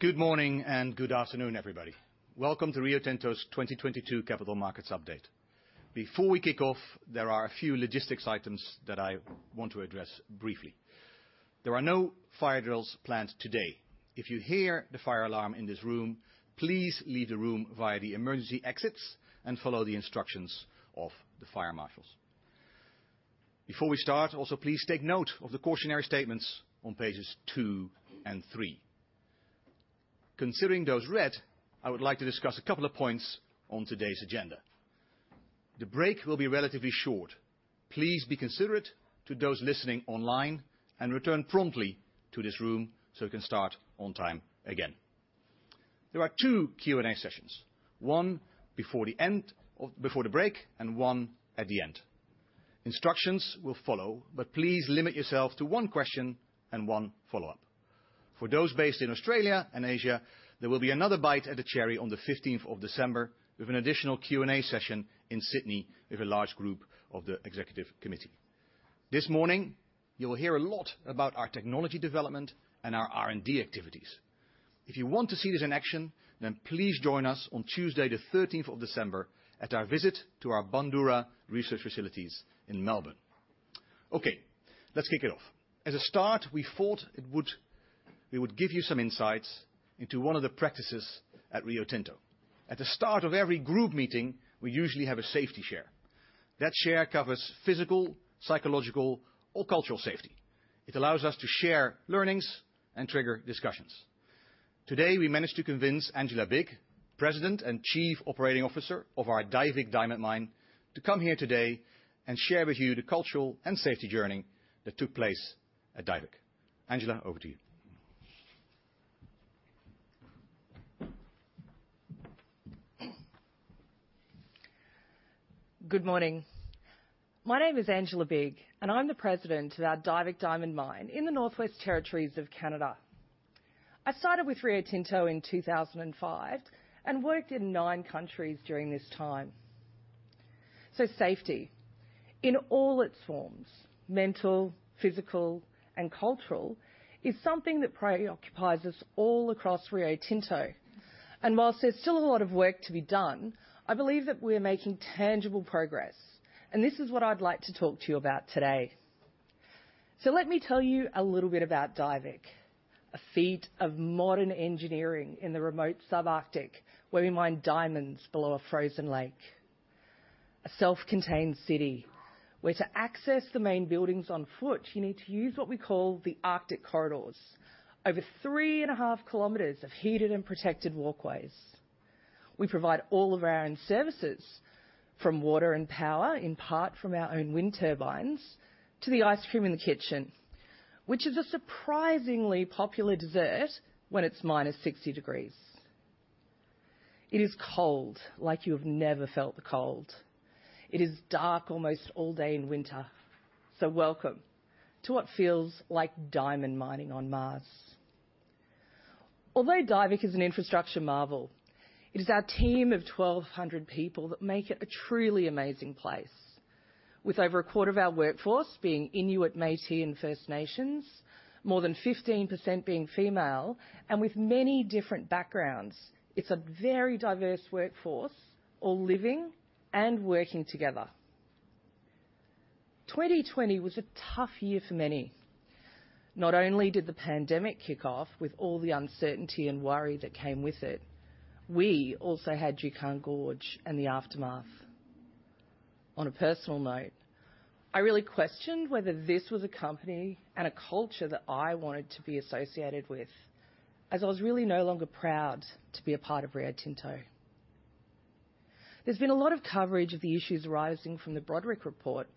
Good morning and good afternoon, everybody. Welcome to Rio Tinto's 2022 Capital Markets Update. Before we kick off, there are a few logistics items that I want to address briefly. There are no fire drills planned today. If you hear the fire alarm in this room, please leave the room via the emergency exits and follow the instructions of the fire marshals. Before we start, also, please take note of the cautionary statements on pages 2 and 3. Considering those read, I would like to discuss a couple of points on today's agenda. The break will be relatively short. Please be considerate to those listening online and return promptly to this room so we can start on time again. There are 2 Q&A sessions, one before the break and one at the end. Instructions will follow, but please limit yourself to one question and one follow-up. Please limit yourself to one question and one follow-up. For those based in Australia and Asia, there will be another bite at the cherry on the 15th of December with an additional Q&A session in Sydney with a large group of the Executive Committee. This morning, you will hear a lot about our technology development and our R&D activities. If you want to see this in action, then please join us on Tuesday the 13th of December at our visit to our Bundoora research facilities in Melbourne. Okay, let's kick it off. As a start, we thought we would give you some insights into one of the practices at Rio Tinto. At the start of every group meeting, we usually have a safety share. That share covers physical, psychological, or cultural safety. It allows us to share learnings and trigger discussions. Today, we managed to convince Angela Bigg, President and Chief Operating Officer of our Diavik Diamond Mine, to come here today and share with you the cultural and safety journey that took place at Diavik. Angela, over to you. Good morning. My name is Angela Bigg, and I'm the president of our Diavik Diamond Mine in the Northwest Territories of Canada. I started with Rio Tinto in 2005 and worked in nine countries during this time. Safety, in all its forms, mental, physical, and cultural, is something that preoccupies us all across Rio Tinto. Whilst there's still a lot of work to be done, I believe that we are making tangible progress. This is what I'd like to talk to you about today. Let me tell you a little bit about Diavik, a feat of modern engineering in the remote subarctic where we mine diamonds below a frozen lake. A self-contained city, where to access the main buildings on foot, you need to use what we call the Arctic corridors, over three and a half kilometers of heated and protected walkways. We provide all of our own services, from water and power, in part from our own wind turbines, to the ice cream in the kitchen, which is a surprisingly popular dessert when it's minus 60 degrees. It is cold like you have never felt the cold. It is dark almost all day in winter. Welcome to what feels like diamond mining on Mars. Although Diavik is an infrastructure marvel, it is our team of 1,200 people that make it a truly amazing place. With over a quarter of our workforce being Inuit, Métis, and First Nations, more than 15% being female, and with many different backgrounds. It's a very diverse workforce, all living and working together. 2020 was a tough year for many. Not only did the pandemic kick off with all the uncertainty and worry that came with it, we also had Juukan Gorge and the aftermath. On a personal note, I really questioned whether this was a company and a culture that I wanted to be associated with, as I was really no longer proud to be a part of Rio Tinto. There's been a lot of coverage of the issues arising from the Broderick report.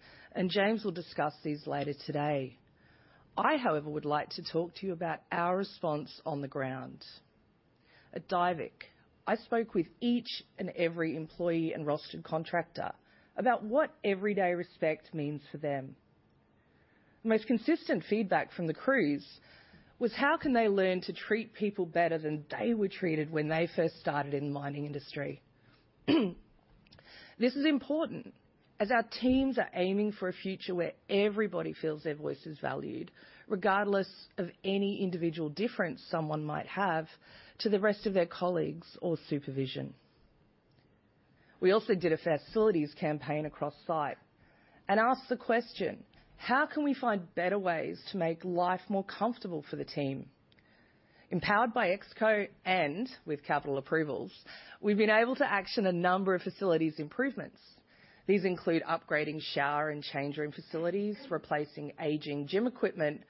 James will discuss these later today. I, however, would like to talk to you about our response on the ground. At Diavik, I spoke with each and every employee and rostered contractor about what everyday respect means for them. Most consistent feedback from the crews was how can they learn to treat people better than they were treated when they first started in the mining industry. This is important as our teams are aiming for a future where everybody feels their voice is valued, regardless of any individual difference someone might have to the rest of their colleagues or supervision. We also did a facilities campaign across site and asked the question, "How can we find better ways to make life more comfortable for the team?" Empowered by ExCo and with capital approvals, we've been able to action a number of facilities improvements. These include upgrading shower and change room facilities, replacing aging gym equipment,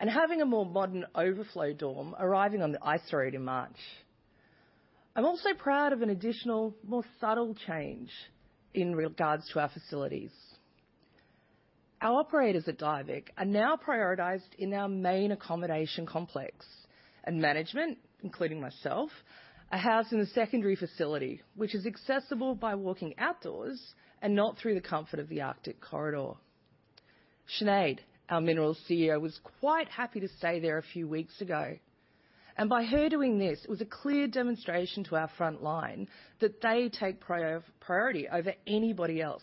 and having a more modern overflow dorm arriving on the ice road in March. I'm also proud of an additional, more subtle change in regards to our facilities. Our operators at Diavik are now prioritized in our main accommodation complex, and management, including myself, are housed in the secondary facility, which is accessible by walking outdoors and not through the comfort of the Arctic corridor. Sinead, our minerals CEO, was quite happy to stay there a few weeks ago. By her doing this, it was a clear demonstration to our front line that they take priority over anybody else,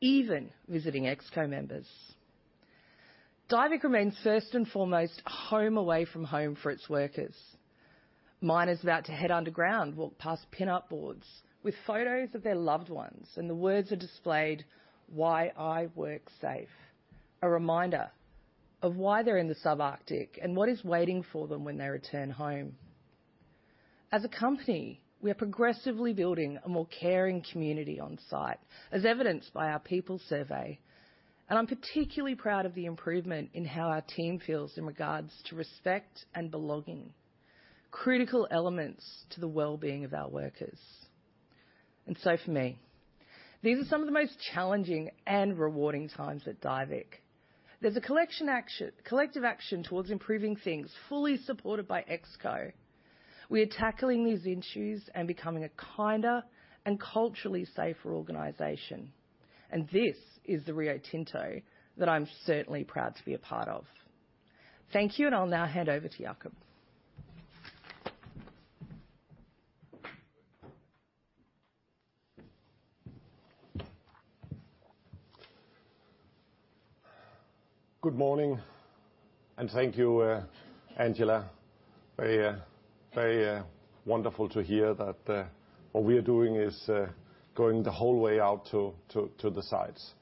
even visiting ExCo members. Diavik remains first and foremost home away from home for its workers. Miners about to head underground walk past pin-up boards with photos of their loved ones, and the words are displayed, "Why I work safe," a reminder of why they're in the sub-Arctic and what is waiting for them when they return home. As a company, we are progressively building a more caring community on site, as evidenced by our people survey. I'm particularly proud of the improvement in how our team feels in regards to respect and belonging, critical elements to the well-being of our workers. For me, these are some of the most challenging and rewarding times at Diavik. There's a collective action towards improving things, fully supported by ExCo. We are tackling these issues and becoming a kinder and culturally safer organization. This is the Rio Tinto that I'm certainly proud to be a part of. Thank you. I'll now hand over to Jakob. Good morning. Thank you, Angela. Wonderful to hear that what we are doing is going the whole way out to the sites.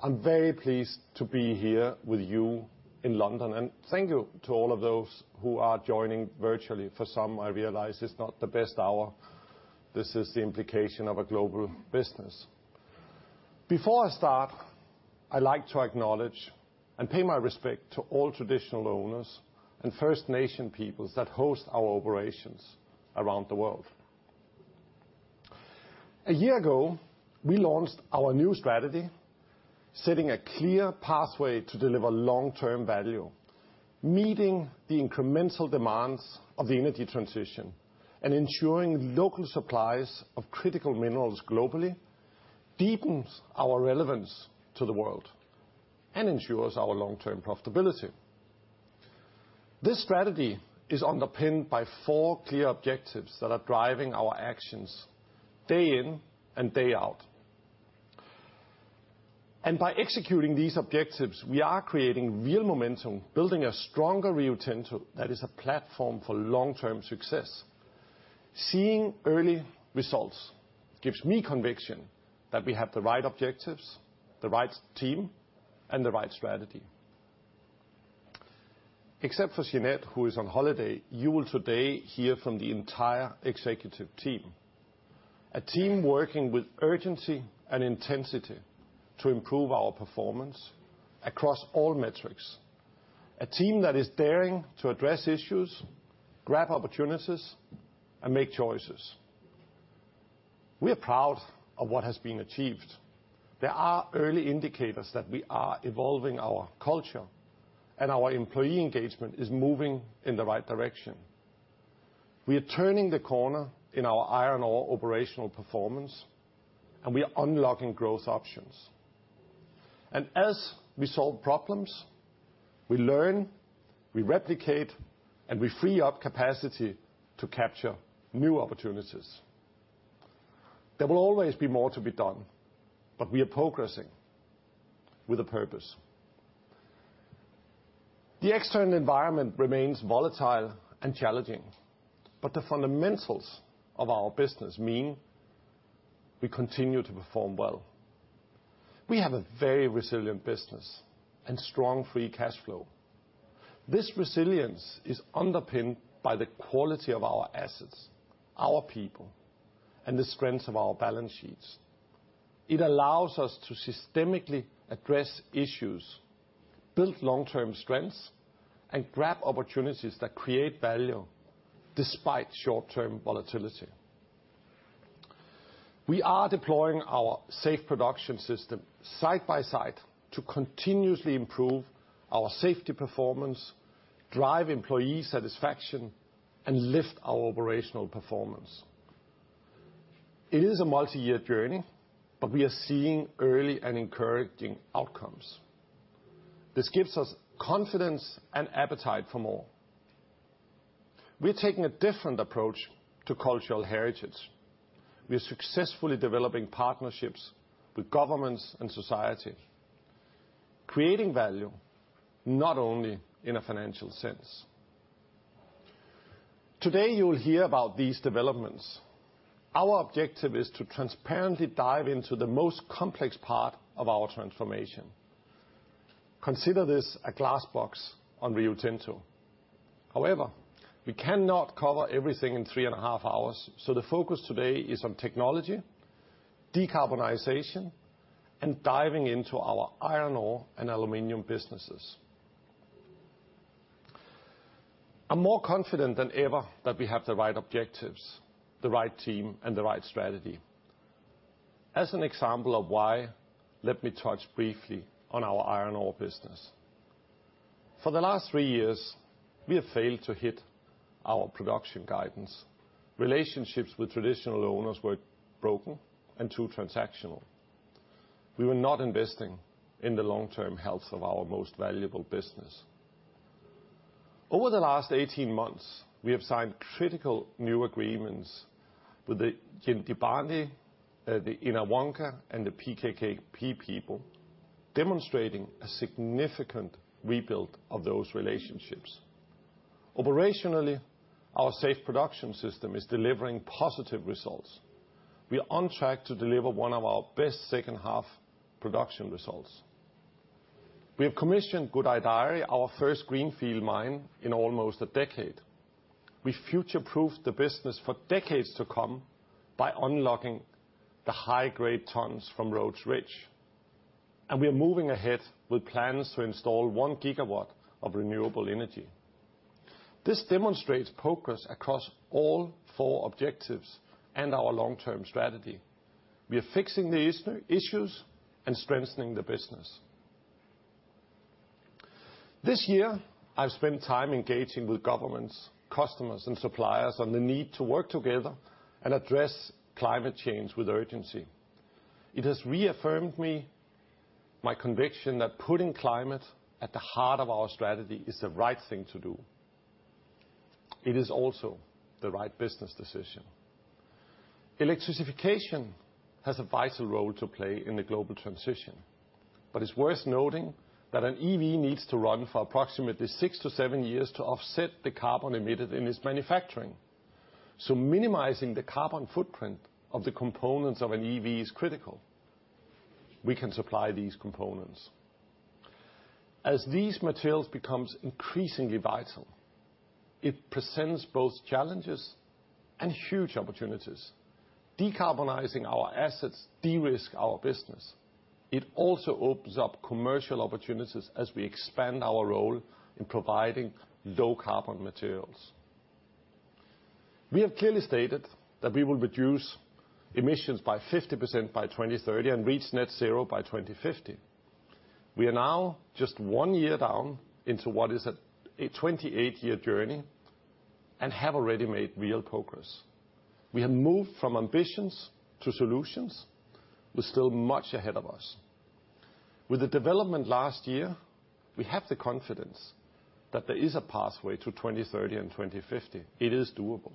I'm very pleased to be here with you in London. Thank you to all of those who are joining virtually. For some, I realize it's not the best hour. This is the implication of a global business. Before I start, I like to acknowledge and pay my respect to all traditional owners and First Nations peoples that host our operations around the world. A year ago, we launched our new strategy, setting a clear pathway to deliver long-term value, meeting the incremental demands of the energy transition, and ensuring local supplies of critical minerals globally deepens our relevance to the world and ensures our long-term profitability. This strategy is underpinned by four clear objectives that are driving our actions day in and day out. By executing these objectives, we are creating real momentum, building a stronger Rio Tinto that is a platform for long-term success. Seeing early results gives me conviction that we have the right objectives, the right team, and the right strategy. Except for Sinette, who is on holiday, you will today hear from the entire executive team, a team working with urgency and intensity to improve our performance across all metrics. A team that is daring to address issues, grab opportunities, and make choices. We are proud of what has been achieved. There are early indicators that we are evolving our culture, and our employee engagement is moving in the right direction. We are turning the corner in our iron ore operational performance, and we are unlocking growth options. As we solve problems, we learn, we replicate and we free up capacity to capture new opportunities. There will always be more to be done, but we are progressing with a purpose. The external environment remains volatile and challenging, but the fundamentals of our business mean we continue to perform well. We have a very resilient business and strong free cash flow. This resilience is underpinned by the quality of our assets, our people, and the strength of our balance sheets. It allows us to systemically address issues, build long-term strengths, and grab opportunities that create value despite short-term volatility. We are deploying our Safe Production System side by side to continuously improve our safety performance, drive employee satisfaction, and lift our operational performance. It is a multi-year journey, but we are seeing early and encouraging outcomes. This gives us confidence and appetite for more. We're taking a different approach to cultural heritage. We are successfully developing partnerships with governments and society, creating value not only in a financial sense. Today, you will hear about these developments. Our objective is to transparently dive into the most complex part of our transformation. Consider this a glass box on Rio Tinto. We cannot cover everything in three and a half hours, so the focus today is on technology, decarbonization, and diving into our iron ore and aluminum businesses. I'm more confident than ever that we have the right objectives, the right team, and the right strategy. As an example of why, let me touch briefly on our iron ore business. For the last 3 years, we have failed to hit our production guidance. Relationships with traditional owners were broken and too transactional. We were not investing in the long-term health of our most valuable business. Over the last 18 months, we have signed critical new agreements with the Yindjibarndi, the Yinhawangka, and the PKKp people, demonstrating a significant rebuild of those relationships. Operationally, our safe production system is delivering positive results. We are on track to deliver one of our best second half production results. We have commissioned Gudai-Darri, our first greenfield mine in almost a decade. We future-proofed the business for decades to come by unlocking the high-grade tons from Rhodes Ridge. We are moving ahead with plans to install 1 gigawatt of renewable energy. This demonstrates progress across all 4 objectives and our long-term strategy. We are fixing the issues and strengthening the business. This year, I've spent time engaging with governments, customers, and suppliers on the need to work together and address climate change with urgency. It has reaffirmed me my conviction that putting climate at the heart of our strategy is the right thing to do. It is also the right business decision. Electrification has a vital role to play in the global transition, but it's worth noting that an EV needs to run for approximately six to seven years to offset the carbon emitted in its manufacturing. Minimizing the carbon footprint of the components of an EV is critical. We can supply these components. As these materials becomes increasingly vital, it presents both challenges and huge opportunities. Decarbonizing our assets de-risk our business. It also opens up commercial opportunities as we expand our role in providing low carbon materials. We have clearly stated that we will reduce emissions by 50% by 2030 and reach net zero by 2050. We are now just one year down into what is a 28-year journey and have already made real pogress. We have moved from ambitions to solutions. There's still much ahead of us. With the development last year, we have the confidence that there is a pathway to 2030 and 2050. It is doable,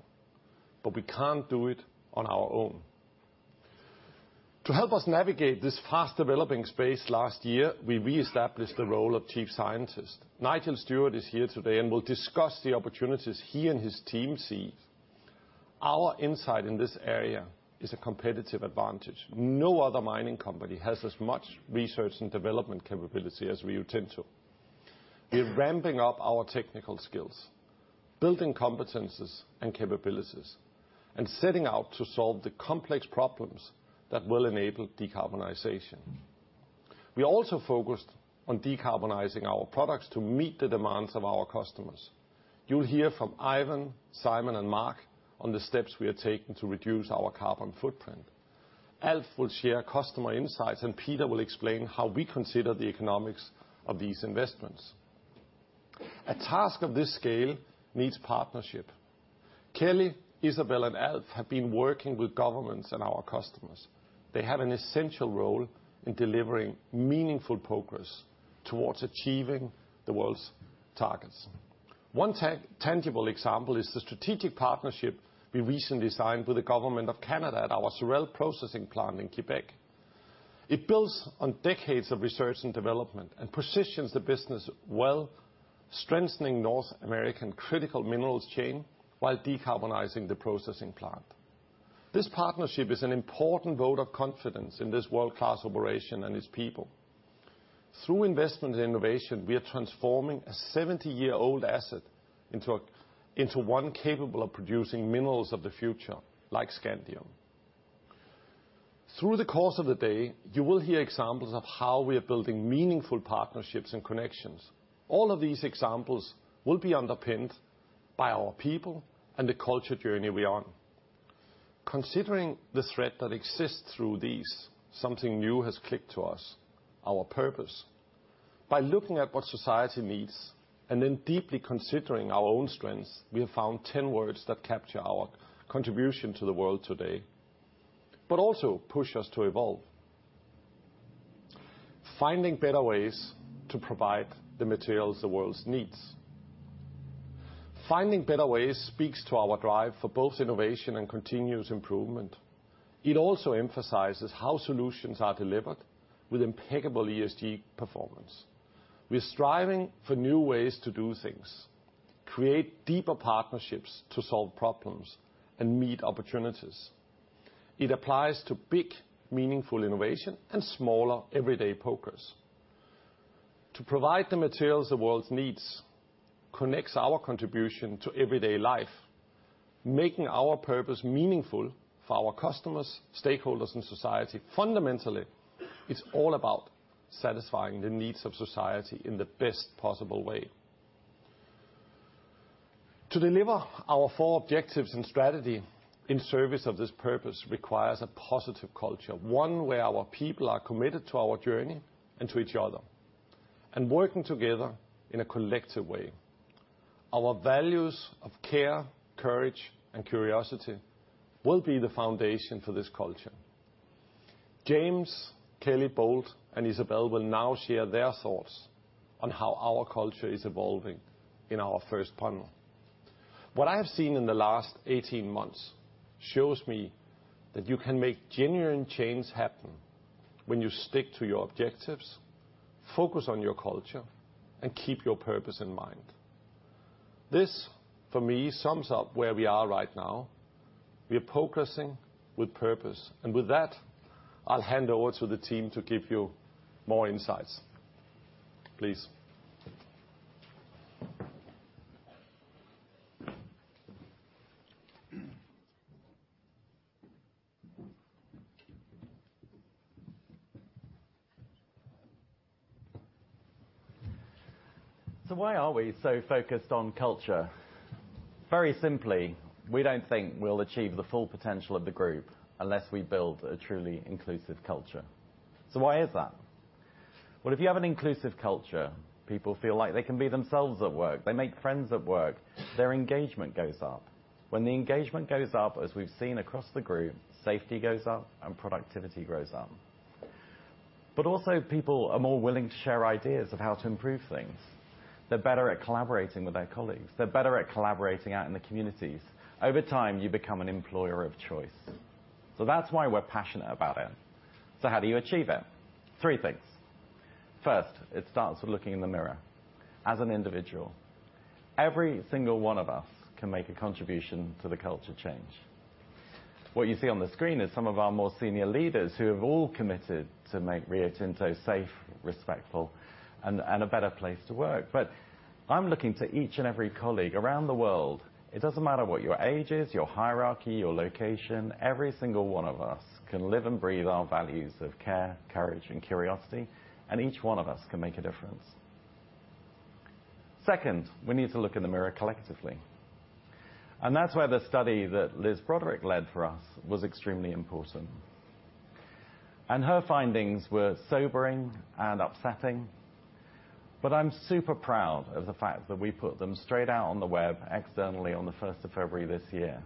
we can't do it on our own. To help us navigate this fast-developing space last year, we re-established the role of Chief Scientist. Nigel Stewart is here today and will discuss the opportunities he and his team see. Our insight in this area is a competitive advantage. No other mining company has as much research and development capability as we tend to. We're ramping up our technical skills, building competencies and capabilities, and setting out to solve the complex problems that will enable decarbonization. We also focused on decarbonizing our products to meet the demands of our customers. You'll hear from Ivan, Simon, and Mark on the steps we are taking to reduce our carbon footprint. Alf will share customer insights, and Peter will explain how we consider the economics of these investments. A task of this scale needs partnership. Kelly, Isabel, and Alf have been working with governments and our customers. They have an essential role in delivering meaningful progress towards achieving the world's targets. One tangible example is the strategic partnership we recently signed with the government of Canada at our Sorel processing plant in Quebec. It builds on decades of research and development and positions the business well, strengthening North American critical minerals chain, while decarbonizing the processing plant. This partnership is an important vote of confidence in this world-class operation and its people. Through investment innovation, we are transforming a 70-year-old asset into one capable of producing minerals of the future, like scandium. Through the course of the day, you will hear examples of how we are building meaningful partnerships and connections. All of these examples will be underpinned by our people and the culture journey we're on. Considering the threat that exists through these, something new has clicked to us, our purpose. By looking at what society needs, and then deeply considering our own strengths, we have found 10 words that capture our contribution to the world today, but also push us to evolve. Finding better ways to provide the materials the world needs. Finding better ways speaks to our drive for both innovation and continuous improvement. It also emphasizes how solutions are delivered with impeccable ESG performance. We're striving for new ways to do things, create deeper partnerships to solve problems, and meet opportunities. It applies to big, meaningful innovation and smaller, everyday progress. To provide the materials the world needs connects our contribution to everyday life, making our purpose meaningful for our customers, stakeholders, and society. Fundamentally, it's all about satisfying the needs of society in the best possible way. To deliver our four objectives and strategy in service of this purpose requires a positive culture, one where our people are committed to our journey and to each other, and working together in a collective way. Our values of care, courage, and curiosity will be the foundation for this culture. James, Kelly, Bold, and Isabelle will now share their thoughts on how our culture is evolving in our first panel. What I have seen in the last 18 months shows me that you can make genuine change happen when you stick to your objectives, focus on your culture, and keep your purpose in mind. This, for me, sums up where we are right now. We're progressing with purpose, and with that, I'll hand over to the team to give you more insights. Please. Why are we so focused on culture? Very simply, we don't think we'll achieve the full potential of the group unless we build a truly inclusive culture. Why is that? Well, if you have an inclusive culture, people feel like they can be themselves at work. They make friends at work, their engagement goes up. When the engagement goes up, as we've seen across the group, safety goes up and productivity goes up. People are more willing to share ideas of how to improve things. They're better at collaborating with their colleagues. They're better at collaborating out in the communities. Over time, you become an employer of choice. That's why we're passionate about it. How do you achieve it? Three things. First, it starts with looking in the mirror as an individual. Every single one of us can make a contribution to the culture change. What you see on the screen is some of our more senior leaders who have all committed to make Rio Tinto safe, respectful, and a better place to work. I'm looking to each and every colleague around the world. It doesn't matter what your age is, your hierarchy, your location. Every single one of us can live and breathe our values of care, courage and curiosity, and each one of us can make a difference. Second, we need to look in the mirror collectively, and that's where the study that Elizabeth Broderick led for us was extremely important. Her findings were sobering and upsetting, but I'm super proud of the fact that we put them straight out on the web externally on the 1st of February this year.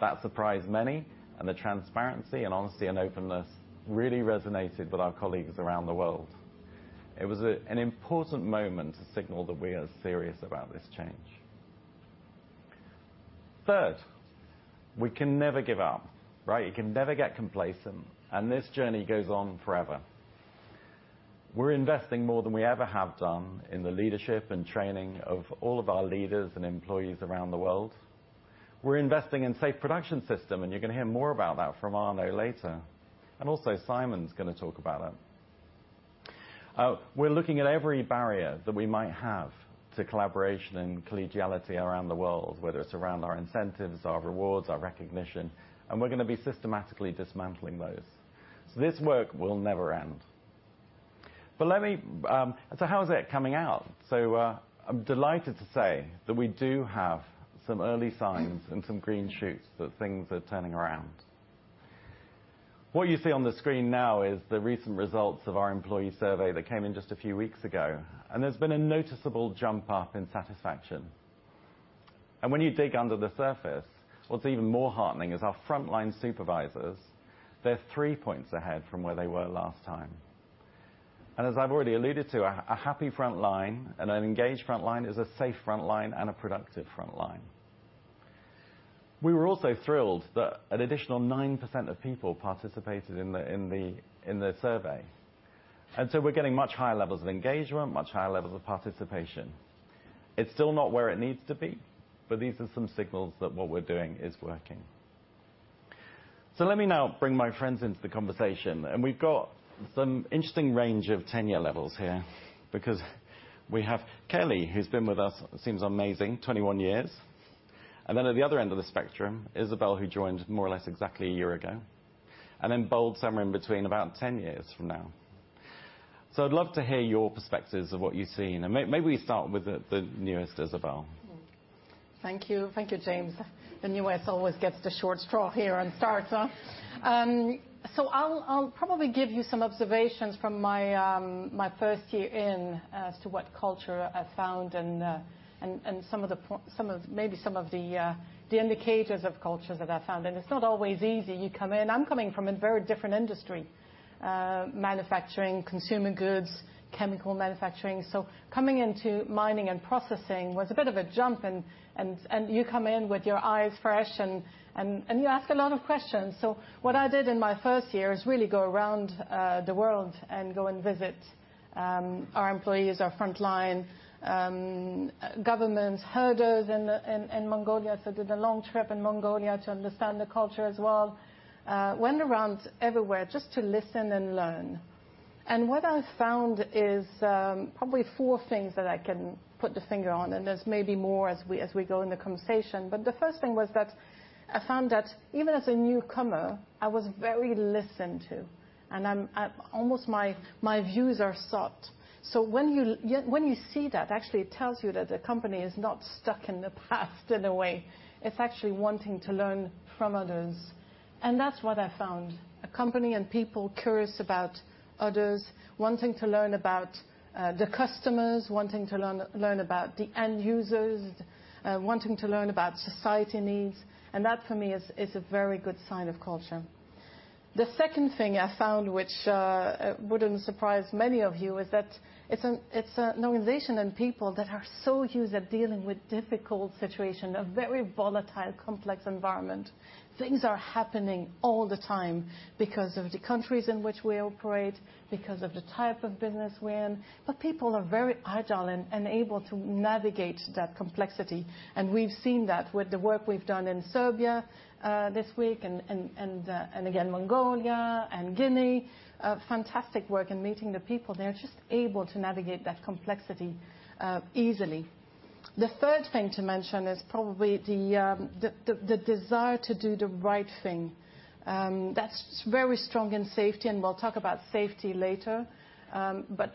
That surprised many. The transparency and honesty and openness really resonated with our colleagues around the world. It was an important moment to signal that we are serious about this change. Third, we can never give up, right? You can never get complacent, and this journey goes on forever. We're investing more than we ever have done in the leadership and training of all of our leaders and employees around the world. We're investing in Safe Production System, and you're going to hear more about that from Arno later, and also Simon's gonna talk about that. We're looking at every barrier that we might have to collaboration and collegiality around the world, whether it's around our incentives, our rewards, our recognition, and we're gonna be systematically dismantling those. This work will never end. Let me, how is it coming out? I'm delighted to say that we do have some early signs and some green shoots that things are turning around. What you see on the screen now is the recent results of our employee survey that came in just a few weeks ago. There's been a noticeable jump up in satisfaction. When you dig under the surface, what's even more heartening is our frontline supervisors, they're three points ahead from where they were last time. As I've already alluded to, a happy front line and an engaged front line is a safe front line and a productive front line. We were also thrilled that an additional 9% of people participated in the survey. We're getting much higher levels of engagement, much higher levels of participation. It's still not where it needs to be, but these are some signals that what we're doing is working. Let me now bring my friends into the conversation. We've got some interesting range of tenure levels here because we have Kelly, who's been with us, it seems amazing, 21 years. Then at the other end of the spectrum, Isabelle, who joined more or less exactly a year ago. Then Bold, somewhere in between, about 10 years from now. I'd love to hear your perspectives of what you've seen. May, maybe we start with the newest, Isabelle. Thank you. Thank you, James. The newest always gets the short straw here and starts, huh? I'll probably give you some observations from my first year in as to what culture I found and some of, maybe some of the indicators of culture that I found. It's not always easy. You come in, I'm coming from a very different industry, manufacturing, consumer goods, chemical manufacturing. Coming into mining and processing was a bit of a jump. You come in with your eyes fresh and you ask a lot of questions. What I did in my first year is really go around the world and go and visit our employees, our front line, government herders in Mongolia. Did a long trip in Mongolia to understand the culture as well. Went around everywhere just to listen and learn. What I found is probably four things that I can put the finger on, and there's maybe more as we, as we go in the conversation. The first thing was that I found that even as a newcomer, I was very listened to, and I'm almost my views are sought. When you see that, actually it tells you that the company is not stuck in the past in a way. It's actually wanting to learn from others, and that's what I found. A company and people curious about others, wanting to learn about the customers, wanting to learn about the end users, wanting to learn about society needs. That for me is a very good sign of culture. The second thing I found, which wouldn't surprise many of you, is that it's an organization and people that are so used to dealing with difficult situation, a very volatile, complex environment. Things are happening all the time because of the countries in which we operate, because of the type of business we're in. People are very agile and able to navigate that complexity, and we've seen that with the work we've done in Serbia this week and again, Mongolia and Guinea. Fantastic work in meeting the people. They're just able to navigate that complexity easily. The third thing to mention is probably the desire to do the right thing. That's very strong in safety, and we'll talk about safety later.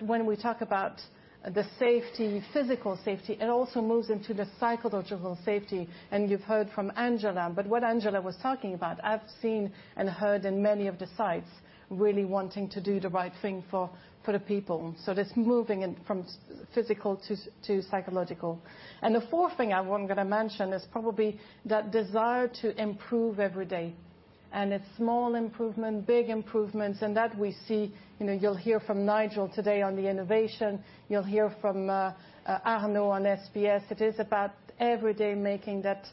When we talk about the safety, physical safety, it also moves into the psychological safety, and you've heard from Angela. What Angela was talking about, I've seen and heard in many of the sites, really wanting to do the right thing for the people. It's moving in, from physical to psychological. The fourth thing I want to mention is probably that desire to improve every day, and it's small improvement, big improvements, and that we see. You know, you'll hear from Nigel today on the innovation. You'll hear from Arno on SBS. It is about every day making that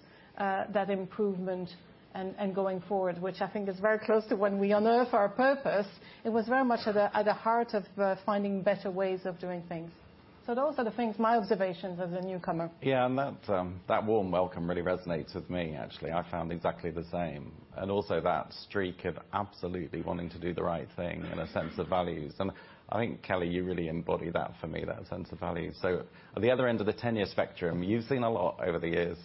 improvement and going forward, which I think is very close to when we unearth our purpose. It was very much at the heart of finding better ways of doing things. Those are the things, my observations as a newcomer. Yeah, that warm welcome really resonates with me, actually. I found exactly the same, also that streak of absolutely wanting to do the right thing and a sense of values. I think, Kelly, you really embody that for me, that sense of value. At the other end of the tenure spectrum, you've seen a lot over the years.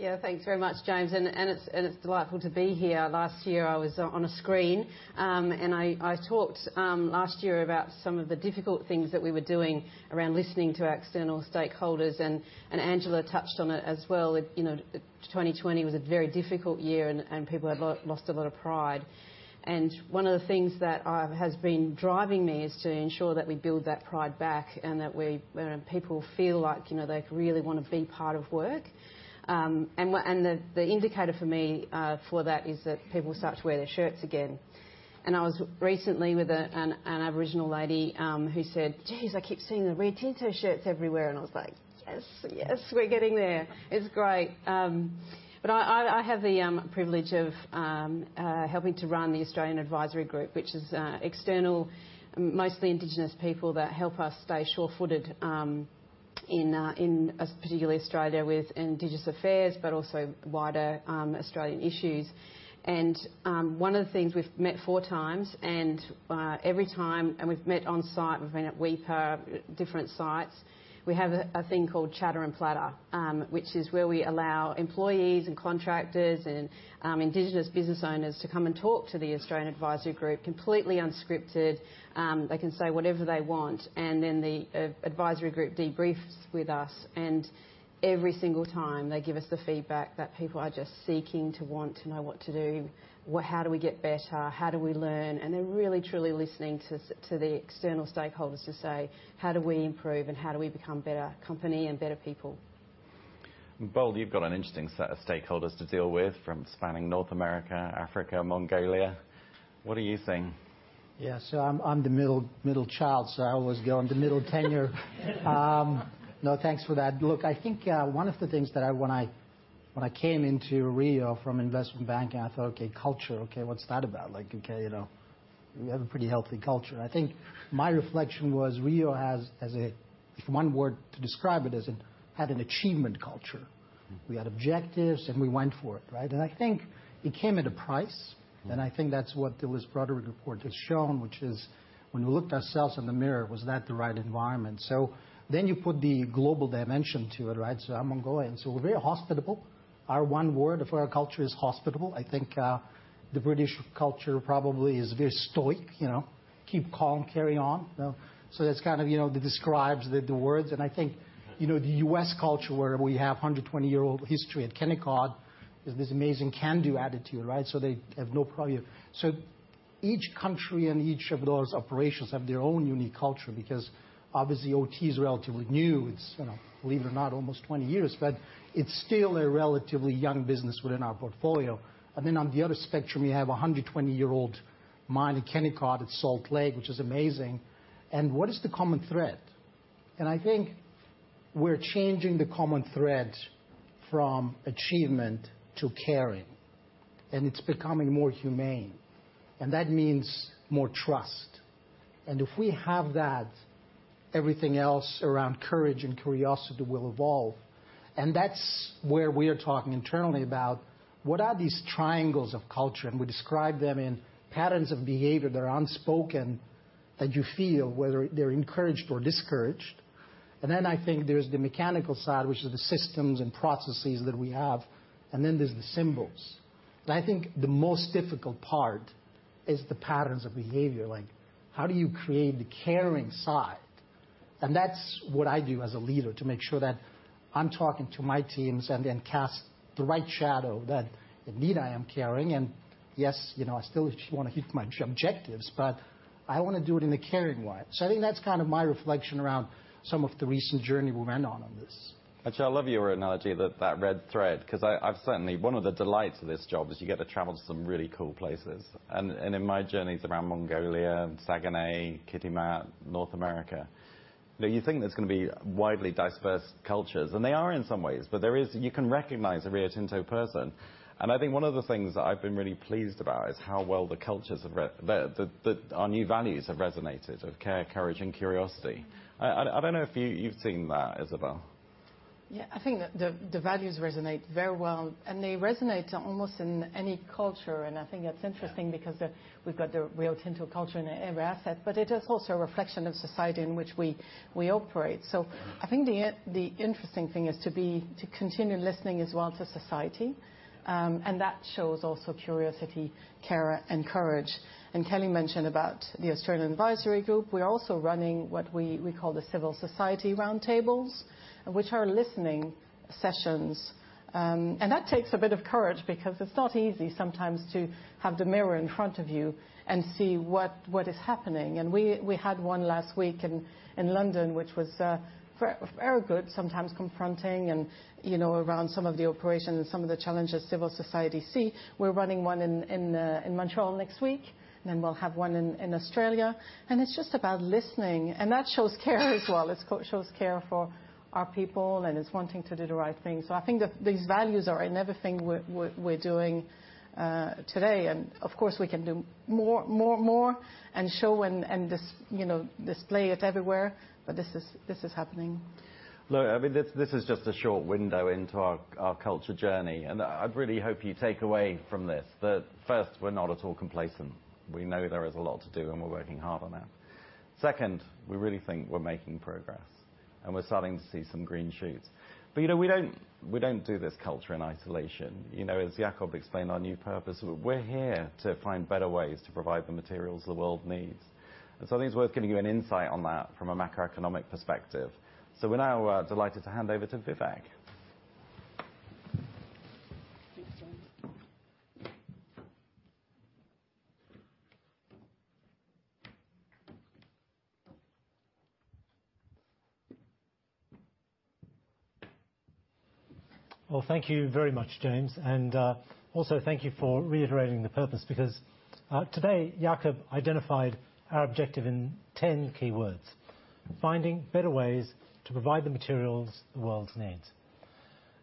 Yeah. Thanks very much, James, and it's delightful to be here. Last year I was on a screen, and I talked last year about some of the difficult things that we were doing around listening to our external stakeholders, and Angela touched on it as well. You know, 2020 was a very difficult year, and people had lost a lot of pride. One of the things that has been driving me is to ensure that we build that pride back and that we, where people feel like, you know, they really wanna be part of work. The indicator for me, for that is that people start to wear their shirts again. I was recently with an Aboriginal lady who said, "Jeez, I keep seeing the Rio Tinto shirts everywhere." I was like, "Yes, yes, we're getting there." It's great. I have the privilege of helping to run the Australian Advisory Group, which is external, mostly Indigenous people that help us stay sure-footed in particularly Australia with Indigenous affairs, but also wider Australian issues. One of the things, we've met four times, and every time we've met on site. We've been at Weipa, different sites. We have a thing called Chatter and Platter, which is where we allow employees and contractors and Indigenous business owners to come and talk to the Australian Advisory Group, completely unscripted. They can say whatever they want. The Advisory Group debriefs with us, and every single time, they give us the feedback that people are just seeking to want to know what to do. How do we get better, how do we learn? They're really truly listening to the external stakeholders to say, "How do we improve, and how do we become better company and better people? Bold, you've got an interesting set of stakeholders to deal with from spanning North America, Africa, Mongolia. What do you think? Yeah. I'm the middle child, so I always go on the middle tenure. Thanks for that. I think, one of the things that I, when I, when I came into Rio from investment banking, I thought, "Okay, culture. Okay, what's that about? Like, okay, you know, we have a pretty healthy culture." I think my reflection was Rio has, if one word to describe it, is it had an achievement culture. Mm. We had objectives, and we went for it, right? I think it came at a price. Mm. I think that's what the Elizabeth Broderick report has shown, which is when we looked ourselves in the mirror, was that the right environment? Then you put the global dimension to it, right? I'm Mongolian, so we're very hospitable. Our 1 word of our culture is hospitable. I think the British culture probably is very stoic. You know? Keep calm, carry on. You know? That's kind of, you know, the describes the words. I think, you know, the U.S. culture where we have 120-year-old history at Kennecott is this amazing can-do attitude, right? They have no problem. Each country and each of those operations have their own unique culture because obviously OT is relatively new. It's, you know, believe it or not, almost 20 years, but it's still a relatively young business within our portfolio. On the other spectrum, you have a 120-year-old mine at Kennecott, it's Salt Lake, which is amazing. What is the common thread? I think we're changing the common thread from achievement to caring, and it's becoming more humane, and that means more trust. If we have that, everything else around courage and curiosity will evolve, That's where we're talking internally about what are these triangles of culture, and we describe them in patterns of behavior that are unspoken, that you feel, whether they're encouraged or discouraged. I think there's the mechanical side, which is the systems and processes that we have, Then there's the symbols. I think the most difficult part is the patterns of behavior. Like, how do you create the caring side? That's what I do as a leader to make sure that I'm talking to my teams and then cast the right shadow that indeed I am caring. Yes, you know, I still want to hit my objectives, but I want to do it in a caring way. I think that's kind of my reflection around some of the recent journey we went on on this. Actually, I love your analogy that red thread, 'cause I've certainly one of the delights of this job is you get to travel to some really cool places. In my journeys around Mongolia, Saguenay, Kitimat, North America, you know, you think there's gonna be widely dispersed cultures, and they are in some ways, but there is... You can recognize a Rio Tinto person. I think one of the things that I've been really pleased about is how well the cultures have our new values have resonated, of care, courage, and curiosity. I don't know if you've seen that, Isabelle. Yeah. I think the values resonate very well. They resonate almost in any culture. I think that's interesting. Yeah... because we've got the Rio Tinto culture in every asset, but it is also a reflection of society in which we operate. Yeah. I think the interesting thing is to continue listening as well to society. That shows also curiosity, care, and courage. Kelly mentioned about the Australian Advisory Group. We're also running what we call the civil society roundtables, which are listening sessions. That takes a bit of courage because it's not easy sometimes to have the mirror in front of you and see what is happening. We had one last week in London, which was very good, sometimes confronting and, you know, around some of the operations and some of the challenges civil society see. We're running one in Montreal next week, and then we'll have one in Australia. It's just about listening. That shows care as well. It shows care for our people and it's wanting to do the right thing. I think that these values are in everything we're doing today. Of course, we can do more, and show and, you know, display it everywhere, but this is happening. Look, I mean, this is just a short window into our culture journey. I really hope you take away from this that first, we're not at all complacent. We know there is a lot to do, and we're working hard on that. Second, we really think we're making progress, and we're starting to see some green shoots. You know, we don't do this culture in isolation. You know, as Jakob explained our new purpose, we're here to find better ways to provide the materials the world needs. I think it's worth giving you an insight on that from a macroeconomic perspective. We're now delighted to hand over to Vivek. Thanks, James. Well, thank you very much, James. Thank you for reiterating the purpose because today, Jakob identified our objective in 10 keywords: finding better ways to provide the materials the world needs.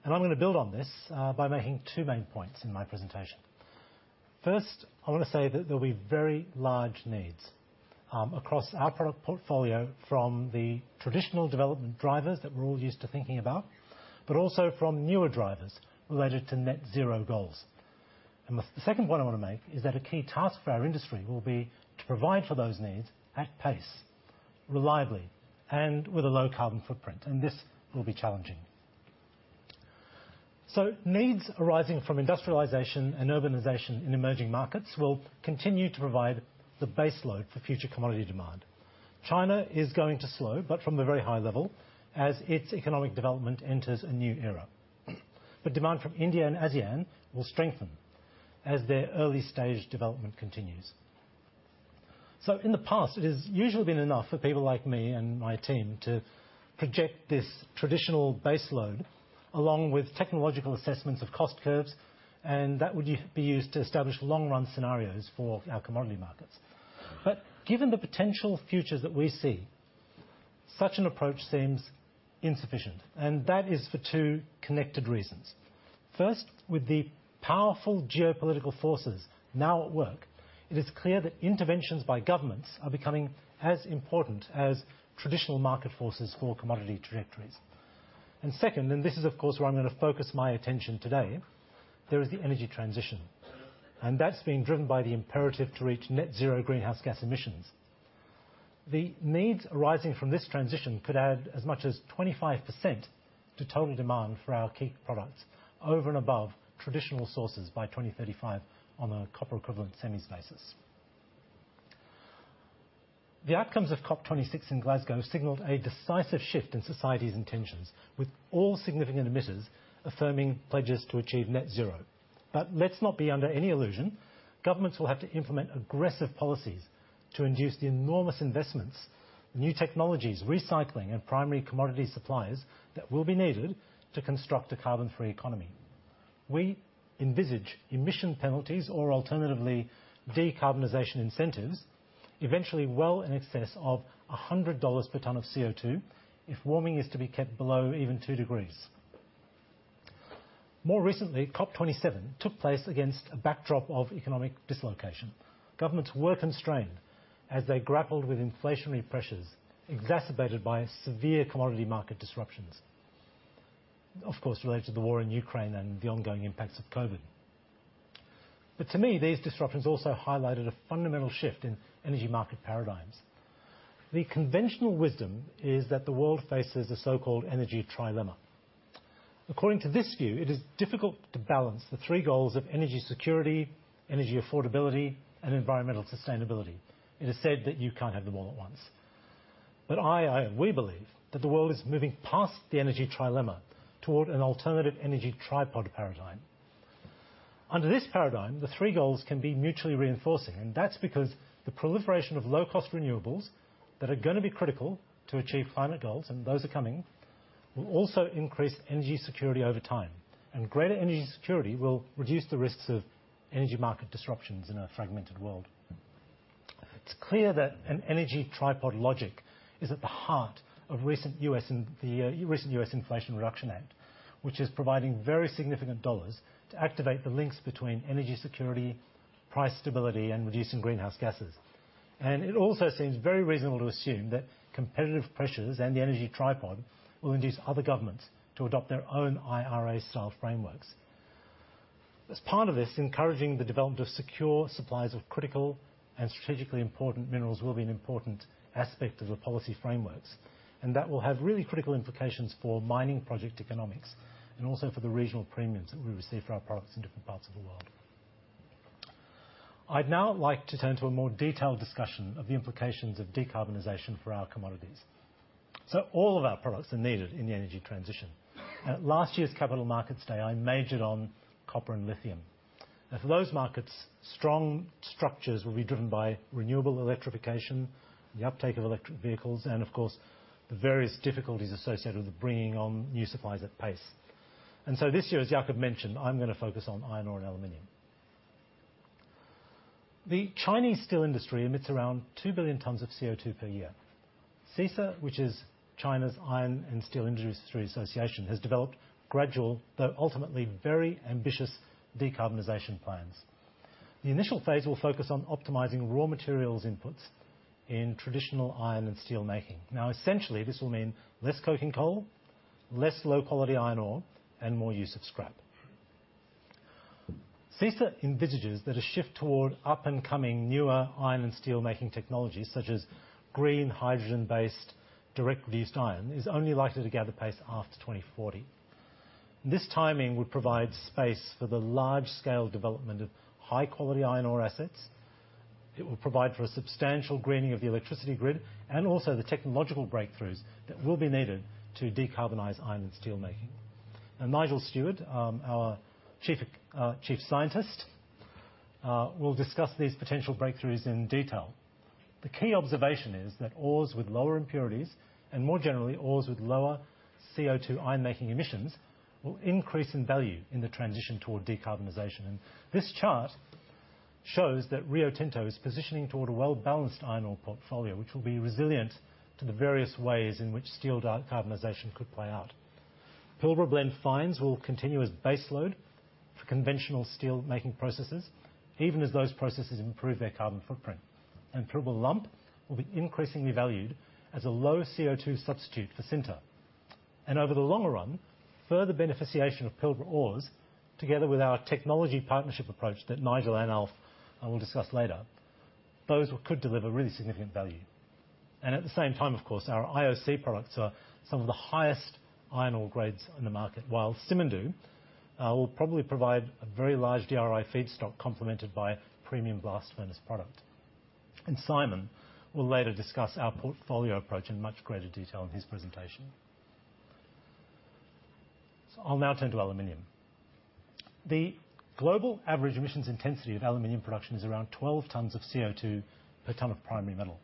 I'm going to build on this by making two main points in my presentation. First, I want to say that there'll be very large needs across our product portfolio from the traditional development drivers that we're all used to thinking about, but also from newer drivers related to net zero goals. The second point I want to make is that a key task for our industry will be to provide for those needs at pace, reliably, and with a low carbon footprint, and this will be challenging. Needs arising from industrialization and urbanization in emerging markets will continue to provide the base load for future commodity demand. China is going to slow, but from a very high level, as its economic development enters a new era. Demand from India and ASEAN will strengthen as their early-stage development continues. In the past, it has usually been enough for people like me and my team to project this traditional base load along with technological assessments of cost curves, and that would be used to establish long-run scenarios for our commodity markets. Given the potential futures that we see, such an approach seems insufficient, and that is for two connected reasons. First, with the powerful geopolitical forces now at work, it is clear that interventions by governments are becoming as important as traditional market forces for commodity trajectories. Second, and this is of course, where I'm going to focus my attention today, there is the energy transition, and that's being driven by the imperative to reach net zero greenhouse gas emissions. The needs arising from this transition could add as much as 25% to total demand for our key products over and above traditional sources by 2035 on a copper equivalent semis basis. The outcomes of COP26 in Glasgow signaled a decisive shift in society's intentions, with all significant emitters affirming pledges to achieve net zero. Let's not be under any illusion. Governments will have to implement aggressive policies to induce the enormous investments, new technologies, recycling, and primary commodity suppliers that will be needed to construct a carbon-free economy. We envisage emission penalties or alternatively, decarbonization incentives, eventually well in excess of $100 per ton of CO2 if warming is to be kept below even 2 degrees. More recently, COP27 took place against a backdrop of economic dislocation. Governments were constrained as they grappled with inflationary pressures exacerbated by severe commodity market disruptions. Of course, related to the war in Ukraine and the ongoing impacts of COVID. To me, these disruptions also highlighted a fundamental shift in energy market paradigms. The conventional wisdom is that the world faces a so-called energy trilemma. According to this view, it is difficult to balance the 3 goals of energy security, energy affordability, and environmental sustainability. It is said that you can't have them all at once. We believe that the world is moving past the energy trilemma toward an alternative energy tripod paradigm. Under this paradigm, the three goals can be mutually reinforcing, and that's because the proliferation of low-cost renewables that are gonna be critical to achieve climate goals, and those are coming, will also increase energy security over time. Greater energy security will reduce the risks of energy market disruptions in a fragmented world. It's clear that an energy tripod logic is at the heart of recent U.S. Inflation Reduction Act, which is providing very significant dollars to activate the links between energy security, price stability, and reducing greenhouse gases. It also seems very reasonable to assume that competitive pressures and the energy tripod will induce other governments to adopt their own IRA style frameworks. As part of this, encouraging the development of secure supplies of critical and strategically important minerals will be an important aspect of the policy frameworks, that will have really critical implications for mining project economics and also for the regional premiums that we receive for our products in different parts of the world. I'd now like to turn to a more detailed discussion of the implications of decarbonization for our commodities. All of our products are needed in the energy transition. At last year's Capital Markets Day, I majored on copper and lithium. For those markets, strong structures will be driven by renewable electrification, the uptake of electric vehicles, and of course, the various difficulties associated with bringing on new supplies at pace. This year, as Jakob mentioned, I'm gonna focus on iron ore and aluminum. The Chinese steel industry emits around 2 billion tons of CO2 per year. CISA, which is China's Iron and Steel Industry Association, has developed gradual, though ultimately very ambitious, decarbonization plans. The initial phase will focus on optimizing raw materials inputs in traditional iron and steel making. Essentially, this will mean less coking coal, less low-quality iron ore, and more use of scrap. CISA envisages that a shift toward up-and-coming newer iron and steel-making technologies, such as green hydrogen-based direct reduced iron, is only likely to gather pace after 2040. This timing would provide space for the large-scale development of high-quality iron ore assets. It will provide for a substantial greening of the electricity grid and also the technological breakthroughs that will be needed to decarbonize iron and steelmaking. Nigel Stewart, our Chief Scientist, will discuss these potential breakthroughs in detail. The key observation is that ores with lower impurities, and more generally, ores with lower CO2 iron-making emissions, will increase in value in the transition toward decarbonization. This chart shows that Rio Tinto is positioning toward a well-balanced iron ore portfolio, which will be resilient to the various ways in which steel decarbonization could play out. Pilbara Blend fines will continue as base load for conventional steel-making processes, even as those processes improve their carbon footprint. Pilbara Lump will be increasingly valued as a low-CO2 substitute for sinter. Over the long run, further beneficiation of Pilbara ores, together with our technology partnership approach that Nigel and Alf will discuss later, those could deliver really significant value. At the same time, of course, our IOC products are some of the highest iron ore grades in the market, while Simandou will probably provide a very large DRI feedstock complemented by premium blast furnace product. Simon will later discuss our portfolio approach in much greater detail in his presentation. I'll now turn to aluminum. The global average emissions intensity of aluminum production is around 12 tons of CO2 per ton of primary metal.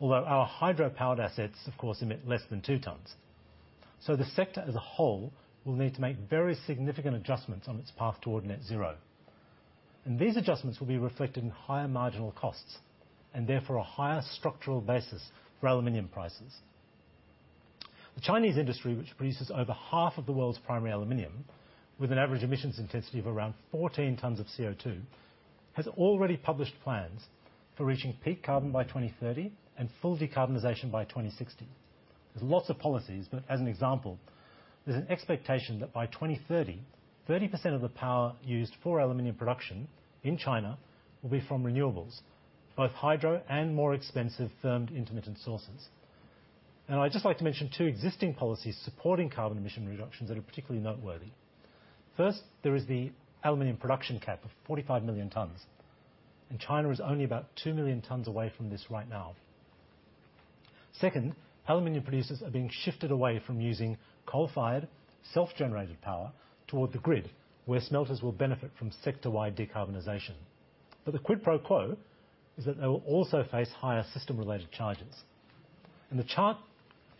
Although our hydro-powered assets, of course, emit less than 2 tons. The sector as a whole will need to make very significant adjustments on its path toward net zero. These adjustments will be reflected in higher marginal costs, and therefore a higher structural basis for aluminum prices. The Chinese industry, which produces over half of the world's primary aluminum, with an average emissions intensity of around 14 tons of CO2, has already published plans for reaching peak carbon by 2030 and full decarbonization by 2060. There's lots of policies, but as an example, there's an expectation that by 2030, 30% of the power used for aluminum production in China will be from renewables, both hydro and more expensive firmed intermittent sources. Now I'd just like to mention two existing policies supporting carbon emission reductions that are particularly noteworthy. First, there is the aluminum production cap of 45 million tons. China is only about 2 million tons away from this right now. Second, aluminum producers are being shifted away from using coal-fired self-generated power toward the grid, where smelters will benefit from sector-wide decarbonization. The quid pro quo is that they will also face higher system-related charges. The chart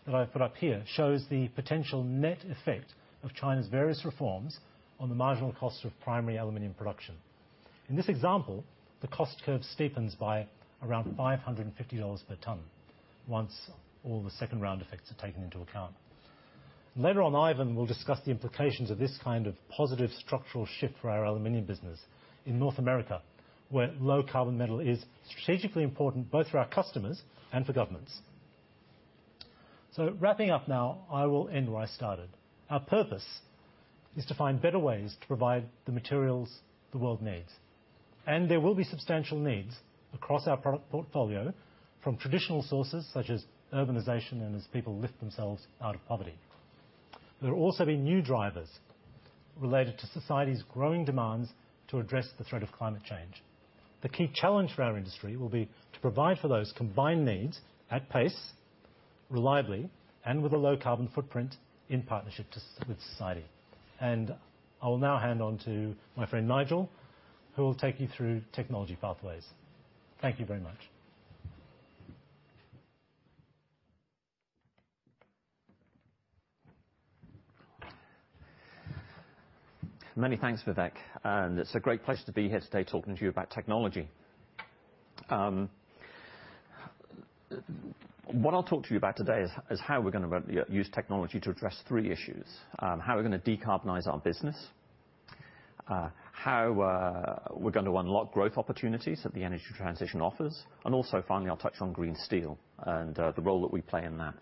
that I've put up here shows the potential net effect of China's various reforms on the marginal cost of primary aluminum production. In this example, the cost curve steepens by around $550 per ton once all the second-round effects are taken into account. Later on, Ivan will discuss the implications of this kind of positive structural shift for our aluminum business in North America, where low-carbon metal is strategically important both for our customers and for governments. Wrapping up now, I will end where I started. Our purpose is to find better ways to provide the materials the world needs, and there will be substantial needs across our product portfolio from traditional sources such as urbanization and as people lift themselves out of poverty. There will also be new drivers related to society's growing demands to address the threat of climate change. The key challenge for our industry will be to provide for those combined needs at pace, reliably, and with a low carbon footprint in partnership with society. I will now hand on to my friend, Nigel, who will take you through technology pathways. Thank you very much. Many thanks, Vivek. It's a great pleasure to be here today talking to you about technology. What I'll talk to you about today is how we're gonna use technology to address three issues. How we're gonna decarbonize our business, how we're going to unlock growth opportunities that the energy transition offers, and also finally, I'll touch on green steel and the role that we play in that.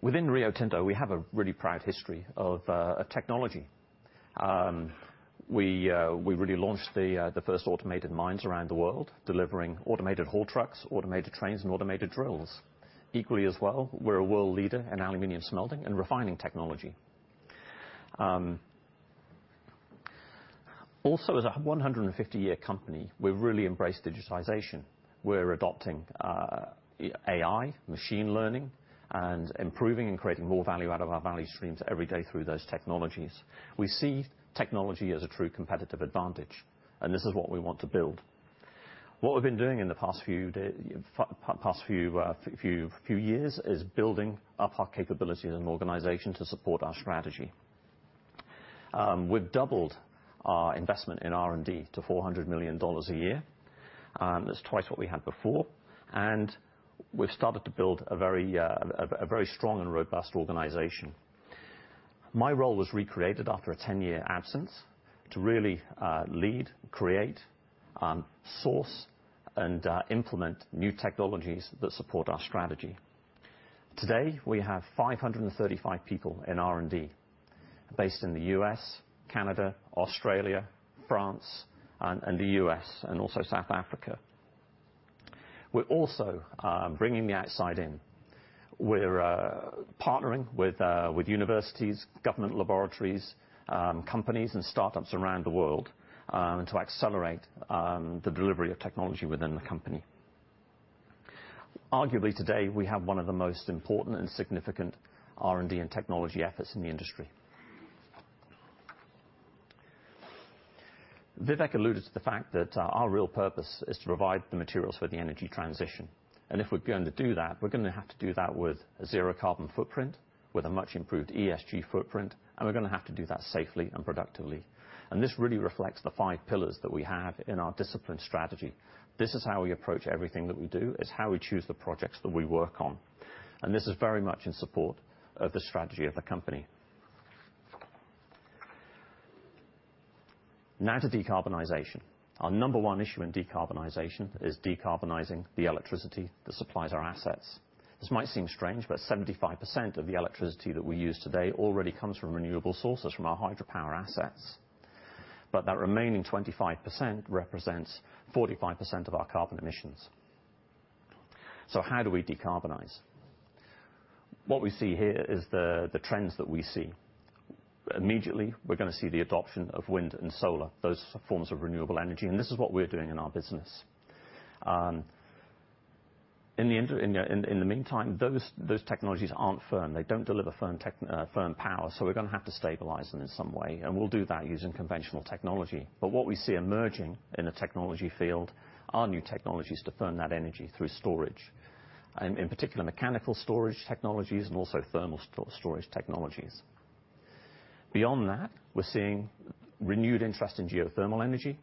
Within Rio Tinto we have a really proud history of technology. We really launched the first automated mines around the world, delivering automated haul trucks, automated trains, and automated drills. Equally as well, we're a world leader in aluminum smelting and refining technology. Also as a 150-year company, we've really embraced digitization. We're adopting AI, machine learning, and improving and creating more value out of our value streams every day through those technologies. We see technology as a true competitive advantage, this is what we want to build. What we've been doing in the past few years is building up our capability as an organization to support our strategy. We've doubled our investment in R&D to $400 million a year. That's twice what we had before, we've started to build a very strong and robust organization. My role was recreated after a 10-year absence to really lead, create, source, and implement new technologies that support our strategy. Today, we have 535 people in R&D based in the U.S., Canada, Australia, France, and the U.S., and also South Africa. We're also bringing the outside in. We're partnering with universities, government laboratories, companies and startups around the world to accelerate the delivery of technology within the company. Arguably, today, we have one of the most important and significant R&D and technology efforts in the industry. Vivek alluded to the fact that our real purpose is to provide the materials for the energy transition, and if we're going to do that, we're gonna have to do that with a zero carbon footprint, with a much improved ESG footprint, and we're gonna have to do that safely and productively. This really reflects the 5 pillars that we have in our discipline strategy. This is how we approach everything that we do. It's how we choose the projects that we work on. This is very much in support of the strategy of the company. Now to decarbonization. Our number one issue in decarbonization is decarbonizing the electricity that supplies our assets. This might seem strange, but 75% of the electricity that we use today already comes from renewable sources from our hydropower assets. That remaining 25% represents 45% of our carbon emissions. How do we decarbonize? What we see here is the trends that we see. Immediately, we're gonna see the adoption of wind and solar, those forms of renewable energy, and this is what we're doing in our business. In the meantime, those technologies aren't firm. They don't deliver firm power. We're gonna have to stabilize them in some way. We'll do that using conventional technology. What we see emerging in the technology field are new technologies to firm that energy through storage, in particular, mechanical storage technologies and also thermal storage technologies. Beyond that, we're seeing renewed interest in geothermal energy.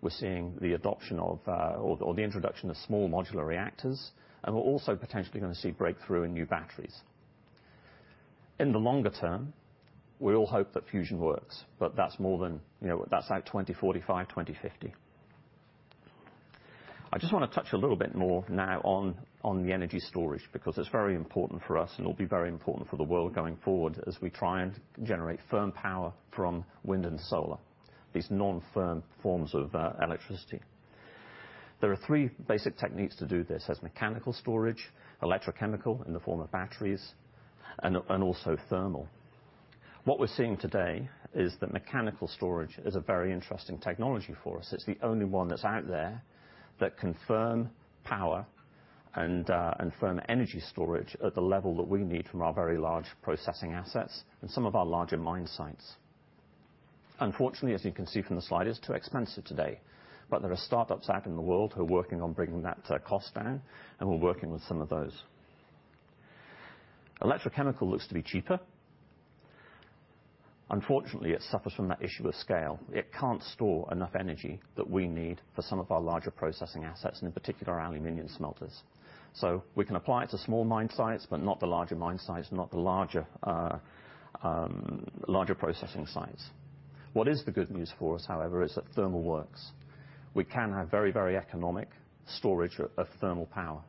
We're seeing the adoption of, or the introduction of small modular reactors. We're also potentially gonna see breakthrough in new batteries. In the longer term, we all hope that fusion works, that's more than, you know, that's like 2045, 2050. I just wanna touch a little bit more now on the energy storage because it's very important for us and will be very important for the world going forward as we try and generate firm power from wind and solar, these non-firm forms of electricity. There are three basic techniques to do this. There's mechanical storage, electrochemical in the form of batteries, and also thermal. What we're seeing today is that mechanical storage is a very interesting technology for us. It's the only one that's out there that can firm power and firm energy storage at the level that we need from our very large processing assets and some of our larger mine sites. Unfortunately, as you can see from the slide, it's too expensive today. There are startups out in the world who are working on bringing that cost down, and we're working with some of those. Electrochemical looks to be cheaper. Unfortunately, it suffers from that issue of scale. It can't store enough energy that we need for some of our larger processing assets, and in particular, our aluminum smelters. We can apply it to small mine sites, but not the larger mine sites, not the larger processing sites. What is the good news for us, however, is that thermal works. We can have very, very economic storage of thermal power.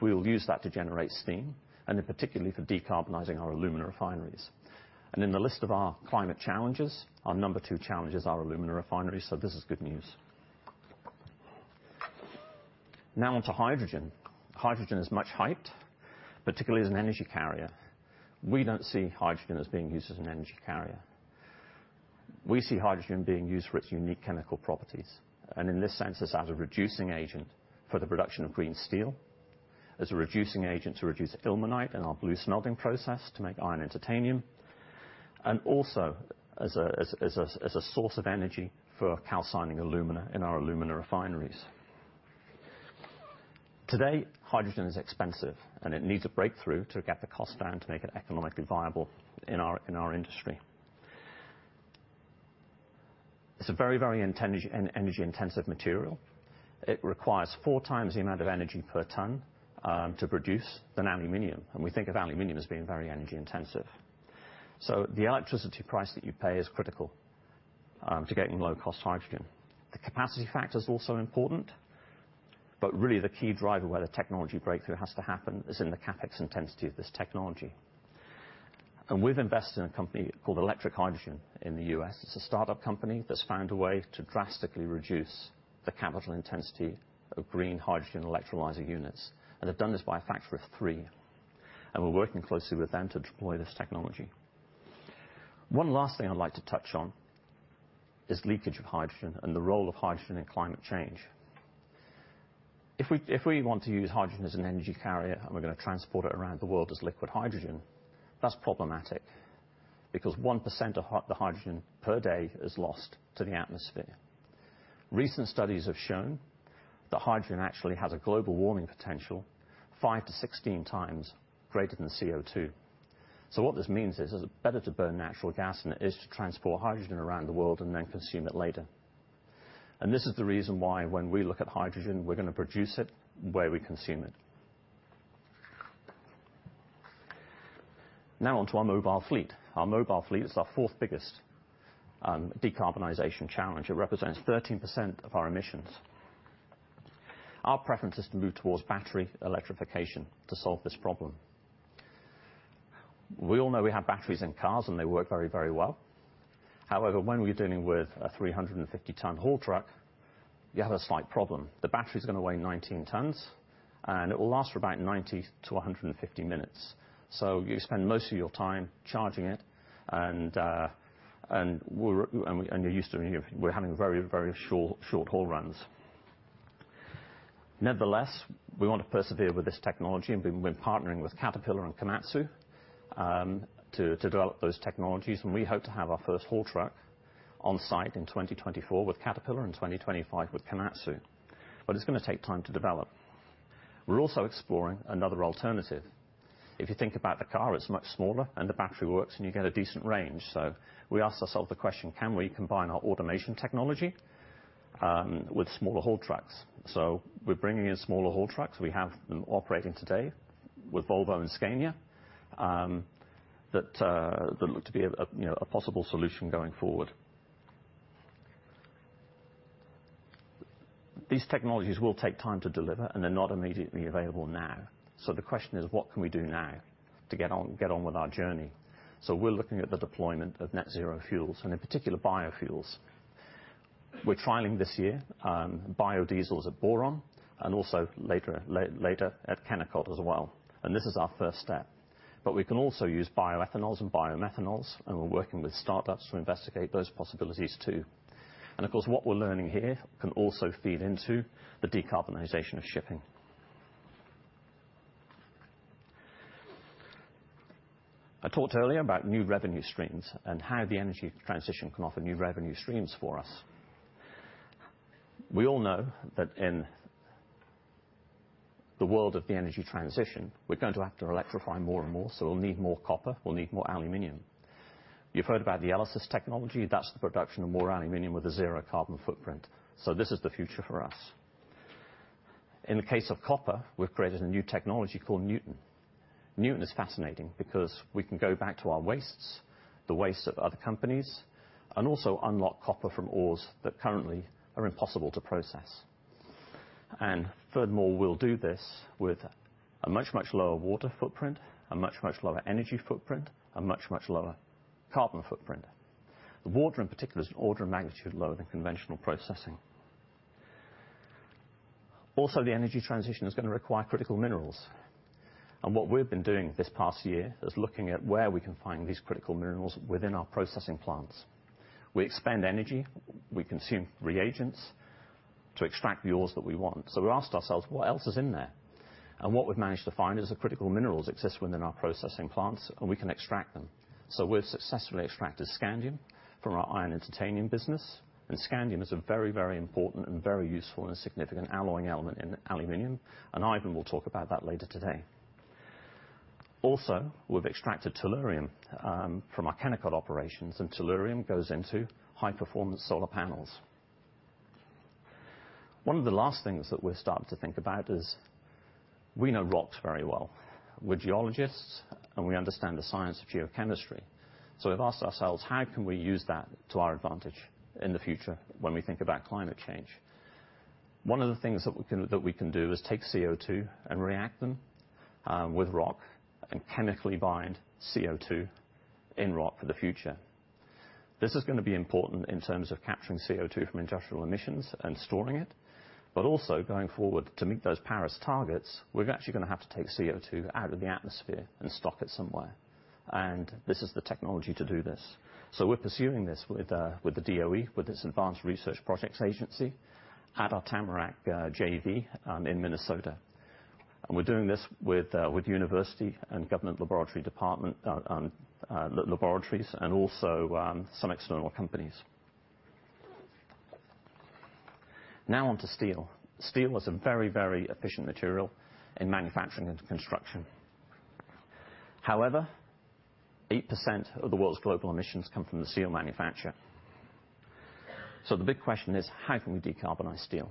We will use that to generate steam, and in particularly, for decarbonizing our alumina refineries. In the list of our climate challenges, our number two challenge is our alumina refineries, so this is good news. Now on to hydrogen. Hydrogen is much hyped, particularly as an energy carrier. We don't see hydrogen as being used as an energy carrier. We see hydrogen being used for its unique chemical properties, and in this sense, it's as a reducing agent for the production of green steel, as a reducing agent to reduce ilmenite in our BlueSmelting process to make iron and titanium, and also as a source of energy for calcining alumina in our alumina refineries. Today, hydrogen is expensive and it needs a breakthrough to get the cost down to make it economically viable in our industry. It's a very energy-intensive material. It requires 4 times the amount of energy per ton to produce than aluminum. We think of aluminum as being very energy intensive. The electricity price that you pay is critical to getting low-cost hydrogen. The capacity factor is also important. Really the key driver where the technology breakthrough has to happen is in the CapEx intensity of this technology. We've invested in a company called Electric Hydrogen in the U.S. It's a startup company that's found a way to drastically reduce the capital intensity of green hydrogen electrolyzer units. They've done this by a factor of 3. We're working closely with them to deploy this technology. One last thing I'd like to touch on is leakage of hydrogen and the role of hydrogen in climate change. If we want to use hydrogen as an energy carrier, and we're gonna transport it around the world as liquid hydrogen, that's problematic because 1% of the hydrogen per day is lost to the atmosphere. Recent studies have shown that hydrogen actually has a global warming potential 5 to 16 times greater than CO2. What this means is it's better to burn natural gas than it is to transport hydrogen around the world and then consume it later. This is the reason why when we look at hydrogen, we're gonna produce it where we consume it. Now on to our mobile fleet. Our mobile fleet is our fourth biggest decarbonization challenge. It represents 13% of our emissions. Our preference is to move towards battery electrification to solve this problem. We all know we have batteries in cars and they work very, very well. However, when we're dealing with a 350-ton haul truck, you have a slight problem. The battery's gonna weigh 19 tons, and it will last for about 90 to 150 minutes. You spend most of your time charging it and you're used to having very short haul runs. Nevertheless, we want to persevere with this technology and we've been partnering with Caterpillar and Komatsu to develop those technologies. We hope to have our first haul truck on site in 2024 with Caterpillar, in 2025 with Komatsu. It's gonna take time to develop. We're also exploring another alternative. If you think about the car, it's much smaller and the battery works and you get a decent range. We asked ourselves the question: can we combine our automation technology with smaller haul trucks? We're bringing in smaller haul trucks. We have them operating today with Volvo and Scania, that look to be a, you know, a possible solution going forward. These technologies will take time to deliver and they're not immediately available now. The question is, what can we do now to get on with our journey? We're looking at the deployment of net zero fuels and in particular biofuels. We're trialing this year, biodiesels at Boron and also later at Kennecott as well. This is our first step. We can also use bioethanols and biomethanols, and we're working with startups to investigate those possibilities too. Of course, what we're learning here can also feed into the decarbonization of shipping. I talked earlier about new revenue streams and how the energy transition can offer new revenue streams for us. We all know that in the world of the energy transition, we're going to have to electrify more and more, so we'll need more copper, we'll need more aluminum. You've heard about the ELYSIS technology. That's the production of more aluminum with a zero carbon footprint. This is the future for us. In the case of copper, we've created a new technology called Nuton. Nuton is fascinating because we can go back to our wastes, the wastes of other companies, and also unlock copper from ores that currently are impossible to process. Furthermore, we'll do this with a much, much lower water footprint, a much, much lower energy footprint, a much, much lower carbon footprint. The water in particular is an order of magnitude lower than conventional processing. The energy transition is gonna require critical minerals. What we've been doing this past year is looking at where we can find these critical minerals within our processing plants. We expend energy, we consume reagents to extract the ores that we want. We asked ourselves, what else is in there? What we've managed to find is that critical minerals exist within our processing plants, and we can extract them. We've successfully extracted scandium from our iron and titanium business, and scandium is a very, very important and very useful and a significant alloying element in aluminum, and Ivan will talk about that later today. We've extracted tellurium from our Kennecott operations, and tellurium goes into high-performance solar panels. One of the last things that we're starting to think about is we know rocks very well. We're geologists, and we understand the science of geochemistry. We've asked ourselves, how can we use that to our advantage in the future when we think about climate change? One of the things that we can do is take CO2 and react them with rock and chemically bind CO2 in rock for the future. This is gonna be important in terms of capturing CO2 from industrial emissions and storing it, but also going forward. To meet those Paris targets, we're actually gonna have to take CO2 out of the atmosphere and stock it somewhere, and this is the technology to do this. We're pursuing this with the DOE, with its Advanced Research Projects Agency at our Tamarack JV in Minnesota. We're doing this with university and government laboratory department laboratories and also some external companies. Now on to steel. Steel is a very efficient material in manufacturing and construction. 8% of the world's global emissions come from the steel manufacture. The big question is, how can we decarbonize steel?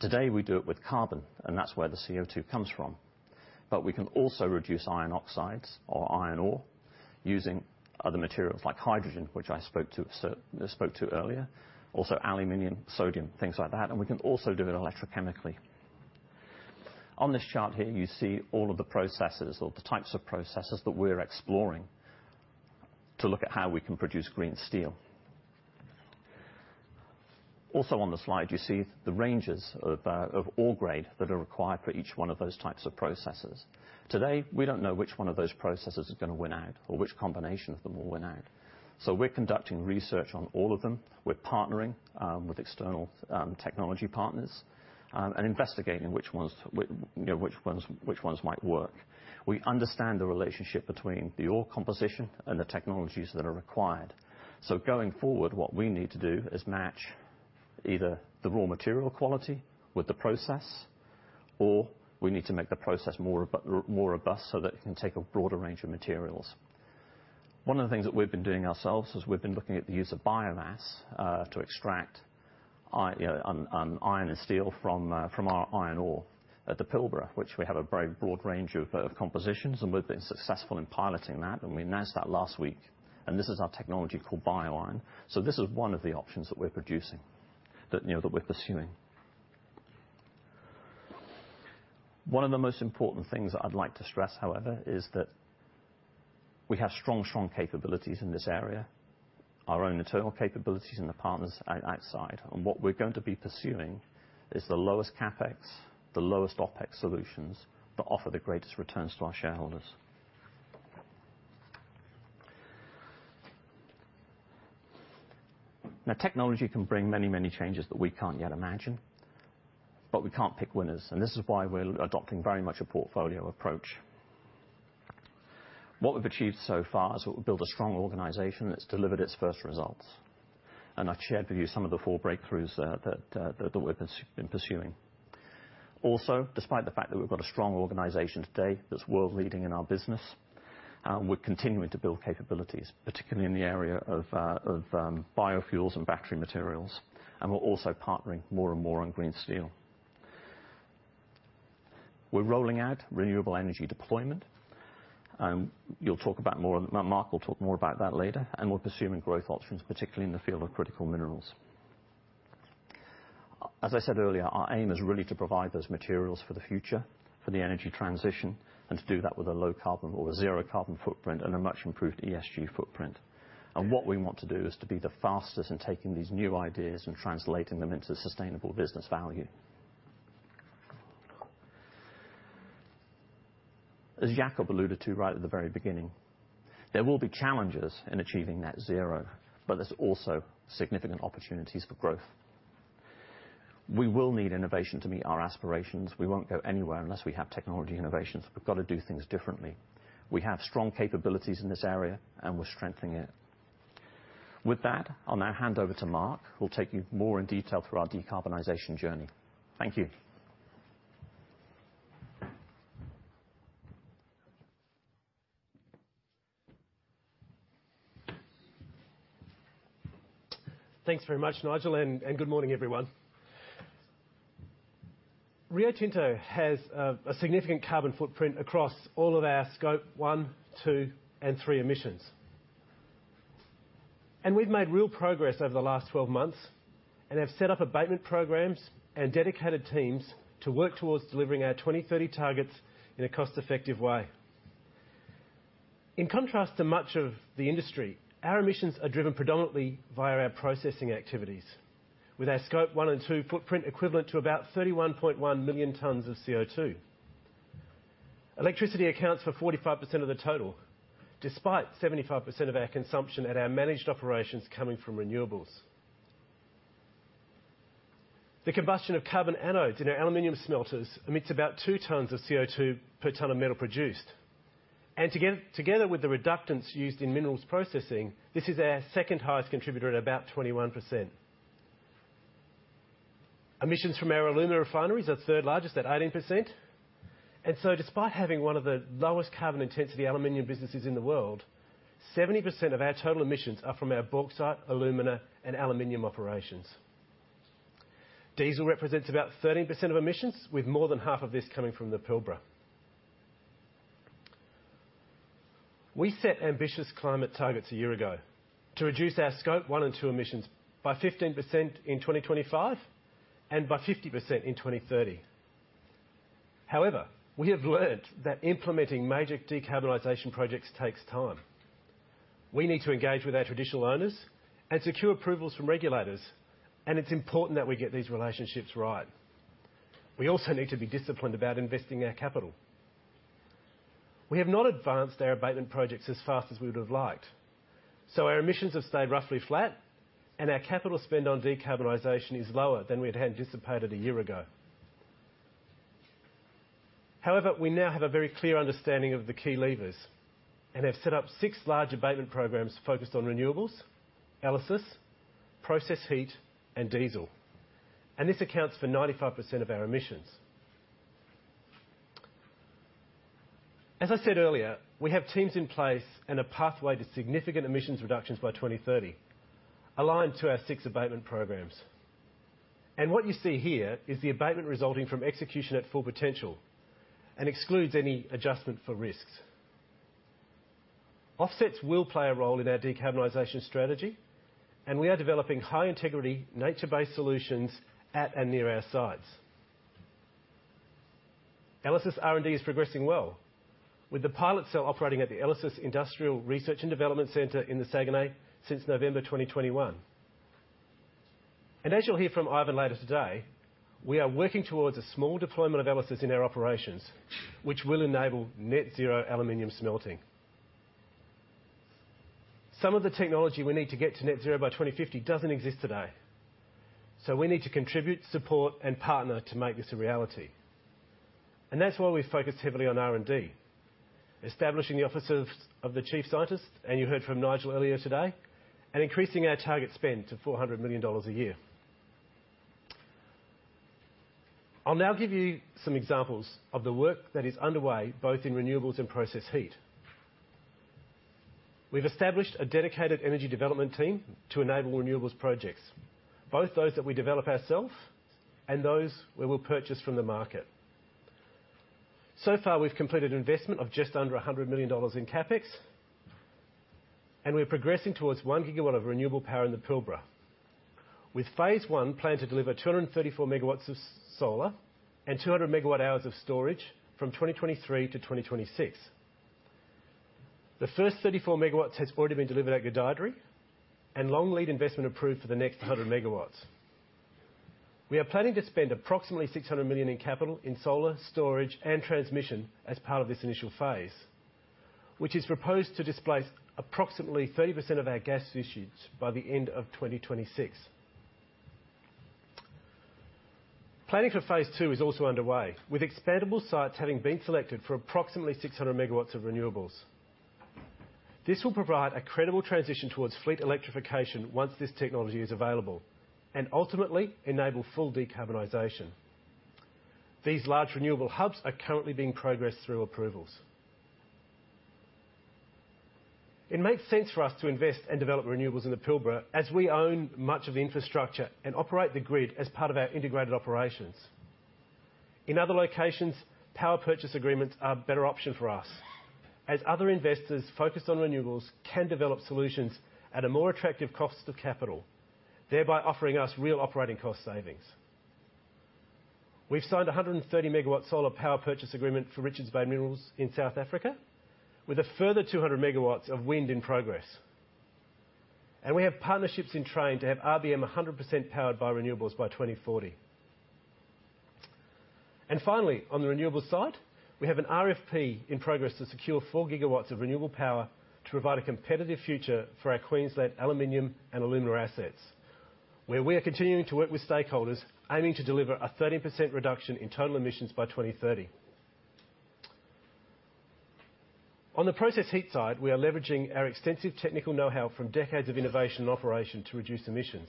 Today we do it with carbon, that's where the CO2 comes from. We can also reduce iron oxides or iron ore using other materials like hydrogen, which I spoke to earlier. Aluminum, sodium, things like that, we can also do it electrochemically. On this chart here, you see all of the processes or the types of processes that we're exploring to look at how we can produce green steel. On the slide, you see the ranges of ore grade that are required for each one of those types of processes. Today, we don't know which one of those processes is gonna win out or which combination of them will win out. We're conducting research on all of them. We're partnering with external technology partners and investigating which ones, you know, which ones might work. We understand the relationship between the ore composition and the technologies that are required. Going forward, what we need to do is match either the raw material quality with the process, or we need to make the process more robust so that it can take a broader range of materials. One of the things that we've been doing ourselves is we've been looking at the use of biomass to extract iron and steel from our iron ore at the Pilbara, which we have a very broad range of compositions, and we've been successful in piloting that, and we announced that last week, and this is our technology called BioIron. This is one of the options that we're producing, that, you know, that we're pursuing. One of the most important things that I'd like to stress, however, is that we have strong capabilities in this area, our own internal capabilities and the partners outside. What we're going to be pursuing is the lowest CapEx, the lowest OpEx solutions that offer the greatest returns to our shareholders. Technology can bring many, many changes that we can't yet imagine. We can't pick winners, this is why we're adopting very much a portfolio approach. What we've achieved so far is we've built a strong organization that's delivered its first results. I've shared with you some of the four breakthroughs that we've been pursuing. Despite the fact that we've got a strong organization today that's world-leading in our business, we're continuing to build capabilities, particularly in the area of biofuels and battery materials. We're also partnering more and more on green steel. We're rolling out renewable energy deployment. You'll talk about more, Mark will talk more about that later. We're pursuing growth options, particularly in the field of critical minerals. As I said earlier, our aim is really to provide those materials for the future, for the energy transition, and to do that with a low carbon or a zero carbon footprint and a much improved ESG footprint. What we want to do is to be the fastest in taking these new ideas and translating them into sustainable business value. As Jakob alluded to right at the very beginning, there will be challenges in achieving net zero, but there's also significant opportunities for growth. We will need innovation to meet our aspirations. We won't go anywhere unless we have technology innovations. We've got to do things differently. We have strong capabilities in this area, and we're strengthening it. I'll now hand over to Mark, who'll take you more in detail through our decarbonization journey. Thank you. Thanks very much, Nigel, and good morning, everyone. Rio Tinto has a significant carbon footprint across all of our Scope 1, 2, and 3 emissions. We've made real progress over the last 12 months and have set up abatement programs and dedicated teams to work towards delivering our 2030 targets in a cost-effective way. In contrast to much of the industry, our emissions are driven predominantly via our processing activities, with our Scope 1 and 2 footprint equivalent to about 31.1 million tons of CO2. Electricity accounts for 45% of the total, despite 75% of our consumption at our managed operations coming from renewables. The combustion of carbon anodes in our aluminum smelters emits about 2 tons of CO2 per ton of metal produced. Together with the reductants used in minerals processing, this is our second highest contributor at about 21%. Emissions from our alumina refineries are third largest at 18%. Despite having one of the lowest carbon intensity aluminum businesses in the world, 70% of our total emissions are from our bauxite, alumina, and aluminum operations. Diesel represents about 30% of emissions, with more than half of this coming from the Pilbara. We set ambitious climate targets a year ago to reduce our Scope 1 and 2 emissions by 15% in 2025 and by 50% in 2030. However, we have learned that implementing major decarbonization projects takes time. We need to engage with our traditional owners and secure approvals from regulators, and it's important that we get these relationships right. We also need to be disciplined about investing our capital. We have not advanced our abatement projects as fast as we would have liked, so our emissions have stayed roughly flat and our capital spend on decarbonization is lower than we had anticipated a year ago. However, we now have a very clear understanding of the key levers and have set up six large abatement programs focused on renewables, ELYSIS, process heat and diesel. This accounts for 95% of our emissions. As I said earlier, we have teams in place and a pathway to significant emissions reductions by 2030 aligned to our six abatement programs. What you see here is the abatement resulting from execution at full potential and excludes any adjustment for risks. Offsets will play a role in our decarbonization strategy, and we are developing high integrity, nature-based solutions at and near our sites. ELYSIS R&D is progressing well with the pilot cell operating at the ELYSIS Industrial Research and Development Center in the Saguenay since November 2021. As you'll hear from Ivan later today, we are working towards a small deployment of ELYSIS in our operations, which will enable net zero aluminum smelting. Some of the technology we need to get to net zero by 2050 doesn't exist today, we need to contribute, support and partner to make this a reality. That's why we've focused heavily on R&D, establishing the Office of the Chief Scientist, you heard from Nigel earlier today, and increasing our target spend to $400 million a year. I'll now give you some examples of the work that is underway both in renewables and process heat. We've established a dedicated energy development team to enable renewables projects, both those that we develop ourselves and those we will purchase from the market. Far, we've completed investment of just under $100 million in CapEx, and we're progressing towards 1 gigawatt of renewable power in the Pilbara, with phase one planned to deliver 234 megawatts of solar and 200 megawatt hours of storage from 2023 to 2026. The first 34 megawatts has already been delivered at Gudai-Darri and long lead investment approved for the next 100 megawatts. We are planning to spend approximately $600 million in capital in solar, storage and transmission as part of this initial phase, which is proposed to displace approximately 30% of our gas usage by the end of 2026. Planning for phase two is also underway, with expandable sites having been selected for approximately 600 megawatts of renewables. This will provide a credible transition towards fleet electrification once this technology is available and ultimately enable full decarbonization. These large renewable hubs are currently being progressed through approvals. It makes sense for us to invest and develop renewables in the Pilbara as we own much of the infrastructure and operate the grid as part of our integrated operations. In other locations, power purchase agreements are a better option for us, as other investors focused on renewables can develop solutions at a more attractive cost of capital, thereby offering us real operating cost savings. We've signed a 130 megawatt solar power purchase agreement for Richards Bay Minerals in South Africa with a further 200 megawatts of wind in progress. We have partnerships in train to have RBM 100% powered by renewables by 2040. Finally, on the renewable side, we have an RFP in progress to secure 4 gigawatts of renewable power to provide a competitive future for our Queensland Alumina and Boyne Smelters, where we are continuing to work with stakeholders aiming to deliver a 30% reduction in total emissions by 2030. On the process heat side, we are leveraging our extensive technical know-how from decades of innovation and operation to reduce emissions.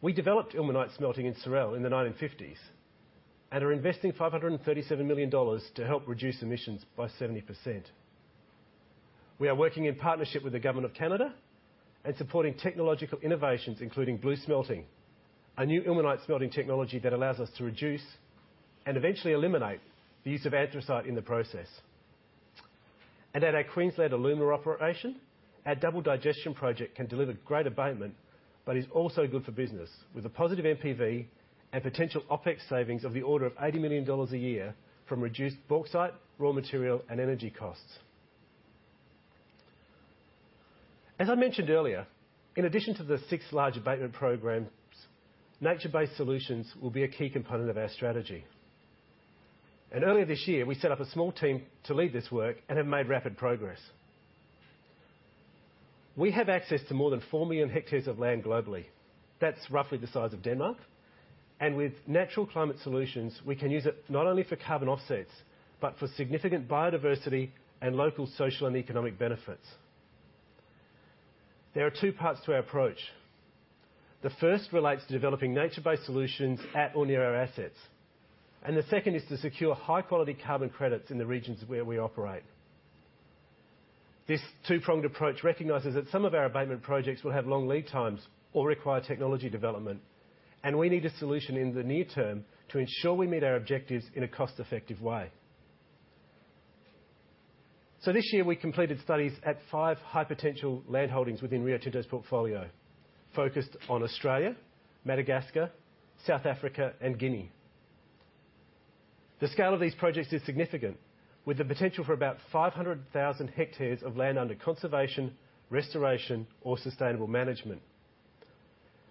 We developed ilmenite smelting in Sorel in the 1950s and are investing $537 million to help reduce emissions by 70%. We are working in partnership with the Government of Canada and supporting technological innovations, including BlueSmelting, a new ilmenite smelting technology that allows us to reduce and eventually eliminate the use of anthracite in the process. At our Queensland Alumina operation, our double digestion project can deliver great abatement but is also good for business with a positive NPV and potential OpEx savings of the order of $80 million a year from reduced bauxite, raw material and energy costs. As I mentioned earlier, in addition to the six large abatement programs, nature-based solutions will be a key component of our strategy. Earlier this year, we set up a small team to lead this work and have made rapid progress. We have access to more than 4 million hectares of land globally. That's roughly the size of Denmark. With natural climate solutions, we can use it not only for carbon offsets, but for significant biodiversity and local social and economic benefits. There are two parts to our approach. The first relates to developing nature-based solutions at or near our assets, and the second is to secure high-quality carbon credits in the regions where we operate. This two-pronged approach recognizes that some of our abatement projects will have long lead times or require technology development, and we need a solution in the near term to ensure we meet our objectives in a cost-effective way. This year, we completed studies at five high-potential land holdings within Rio Tinto's portfolio, focused on Australia, Madagascar, South Africa, and Guinea. The scale of these projects is significant, with the potential for about 500,000 hectares of land under conservation, restoration, or sustainable management.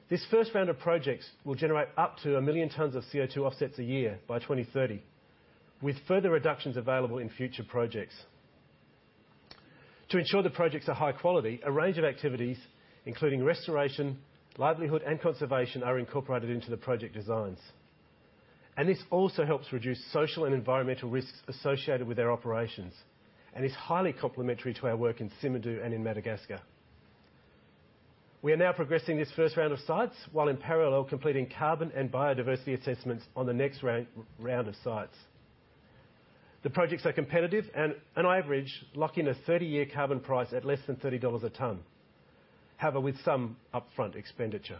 This first round of projects will generate up to 1 million tons of CO₂ offsets a year by 2030, with further reductions available in future projects. To ensure the projects are high quality, a range of activities, including restoration, livelihood, and conservation, are incorporated into the project designs. This also helps reduce social and environmental risks associated with our operations and is highly complementary to our work in Simandou and in Madagascar. We are now progressing this first round of sites while in parallel completing carbon and biodiversity assessments on the next round of sites. The projects are competitive and on average lock in a 30-year carbon price at less than $30 a ton, however, with some upfront expenditure.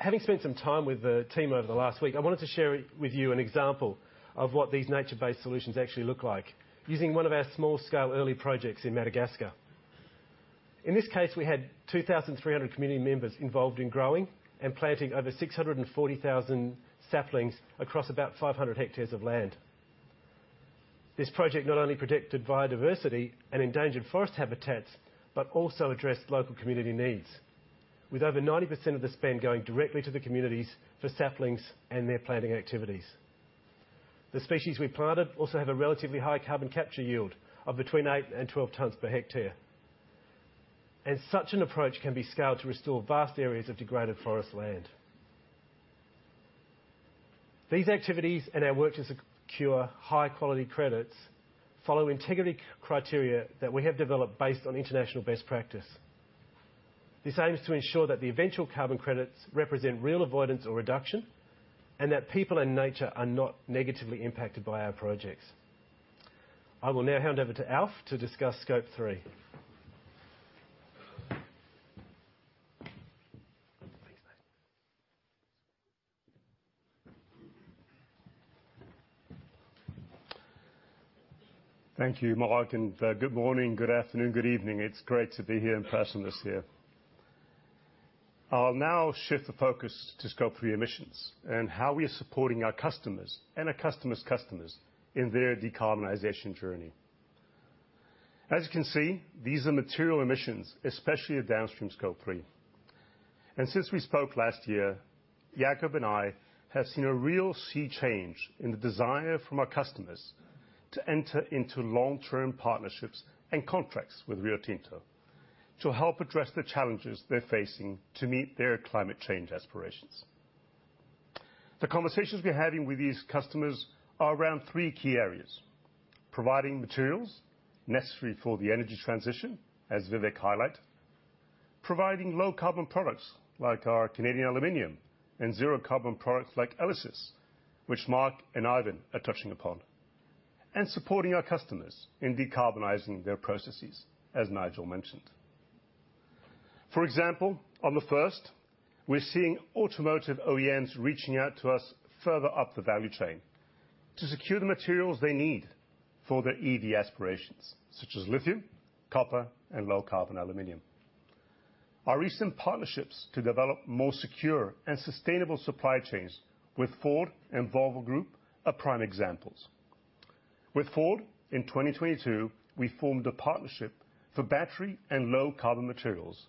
Having spent some time with the team over the last week, I wanted to share with you an example of what these nature-based solutions actually look like using one of our small-scale early projects in Madagascar. In this case, we had 2,300 community members involved in growing and planting over 640,000 saplings across about 500 hectares of land. This project not only protected biodiversity and endangered forest habitats, but also addressed local community needs, with over 90% of the spend going directly to the communities for saplings and their planting activities. The species we planted also have a relatively high carbon capture yield of between 8 and 12 tons per hectare. Such an approach can be scaled to restore vast areas of degraded forest land. These activities and our work to secure high-quality credits follow integrity criteria that we have developed based on international best practice. This aims to ensure that the eventual carbon credits represent real avoidance or reduction, and that people and nature are not negatively impacted by our projects. I will now hand over to Alf to discuss Scope 3. Thanks, mate. Thank you, Mark. Good morning, good afternoon, good evening. It's great to be here in person this year. I'll now shift the focus to Scope 3 emissions and how we are supporting our customers and our customers' customers in their decarbonization journey. As you can see, these are material emissions, especially at downstream Scope 3. Since we spoke last year, Jakob and I have seen a real sea change in the desire from our customers to enter into long-term partnerships and contracts with Rio Tinto to help address the challenges they're facing to meet their climate change aspirations. The conversations we're having with these customers are around three key areas: providing materials necessary for the energy transition, as Vivek highlighted, providing low-carbon products like our Canadian aluminum and zero-carbon products like ELYSIS, which Mark and Ivan are touching upon, and supporting our customers in decarbonizing their processes, as Nigel mentioned. For example, on the first, we're seeing automotive OEMs reaching out to us further up the value chain to secure the materials they need for their EV aspirations, such as lithium, copper, and low-carbon aluminum. Our recent partnerships to develop more secure and sustainable supply chains with Ford and Volvo Group are prime examples. With Ford, in 2022, we formed a partnership for battery and low-carbon materials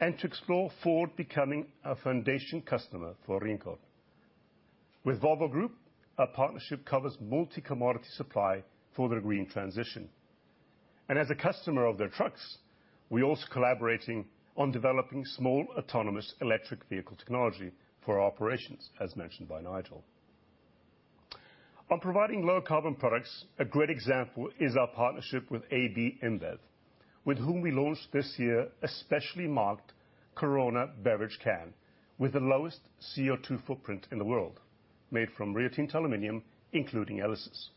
and to explore Ford becoming a foundation customer for Rincon. With Volvo Group, our partnership covers multi-commodity supply for their green transition. As a customer of their trucks, we're also collaborating on developing small autonomous electric vehicle technology for our operations, as mentioned by Nigel. On providing low-carbon products, a great example is our partnership with AB InBev, with whom we launched this year a specially marked Corona beverage can with the lowest CO₂ footprint in the world, made from Rio Tinto aluminum, including ELYSIS.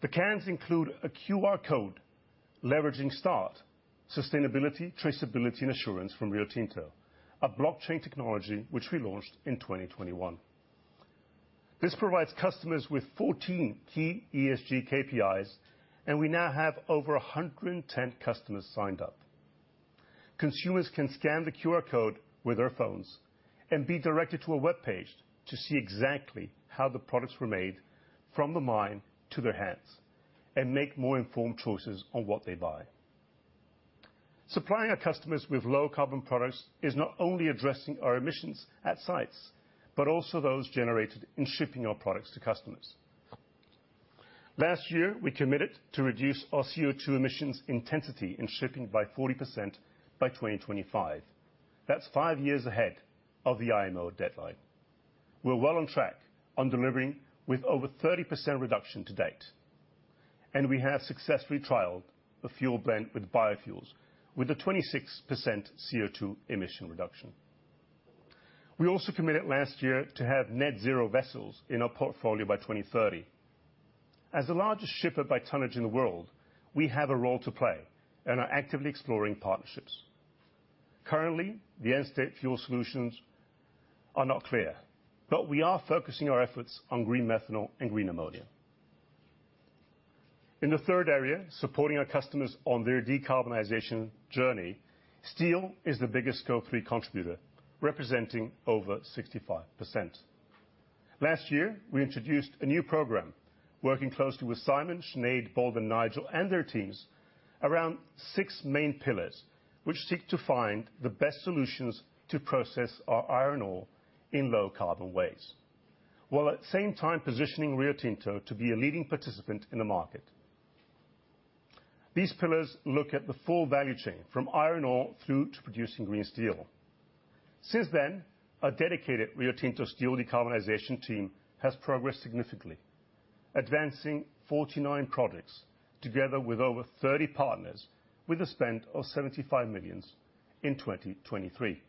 The cans include a QR code leveraging START, Sustainability, Traceability, and Assurance from Rio Tinto, a blockchain technology which we launched in 2021. This provides customers with 14 key ESG KPIs, and we now have over 110 customers signed up. Consumers can scan the QR code with their phones and be directed to a webpage to see exactly how the products were made from the mine to their hands and make more informed choices on what they buy. Supplying our customers with low-carbon products is not only addressing our emissions at sites, but also those generated in shipping our products to customers. Last year, we committed to reduce our CO2 emissions intensity in shipping by 40% by 2025. That's 5 years ahead of the IMO deadline. We're well on track on delivering with over 30% reduction to date, and we have successfully trialed the fuel blend with biofuels, with a 26% CO2 emission reduction. We also committed last year to have net zero vessels in our portfolio by 2030. As the largest shipper by tonnage in the world, we have a role to play and are actively exploring partnerships. Currently, the end state fuel solutions are not clear, but we are focusing our efforts on green methanol and green ammonia. In the third area, supporting our customers on their decarbonization journey, steel is the biggest Scope 3 contributor, representing over 65%. Last year, we introduced a new program working closely with Simon, Sinead, Bold, and Nigel and their teams around 6 main pillars, which seek to find the best solutions to process our iron ore in low carbon ways, while at the same time positioning Rio Tinto to be a leading participant in the market. These pillars look at the full value chain from iron ore through to producing green steel. Since then, our dedicated Rio Tinto steel decarbonization team has progressed significantly, advancing 49 projects together with over 30 partners with a spend of $75 million in 2023,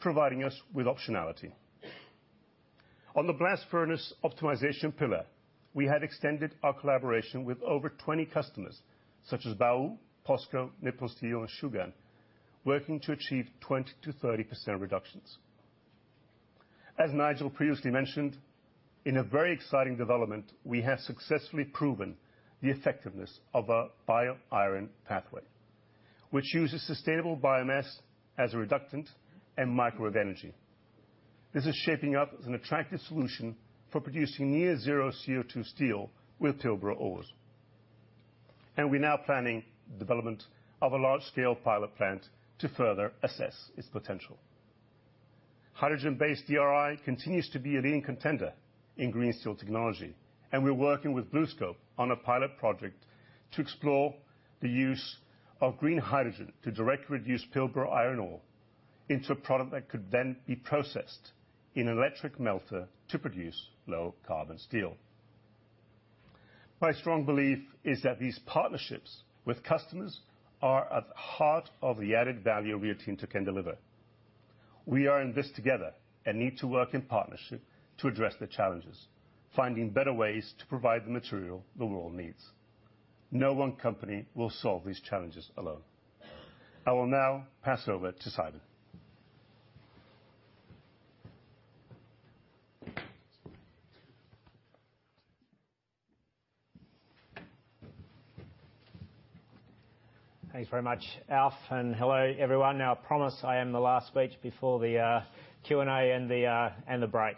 providing us with optionality. On the blast furnace optimization pillar, we have extended our collaboration with over 20 customers such as Baowu, POSCO, Nippon Steel, and Shougang, working to achieve 20%-30% reductions. As Nigel previously mentioned, in a very exciting development, we have successfully proven the effectiveness of a BioIron pathway, which uses sustainable biomass as a reductant and microwave energy. This is shaping up as an attractive solution for producing near zero CO2 steel with Pilbara ores. We're now planning development of a large-scale pilot plant to further assess its potential. Hydrogen-based DRI continues to be a leading contender in green steel technology, and we're working with BlueScope on a pilot project to explore the use of green hydrogen to directly reduce Pilbara iron ore into a product that could then be processed in electric melter to produce low carbon steel. My strong belief is that these partnerships with customers are at the heart of the added value Rio Tinto can deliver. We are in this together and need to work in partnership to address the challenges, finding better ways to provide the material the world needs. No one company will solve these challenges alone. I will now pass over to Simon. Thanks very much, Alf, and hello, everyone. Now, I promise I am the last speech before the Q&A and the break.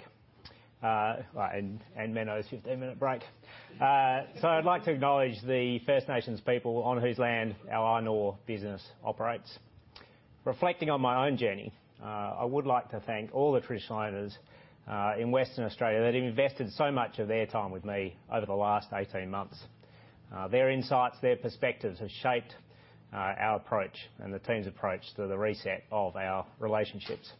Menno's 15-minute break. I'd like to acknowledge the First Nations people on whose land our iron ore business operates. Reflecting on my own journey, I would like to thank all the traditional owners in Western Australia that invested so much of their time with me over the last 18 months. Their insights, their perspectives have shaped our approach and the team's approach to the reset of our relationships.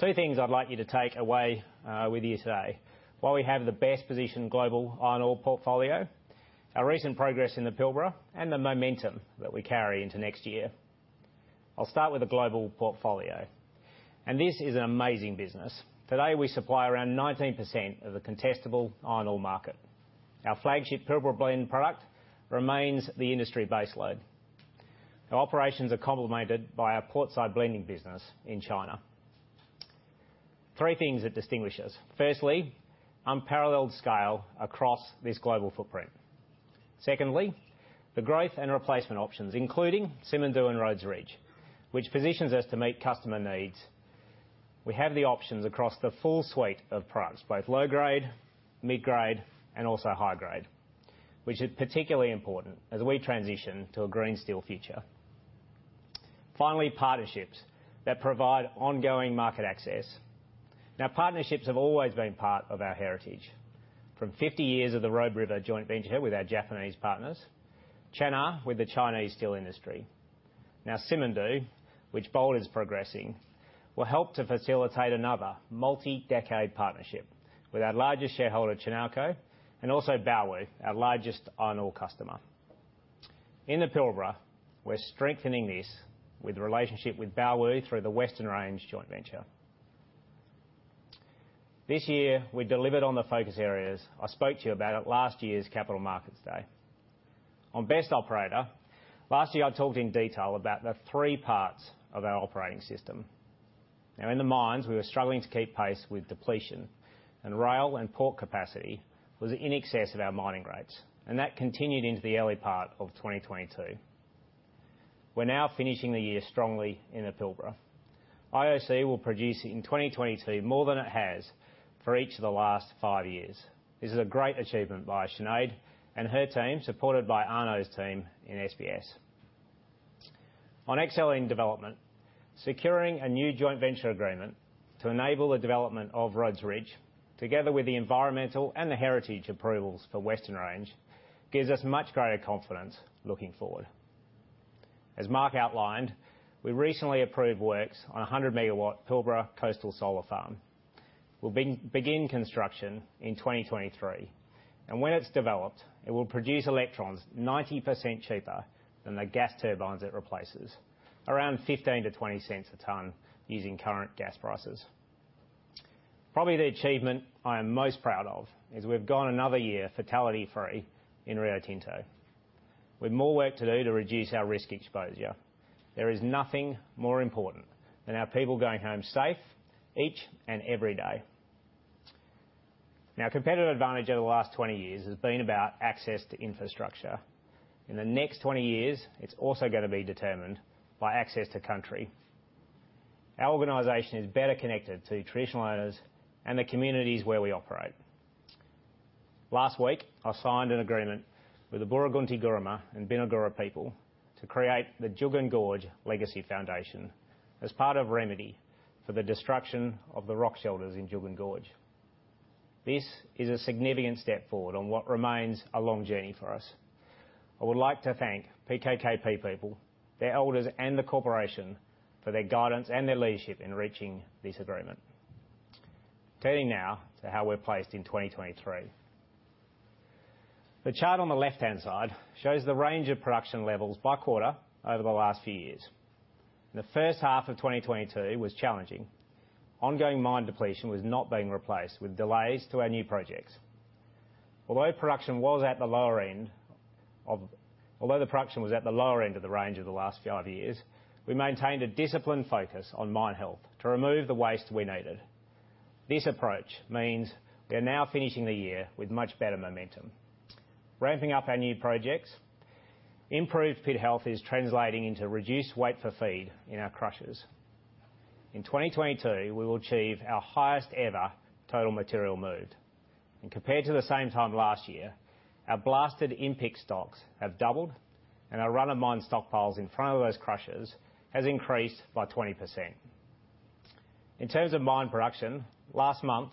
Two things I'd like you to take away with you today. While we have the best position global iron ore portfolio, our recent progress in the Pilbara and the momentum that we carry into next year. I'll start with the global portfolio. This is an amazing business. Today, we supply around 19% of the contestable iron ore market. Our flagship Pilbara Blend product remains the industry baseline. Our operations are complemented by our portside blending business in China. Three things that distinguish us. Firstly, unparalleled scale across this global footprint. Secondly, the growth and replacement options, including Simandou and Rhodes Ridge, which positions us to meet customer needs. We have the options across the full suite of products, both low grade, mid grade, and also high grade, which is particularly important as we transition to a green steel future. Finally, partnerships that provide ongoing market access. Partnerships have always been part of our heritage. From 50 years of the Robe River Joint Venture with our Japanese partners, Channa with the Chinese steel industry. Simandou, which Bold is progressing, will help to facilitate another multi-decade partnership with our largest shareholder, Chinalco, and also Baowu, our largest iron ore customer. In the Pilbara, we're strengthening this with relationship with Baowu through the Western Range joint venture. This year, we delivered on the focus areas I spoke to you about at last year's Capital Markets Day. On best operator, last year, I talked in detail about the three parts of our operating system. In the mines, we were struggling to keep pace with depletion, and rail and port capacity was in excess of our mining rates, and that continued into the early part of 2022. We're now finishing the year strongly in the Pilbara. IOC will produce in 2022 more than it has for each of the last five years. This is a great achievement by Sinead and her team, supported by Arno's team in SBS. On excelling development, securing a new joint venture agreement to enable the development of Rhodes Ridge, together with the environmental and the heritage approvals for Western Range, gives us much greater confidence looking forward. As Mark outlined, we recently approved works on a 100 megawatt Pilbara coastal solar farm. We'll begin construction in 2023, and when it's developed, it will produce electrons 90% cheaper than the gas turbines it replaces, around $0.15-$0.20 a ton using current gas prices. Probably the achievement I am most proud of is we've gone another year fatality-free in Rio Tinto. We've more work to do to reduce our risk exposure. There is nothing more important than our people going home safe each and every day. Competitive advantage over the last 20 years has been about access to infrastructure. In the next 20 years, it's also gonna be determined by access to country. Our organization is better connected to Traditional Owners and the communities where we operate. Last week, I signed an agreement with the Puutu Kunti Kurrama and Pinikura people to create the Juukan Gorge Legacy Foundation as part of remedy for the destruction of the rock shelters in Juukan Gorge. This is a significant step forward on what remains a long journey for us. I would like to thank PKKP people, their elders, and the corporation for their guidance and their leadership in reaching this agreement. Turning now to how we're placed in 2023. The chart on the left-hand side shows the range of production levels by quarter over the last few years. The first half of 2022 was challenging. Ongoing mine depletion was not being replaced, with delays to our new projects. Although the production was at the lower end of the range of the last 5 years, we maintained a disciplined focus on mine health to remove the waste we needed. This approach means we are now finishing the year with much better momentum. Ramping up our new projects, improved pit health is translating into reduced weight for feed in our crushers. In 2022, we will achieve our highest ever total material moved. Compared to the same time last year, our blasted in-pit stocks have doubled, and our run-of-mine stockpiles in front of those crushers has increased by 20%. In terms of mine production, last month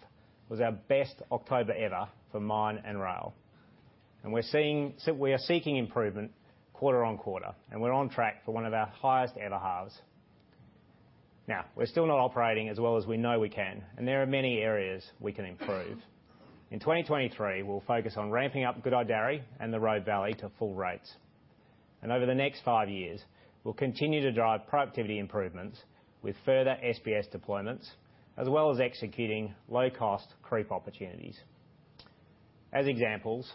was our best October ever for mine and rail. We are seeking improvement quarter-on-quarter, and we're on track for one of our highest ever halves. We're still not operating as well as we know we can, and there are many areas we can improve. In 2023, we'll focus on ramping up Gudai-Darri and the Robe Valley to full rates. Over the next 5 years, we'll continue to drive productivity improvements with further SBS deployments, as well as executing low-cost creep opportunities. As examples,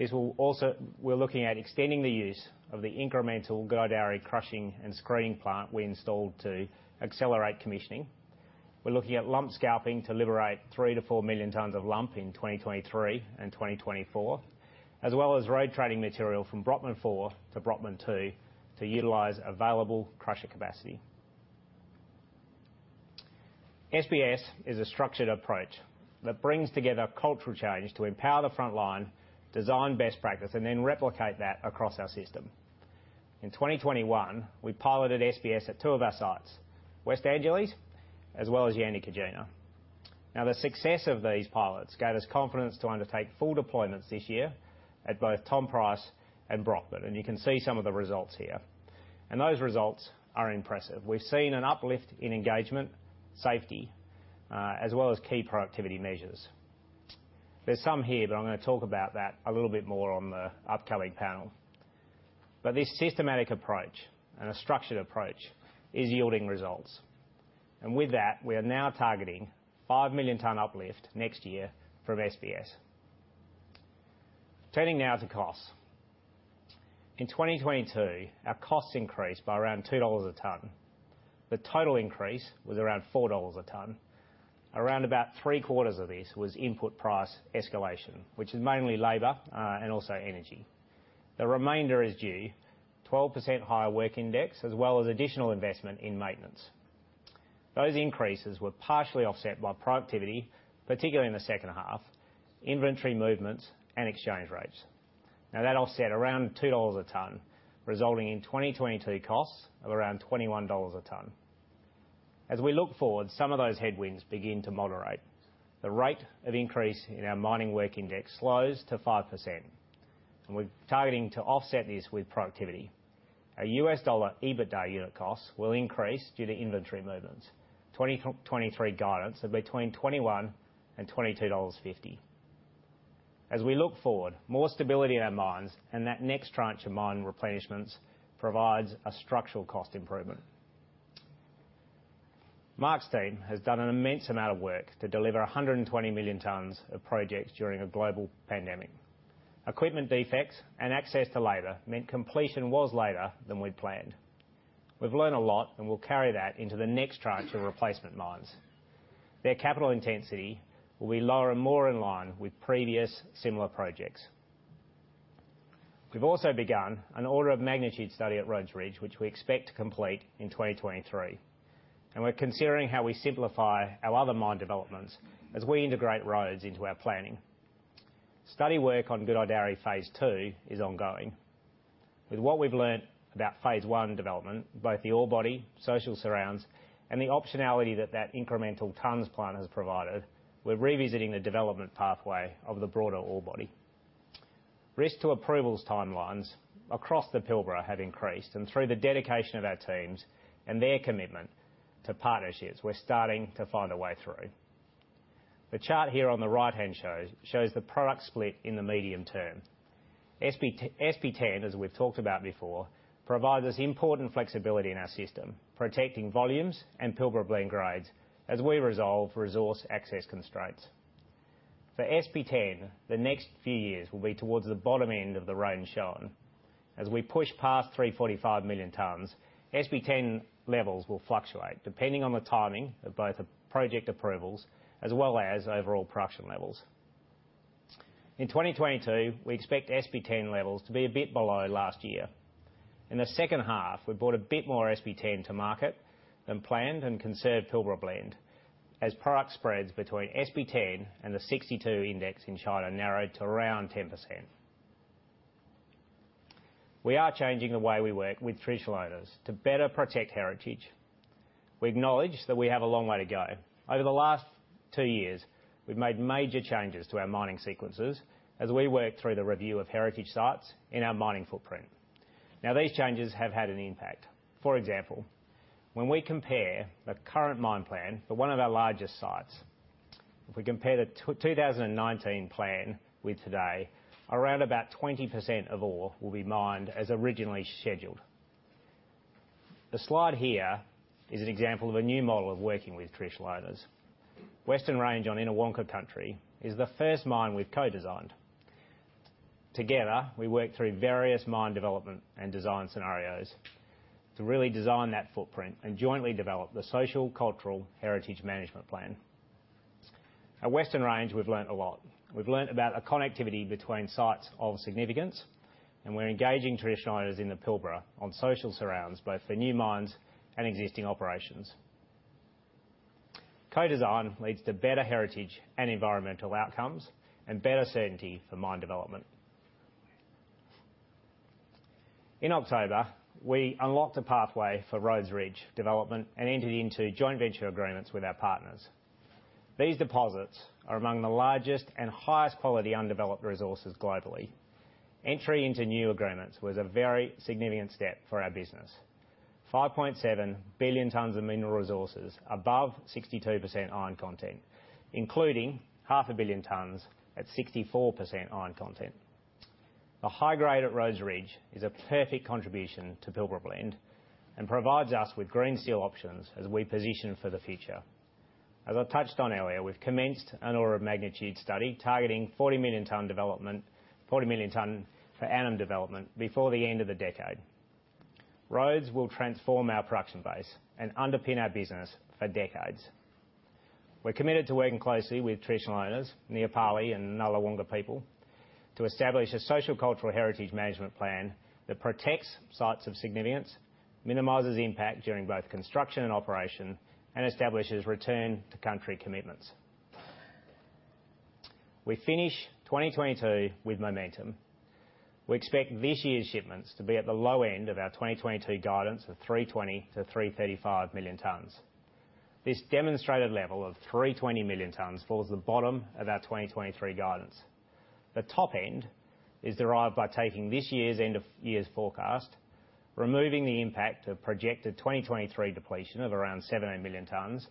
we're looking at extending the use of the incremental Gudai-Darri crushing and screening plant we installed to accelerate commissioning. We're looking at lump scalping to liberate 3 million-4 million tons of lump in 2023 and 2024, as well as road trading material from Brockman Four to Brockman Two to utilize available crusher capacity. SBS is a structured approach that brings together cultural change to empower the front line, design best practice, and then replicate that across our system. In 2021, we piloted SBS at two of our sites, West Angelas as well as Yandicoogina. The success of these pilots gave us confidence to undertake full deployments this year at both Tom Price and Brockman, and you can see some of the results here. Those results are impressive. We've seen an uplift in engagement, safety, as well as key productivity measures. There's some here, but I'm gonna talk about that a little bit more on the upcoming panel. This systematic approach and a structured approach is yielding results. With that, we are now targeting 5 million ton uplift next year from SBS. Turning now to costs. In 2022, our costs increased by around $2 a ton. The total increase was around $4 a ton. Around about three-quarters of this was input price escalation, which is mainly labor and also energy. The remainder is due 12% higher work index, as well as additional investment in maintenance. Those increases were partially offset by productivity, particularly in the second half, inventory movements and exchange rates. That offset around $2 a ton, resulting in 2022 costs of around $21 a ton. As we look forward, some of those headwinds begin to moderate. The rate of increase in our mining work index slows to 5%, and we're targeting to offset this with productivity. Our US dollar EBITDA unit costs will increase due to inventory movements. 2023 guidance of between $21 and $22.50. As we look forward, more stability in our mines and that next tranche of mine replenishments provides a structural cost improvement. Mark's team has done an immense amount of work to deliver 120 million tons of projects during a global pandemic. Equipment defects and access to labor meant completion was later than we'd planned. We've learned a lot, and we'll carry that into the next tranche of replacement mines. Their capital intensity will be lower and more in line with previous similar projects. We've also begun an order of magnitude study at Rhodes Ridge, which we expect to complete in 2023, and we're considering how we simplify our other mine developments as we integrate Rhodes into our planning. Study work on Gudai-Darri Phase Two is ongoing. With what we've learned about Phase One development, both the orebody, social surrounds, and the optionality that incremental tons plan has provided, we're revisiting the development pathway of the broader orebody. Risk to approvals timelines across the Pilbara have increased. Through the dedication of our teams and their commitment to partnerships, we're starting to find a way through. The chart here on the right-hand shows the product split in the medium term. SP10, as we've talked about before, provides us important flexibility in our system, protecting volumes and Pilbara Blend grades as we resolve resource access constraints. For SP10, the next few years will be towards the bottom end of the range shown. As we push past 345 million tons, SP10 levels will fluctuate depending on the timing of both the project approvals as well as overall production levels. In 2022, we expect SP10 levels to be a bit below last year. In the second half, we brought a bit more SP10 to market than planned and conserved Pilbara Blend as product spreads between SP10 and the 62 index in China narrowed to around 10%. We are changing the way we work with traditional owners to better protect heritage. We acknowledge that we have a long way to go. Over the last two years, we've made major changes to our mining sequences as we work through the review of heritage sites in our mining footprint. These changes have had an impact. For example, when we compare the current mine plan for one of our largest sites, if we compare the 2019 plan with today, around about 20% of ore will be mined as originally scheduled. The slide here is an example of a new model of working with Traditional Owners. Western Range on Yinhawangka Country is the first mine we've co-designed. Together, we worked through various mine development and design scenarios to really design that footprint and jointly develop the social, cultural heritage management plan. At Western Range, we've learned a lot. We've learned about a connectivity between sites of significance, and we're engaging Traditional Owners in the Pilbara on social surrounds, both for new mines and existing operations. Co-design leads to better heritage and environmental outcomes and better certainty for mine development. In October, we unlocked a pathway for Rhodes Ridge development and entered into joint venture agreements with our partners. These deposits are among the largest and highest quality undeveloped resources globally. Entry into new agreements was a very significant step for our business. 5.7 billion tons of mineral resources above 62% iron content, including half a billion tons at 64% iron content. The high grade at Rhodes Ridge is a perfect contribution to Pilbara Blend and provides us with green steel options as we position for the future. As I touched on earlier, we've commenced an order of magnitude study targeting 40 million ton per annum development before the end of the decade. Rhodes will transform our production base and underour business for decades. We're committed to working closely with traditional owners, Nyiyaparli and Ngarluma people, to establish a social cultural heritage management plan that protects sites of significance, minimizes impact during both construction and operation, and establishes return to country commitments. We finish 2022 with momentum. We expect this year's shipments to be at the low end of our 2022 guidance of 320-335 million tons. This demonstrated level of 320 million tons falls at the bottom of our 2023 guidance. The top end is derived by taking this year's end of year's forecast, removing the impact of projected 2023 depletion of around 7 million tons,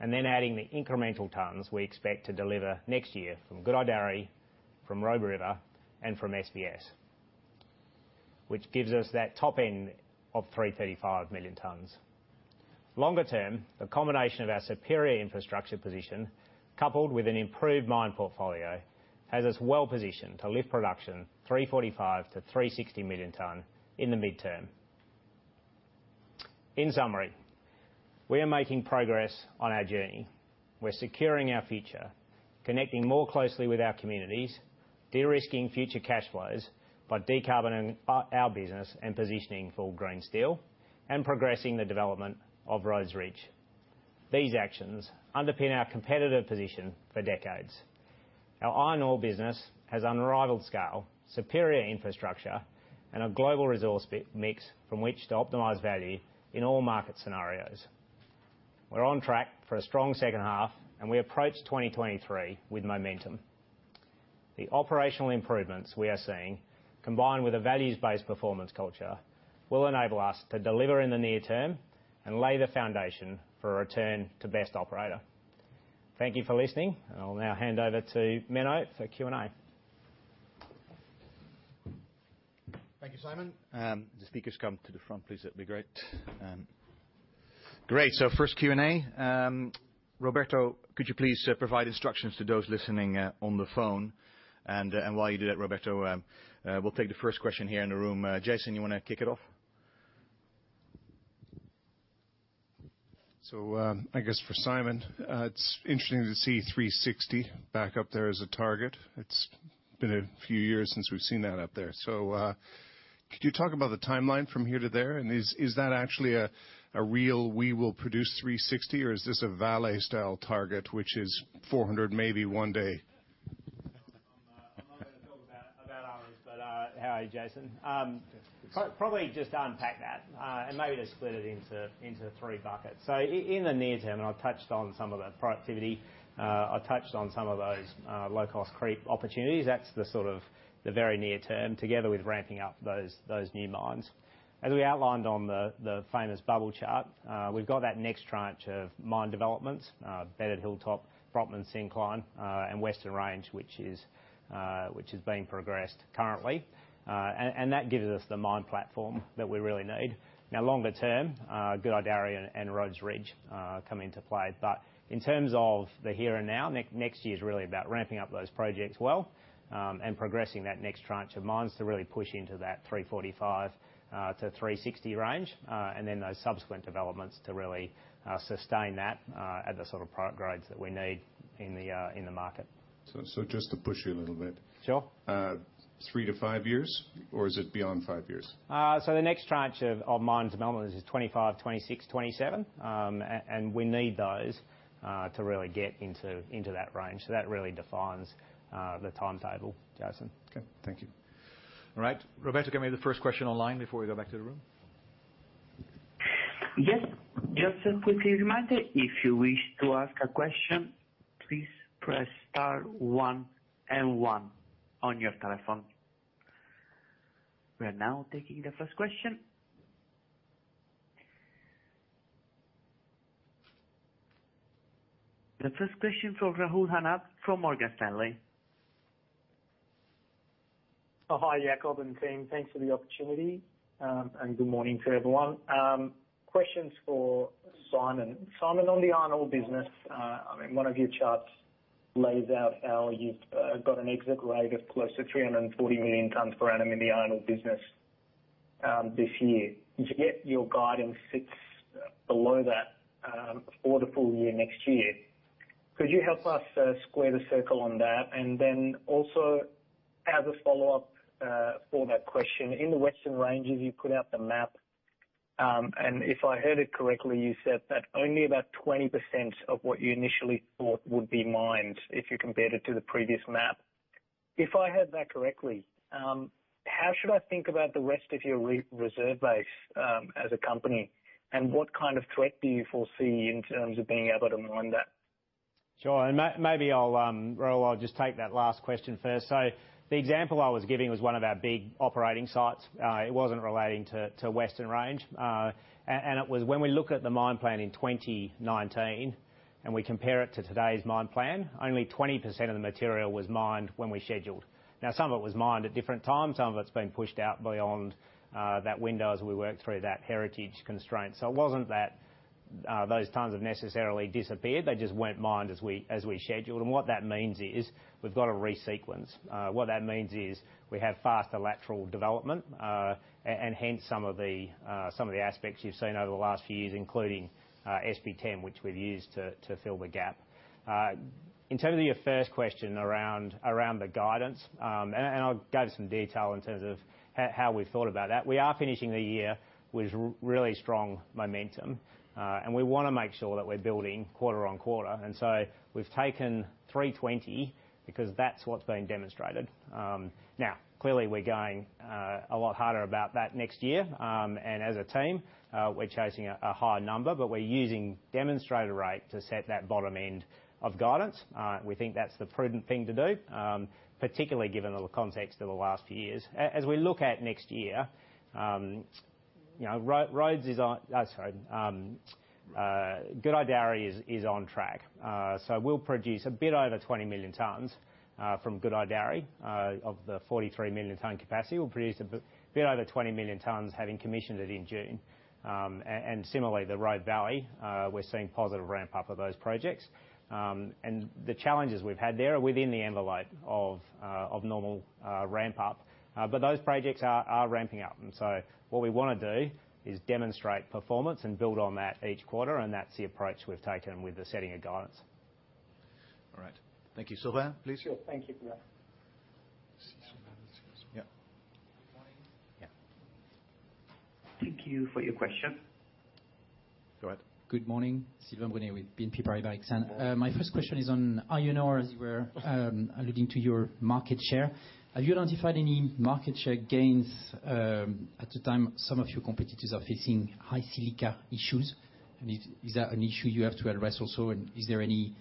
and then adding the incremental tons we expect to deliver next year from Gudai-Darri, from Robe River, and from SBS, which gives us that top end of 335 million tons. Longer term, the combination of our superior infrastructure position, coupled with an improved mine portfolio, has us well positioned to lift production 345-360 million ton in the midterm. In summary, we are making progress on our journey. We're securing our future, connecting more closely with our communities, de-risking future cash flows by decarbonizing our business and positioning for green steel, progressing the development of Rhodes Ridge. These actions underpin our competitive position for decades. Our iron ore business has unrivaled scale, superior infrastructure, and a global resource mix from which to optimize value in all market scenarios. We're on track for a strong second half, we approach 2023 with momentum. The operational improvements we are seeing, combined with a values-based performance culture, will enable us to deliver in the near term and lay the foundation for a return to best operator. Thank you for listening, I'll now hand over to Menno for Q&A. Thank you, Simon. The speakers come to the front, please, that'd be great. Great. First Q&A. Roberto, could you please provide instructions to those listening on the phone? While you do that, Roberto, we'll take the first question here in the room. Jason, you wanna kick it off? I guess for Simon, it's interesting to see 360 back up there as a target. It's been a few years since we've seen that up there. Could you talk about the timeline from here to there? Is that actually a real we will produce 360 or is this a valet-style target, which is 400 maybe one day? No, I'm not gonna talk about- How are you, Jason? Probably just unpack that and maybe just split it into three buckets. In the near term, I touched on some of the productivity, I touched on some of those low-cost creep opportunities. That's the sort of the very near term, together with ramping up those new mines. As we outlined on the famous bubble chart, we've got that next tranche of mine developments, Bedded Hilltop, Brockman Syncline, and Western Range, which is being progressed currently. That gives us the mine platform that we really need. Longer term, Gudai-Darri and Rhodes Ridge come into play. In terms of the here and now, next year is really about ramping up those projects well, and progressing that next tranche of mines to really push into that 345-360 range. Those subsequent developments to really sustain that at the sort of pro-grades that we need in the market. Just to push you a little bit. Sure. 3-5 years, or is it beyond 5 years? The next tranche of mine development is 2025, 2026, 2027. We need those to really get into that range. That really defines the timetable, Jason. Okay. Thank you. All right. Roberto, give me the first question online before we go back to the room. Yes. Just a quick reminder, if you wish to ask a question, please press star one and one on your telephone. We are now taking the first question. The first question from Rahul Anand from Morgan Stanley. Cobbin team, thanks for the opportunity, good morning to everyone. Questions for Simon. Simon, on the iron ore business, I mean, one of your charts lays out how you've got an exit rate of close to 340 million tons per annum in the iron ore business this year. Yet your guidance sits below that for the full year next year. Could you help us square the circle on that? Also, as a follow-up for that question, in the Western Ranges, you put out the map, and if I heard it correctly, you said that only about 20% of what you initially thought would be mined if you compared it to the previous map. If I heard that correctly, how should I think about the rest of your reserve base, as a company? What kind of threat do you foresee in terms of being able to mine that? Maybe I'll, Rahul, I'll just take that last question first. The example I was giving was one of our big operating sites. It wasn't relating to Western Range. And it was when we look at the mine plan in 2019 and we compare it to today's mine plan, only 20% of the material was mined when we scheduled. Some of it was mined at different times. Some of it's been pushed out beyond that window as we worked through that heritage constraint. It wasn't that those tons have neces sarily disappeared. They just weren't mined as we scheduled. What that means is we've got to resequence. What that means is we have faster lateral development, and hence some of the aspects you've seen over the last few years, including SP10, which we've used to fill the gap. In terms of your first question around the guidance, and I'll go to some detail in terms of how we've thought about that. We are finishing the year with really strong momentum, and we wanna make sure that we're building quarter-on-quarter. We've taken 320 because that's what's been demonstrated. Now, clearly, we're going a lot harder about that next year. As a team, we're chasing a higher number, but we're using demonstrated rate to set that bottom end of guidance. We think that's the prudent thing to do, particularly given the context of the last few years. As we look at next year, you know, Gudai-Darri is on track. We'll produce a bit over 20 million tons from Gudai-Darri of the 43 million ton capacity. We'll produce a bit over 20 million tons having commissioned it in June. Similarly, the Rhodes Valley, we're seeing positive ramp up of those projects. The challenges we've had there are within the envelope of normal ramp up. Those projects are ramping up. What we wanna do is demonstrate performance and build on that each quarter, that's the approach we've taken with the setting of guidance. All right. Thank you. Sylvain, please. Sure. Thank you. Yeah. Thank you for your question. Go ahead. Good morning. Sylvain Brunet with BNP Paribas Exane. My first question is on iron ore, as you were alluding to your market share. Have you identified any market share gains at the time some of your competitors are facing high silica issues? Is that an issue you have to address also, and is there any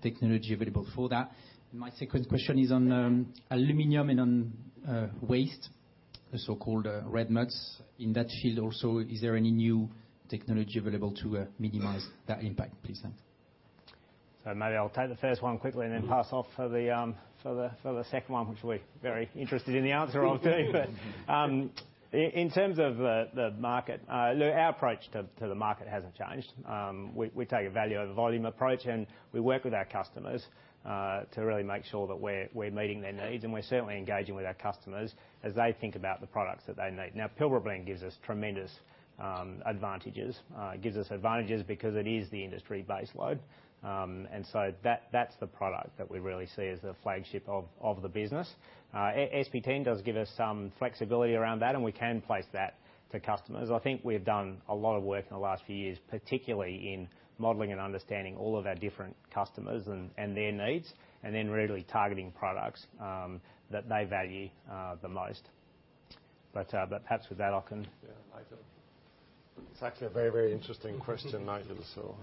technology available for that? My second question is on aluminum and on waste, the so-called red muds. In that field also, is there any new technology available to minimize that impact, please? Thanks. Maybe I'll take the first one quickly and then pass off for the second one, which we're very interested in the answer of too. In terms of the market, look, our approach to the market hasn't changed. We take a value over volume approach, and we work with our customers to really make sure that we're meeting their needs. We're certainly engaging with our customers as they think about the products that they need. Now, Pilbara Blend gives us tremendous advantages. It gives us advantages because it is the industry base load. That's the product that we really see as the flagship of the business. SP10 does give us some flexibility around that, and we can place that to customers. I think we've done a lot of work in the last few years, particularly in modeling and understanding all of our different customers and their needs, and then really targeting products that they value the most. but perhaps with that I can- Yeah, Nigel. It's actually a very interesting question, Nigel, so...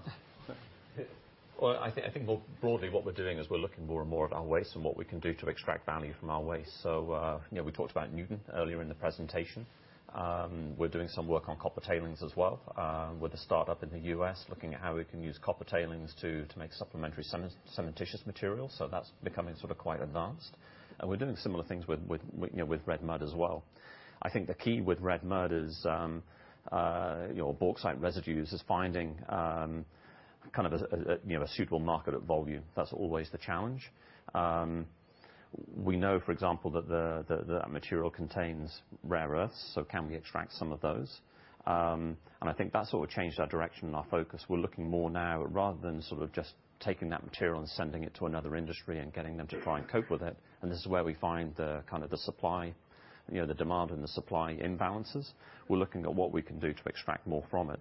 I think more broadly what we're doing is we're looking more and more at our waste and what we can do to extract value from our waste. You know, we talked about Nuton earlier in the presentation. We're doing some work on copper tailings as well, with a startup in the US, looking at how we can use copper tailings to make supplementary cementitious materials. That's becoming sort of quite advanced. We're doing similar things with, you know, with red mud as well. I think the key with red mud is, you know, bauxite residues is finding, kind of a suitable market at volume. That's always the challenge. We know, for example, that the that material contains rare earths, so can we extract some of those? I think that's sort of changed our direction and our focus. We're looking more now rather than sort of just taking that material and sending it to another industry and getting them to try and cope with it. This is where we find the kind of the supply, you know, the demand and the supply imbalances. We're looking at what we can do to extract more from it.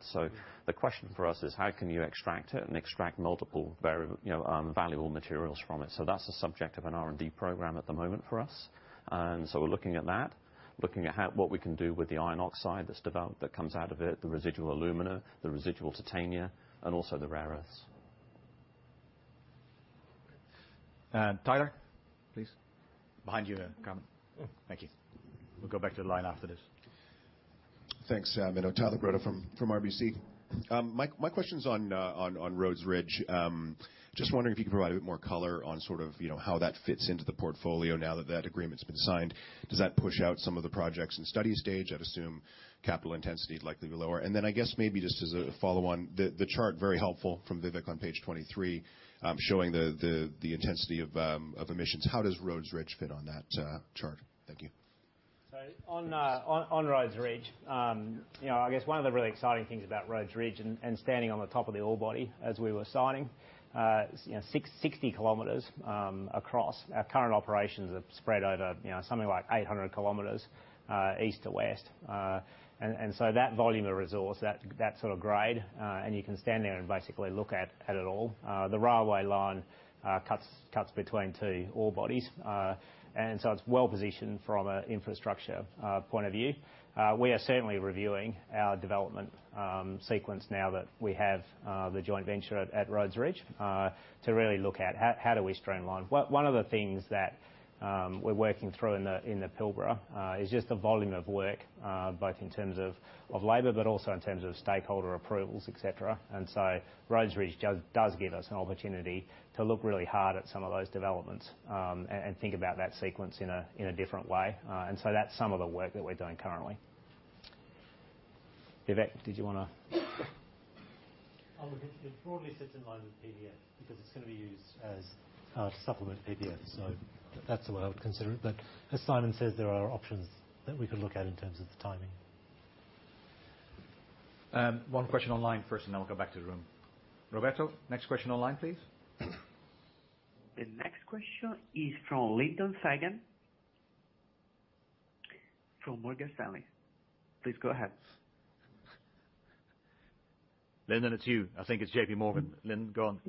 The question for us is how can you extract it and extract multiple, you know, valuable materials from it? That's the subject of an R&D program at the moment for us. We're looking at that, looking at how what we can do with the iron oxide that's developed that comes out of it, the residual alumina, the residual titania, and also the rare earths. Tyler, please. Behind you there. Carmen. Thank you. We'll go back to the line after this. Thanks. Tyler Broda from RBC. My question's on Rhodes Ridge. Just wondering if you could provide a bit more color on sort of, you know, how that fits into the portfolio now that that agreement's been signed. Does that push out some of the projects in study stage? I'd assume capital intensity is likely lower. I guess maybe just as a follow on the chart, very helpful from Vivek on page 23, showing the intensity of emissions. How does Rhodes Ridge fit on that chart? Thank you. On Rhodes Ridge, I guess one of the really exciting things about Rhodes Ridge and standing on the top of the ore body as we were signing, 60 kilometers across. Our current operations have spread over something like 800 kilometers east to west. That volume of resource, that sort of grade, and you can stand there and basically look at it all. The railway line cuts between two ore bodies. It's well positioned from a infrastructure point of view. We are certainly reviewing our development sequence now that we have the joint venture at Rhodes Ridge to really look at how do we streamline. One of the things that we're working through in the Pilbara is just the volume of work, both in terms of labor, but also in terms of stakeholder approvals, et cetera. Rhodes Ridge does give us an opportunity to look really hard at some of those developments and think about that sequence in a different way. That's some of the work that we're doing currently. Vivek, did you wanna? It broadly sits in line with PBS because it's gonna be used as to supplement PBS. That's the way I would consider it. As Simon says, there are options that we could look at in terms of the timing. One question online first, and then we'll go back to the room. Roberto, next question online, please. The next question is from Lyndon Fagan from Morgan Stanley. Please go ahead. Lyndon, it's you. I think it's JP Morgan. Lyndon, go on.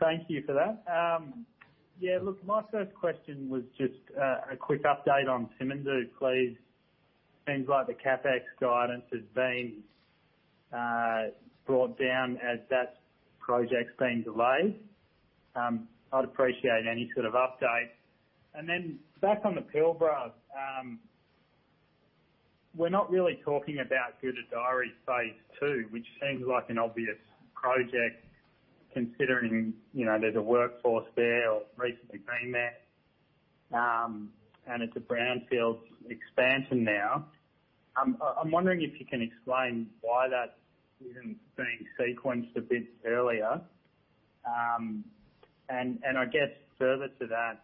Thank you for that. Look, my first question was just a quick update on Simandou, please. Seems like the CapEx guidance has been brought down as that project's been delayed. I'd appreciate any sort of update. Back on the Pilbara, we're not really talking about Gudai-Darri Phase Two, which seems like an obvious project considering, you know, there's a workforce there or recently been there, and it's a brownfield expansion now. I'm wondering if you can explain why that isn't being sequenced a bit earlier. I guess further to that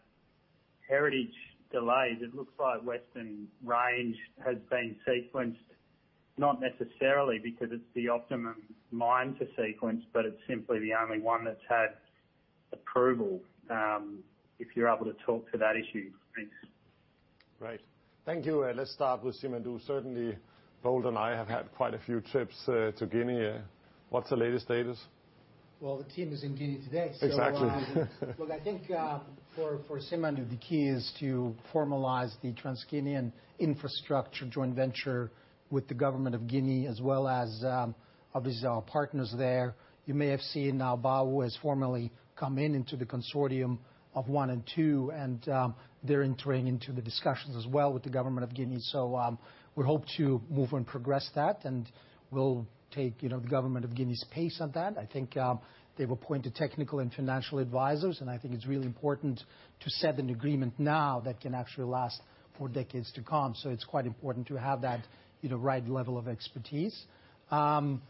heritage delays, it looks like Western Range has been sequenced, not necessarily because it's the optimum mine to sequence, but it's simply the only one that's had approval. If you're able to talk to that issue. Thanks. Right. Thank you. Let's start with Simandou. Certainly, Bold and I have had quite a few trips to Guinea. What's the latest status? Well, the team is in Guinea today. Exactly. Look, I think, for Simandou, the key is to formalize the Transguinean Infrastructure joint venture with the government of Guinea as well as obviously our partners there. You may have seen now Baowu has formally come into the consortium of 1 and 2, and they're entering into the discussions as well with the government of Guinea. We hope to move and progress that, and we'll take, you know, the government of Guinea's pace on that. I think, they've appointed technical and financial advisors, and I think it's really important to set an agreement now that can actually last for decades to come. It's quite important to have that, you know, right level of expertise. We'll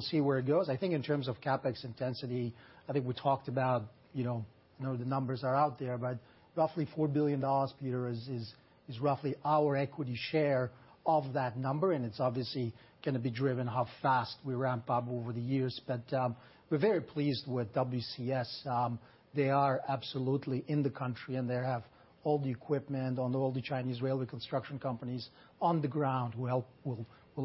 see where it goes. I think in terms of CapEx intensity, I think we talked about, you know, I know the numbers are out there, but roughly $4 billion, Peter, is roughly our equity share of that number. It's obviously gonna be driven how fast we ramp up over the years. We're very pleased with Winning Consortium Simandou. They are absolutely in the country, and they have all the equipment on all the Chinese railway construction companies on the ground will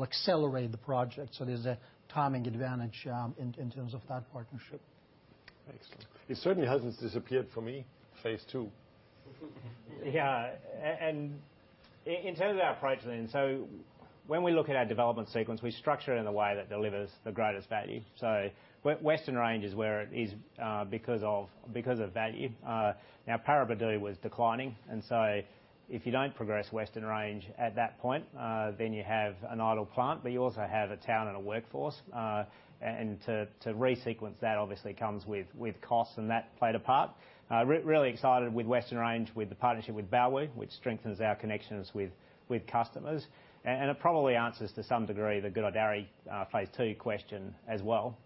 accelerate the project. There's a timing advantage in terms of that partnership. Thanks. It certainly hasn't disappeared for me, phase two. In terms of our approach then, when we look at our development sequence, we structure it in a way that delivers the greatest value. Western Range is where it is because of value. Now Paraburdoo was declining, if you don't progress Western Range at that point, then you have an idle plant, but you also have a town and a workforce. To resequence that obviously comes with costs, and that played a part. Really excited with Western Range with the partnership with Baowu, which strengthens our connections with customers. It probably answers to some degree the Gudai-Darri phase two question as well.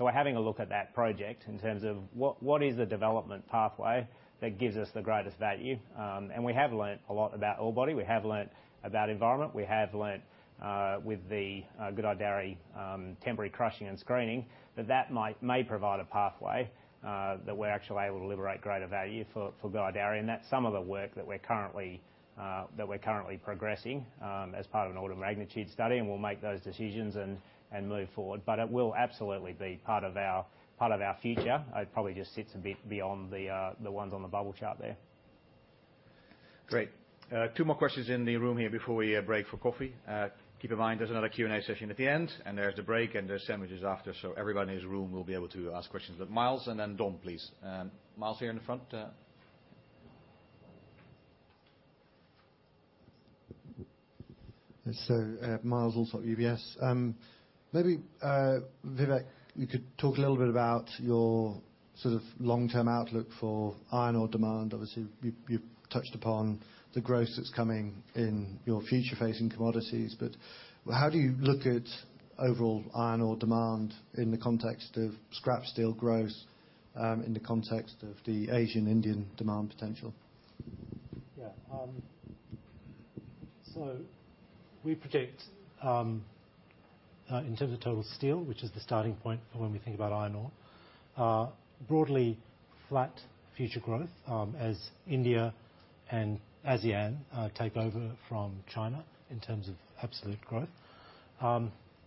We're having a look at that project in terms of what is the development pathway that gives us the greatest value? We have learned a lot about orebody. We have learned about environment. We have learned with the Gudai-Darri temporary crushing and screening that may provide a pathway that we're actually able to liberate greater value for Gudai-Darri. That's some of the work that we're currently progressing as part of an order of magnitude study, and we'll make those decisions and move forward. It will absolutely be part of our future. It probably just sits a bit beyond the ones on the bubble chart there. Great. 2 more questions in the room here before we break for coffee. Keep in mind, there's another Q&A session at the end, and there's the break, and there's sandwiches after, so everybody in this room will be able to ask questions. Myles and then Dom, please. Myles here in the front. Myles Allsop, UBS. Maybe Vivek, you could talk a little bit about your sort of long-term outlook for iron ore demand. Obviously, you've touched upon the growth that's coming in your future-facing commodities, but how do you look at overall iron ore demand in the context of scrap steel growth, in the context of the Asian, Indian demand potential? We predict, in terms of total steel, which is the starting point for when we think about iron ore, broadly flat future growth, as India and ASEAN take over from China in terms of absolute growth.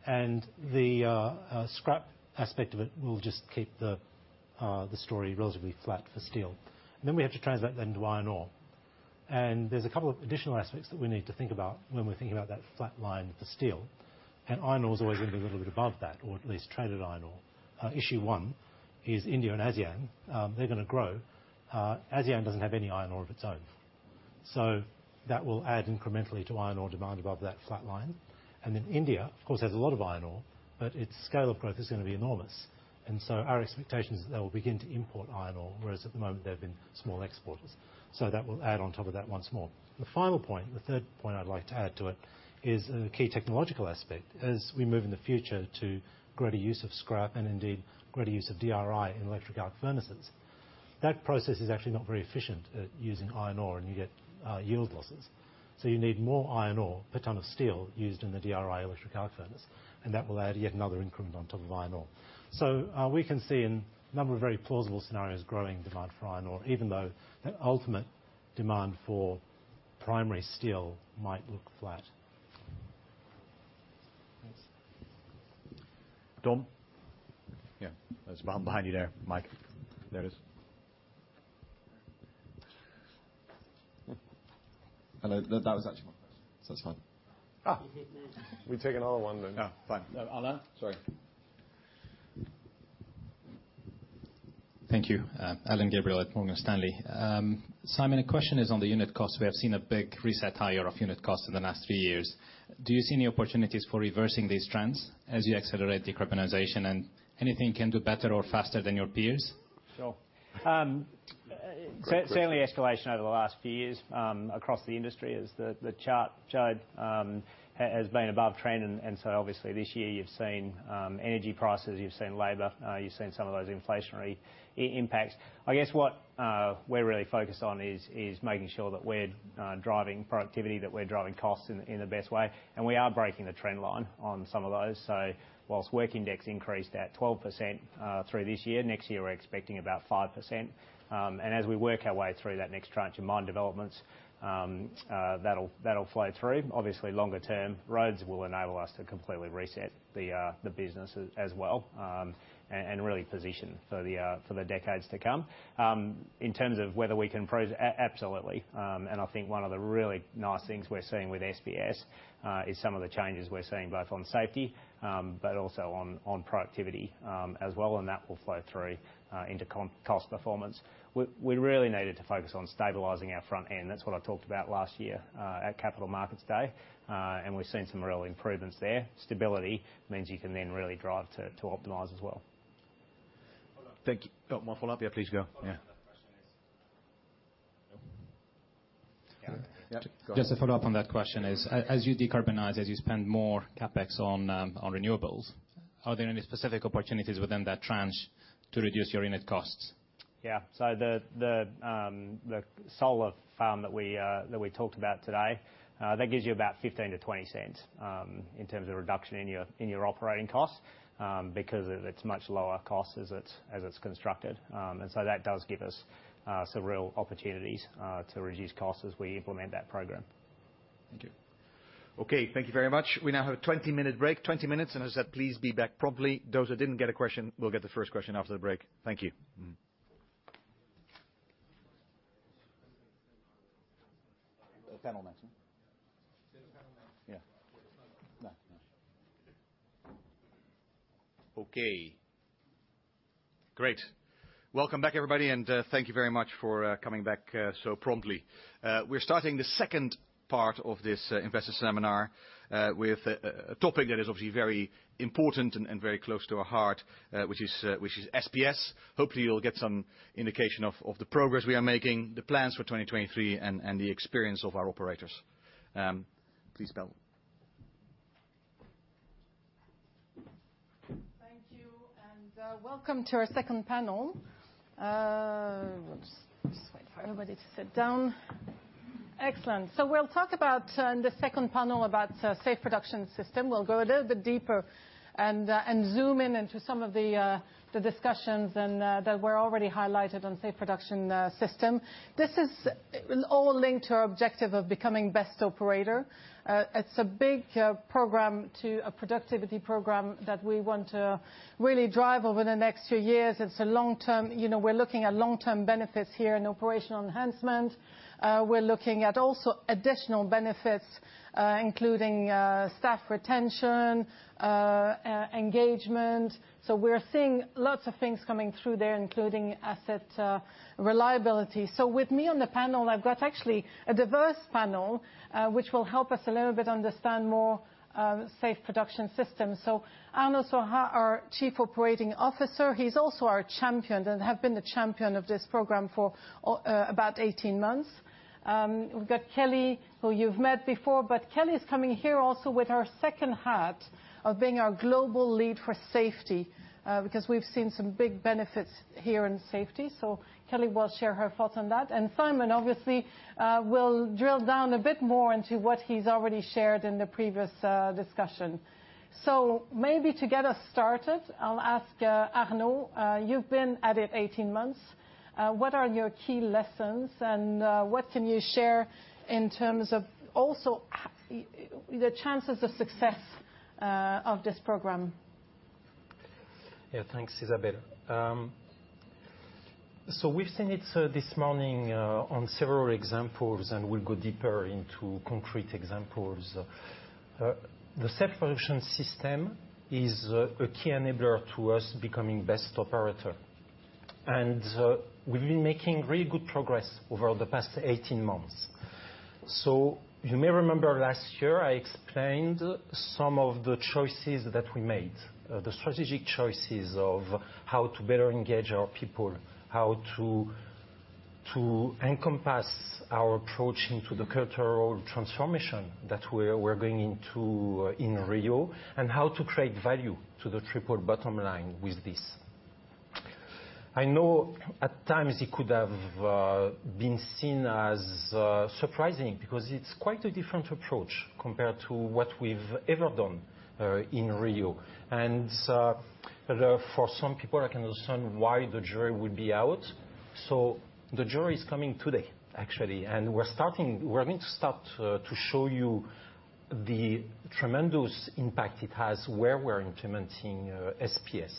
The scrap aspect of it will just keep the story relatively flat for steel. We have to translate that into iron ore. There's a couple of additional aspects that we need to think about when we're thinking about that flat line for steel, and iron ore's always going to be a little bit above that, or at least traded iron ore. Issue one is India and ASEAN, they're gonna grow. ASEAN doesn't have any iron ore of its own. That will add incrementally to iron ore demand above that flat line. India, of course, has a lot of iron ore, but its scale of growth is gonna be enormous. Our expectation is that they'll begin to import iron ore, whereas at the moment they've been small exporters. That will add on top of that once more. The final point, the third point I'd like to add to it, is a key technological aspect. As we move in the future to greater use of scrap and indeed greater use of DRI in electric arc furnaces, that process is actually not very efficient at using iron ore, and you get yield losses. You need more iron ore per ton of steel used in the DRI electric arc furnace, and that will add yet another increment on top of iron ore. We can see a number of very plausible scenarios growing demand for iron ore, even though the ultimate demand for primary steel might look flat. Thanks. Dom? Yeah, just behind you there. Mic. There it is. Hello. That was actually my question, so that's fine. We take another one then. Oh, fine. No, Alain. Sorry. Thank you. Alain Gabriel at Morgan Stanley. Simon, the question is on the unit cost. We have seen a big reset higher of unit cost in the last three years. Do you see any opportunities for reversing these trends as you accelerate decarbonization? Anything you can do better or faster than your peers? Sure. Great question. Certainly escalation over the last few years across the industry, as the chart showed, has been above trend. Obviously this year you've seen energy prices, you've seen labor, you've seen some of those inflationary impacts. I guess what we're really focused on is making sure that we're driving productivity, that we're driving costs in the best way. We are breaking the trend line on some of those. Whilst work index increased at 12% through this year, next year we're expecting about 5%. As we work our way through that next tranche of mine developments, that'll flow through. Obviously longer term, Rhodes Ridge will enable us to completely reset the business as well, and really position for the decades to come. In terms of whether we can improve, absolutely. I think one of the really nice things we're seeing with SBS is some of the changes we're seeing both on safety, but also on productivity as well, and that will flow through into cost performance. We really needed to focus on stabilizing our front end. That's what I talked about last year at Capital Markets Day. We've seen some real improvements there. Stability means you can then really drive to optimize as well. Follow up. Thank you. 1 follow-up? Yeah, please go. Yeah. Follow up on that question is... Nope? Yeah. Yeah. Go on. Just to follow up on that question is, as you decarbonize, as you spend more CapEx on renewables, are there any specific opportunities within that tranche to reduce your unit costs? The solar farm that we talked about today, that gives you about $0.15-$0.20 in terms of reduction in your operating costs, because it's much lower cost as it's constructed. That does give us some real opportunities to reduce costs as we implement that program. Thank you. Okay, thank you very much. We now have a 20-minute break. 20 minutes, and as I said, please be back promptly. Those who didn't get a question will get the first question after the break. Thank you. The panel next? Yeah, the panel next. Yeah. No, no. Okay. Great. Welcome back, everybody, and thank you very much for coming back so promptly. We're starting the second part of this investor seminar with a topic that is obviously very important and very close to our heart, which is SPS. Hopefully you'll get some indication of the progress we are making, the plans for 2023, and the experience of our operators. Please, Belle. Thank you. Welcome to our second panel. Whoops, just wait for everybody to sit down. Excellent. We'll talk about in the second panel about Safe Production System. We'll go a little bit deeper and zoom in into some of the discussions and that were already highlighted on Safe Production System. This is all linked to our objective of becoming best operator. It's a big program, a productivity program that we want to really drive over the next few years. It's a long-term, you know, we're looking at long-term benefits here in operational enhancement. We're looking at also additional benefits, including staff retention, engagement. We're seeing lots of things coming through there, including asset reliability. With me on the panel, I've got actually a diverse panel, which will help us a little bit understand more, Safe Production System. Arnaud Soirat, our Chief Operating Officer, he's also our champion and have been the champion of this program for about 18 months. We've got Kelly, who you've met before, but Kelly's coming here also with her second hat of being our global lead for safety, because we've seen some big benefits here in safety. Kelly will share her thoughts on that. Simon, obviously, will drill down a bit more into what he's already shared in the previous discussion. Maybe to get us started, I'll ask Arnaud, you've been at it 18 months. What are your key lessons, and what can you share in terms of also the chances of success of this program? Yeah, thanks, Isabelle. We've seen it this morning on several examples. We'll go deeper into concrete examples. The Safe Production System is a key enabler to us becoming best operator. We've been making really good progress over the past 18 months. You may remember last year I explained some of the choices that we made, the strategic choices of how to better engage our people, how to encompass our approach into the cultural transformation that we're going into in Rio, how to create value to the triple bottom line with this. I know at times it could have been seen as surprising because it's quite a different approach compared to what we've ever done in Rio. For some people I can understand why the jury would be out. The jury is coming today actually, and we're going to start to show you the tremendous impact it has where we're implementing SPS.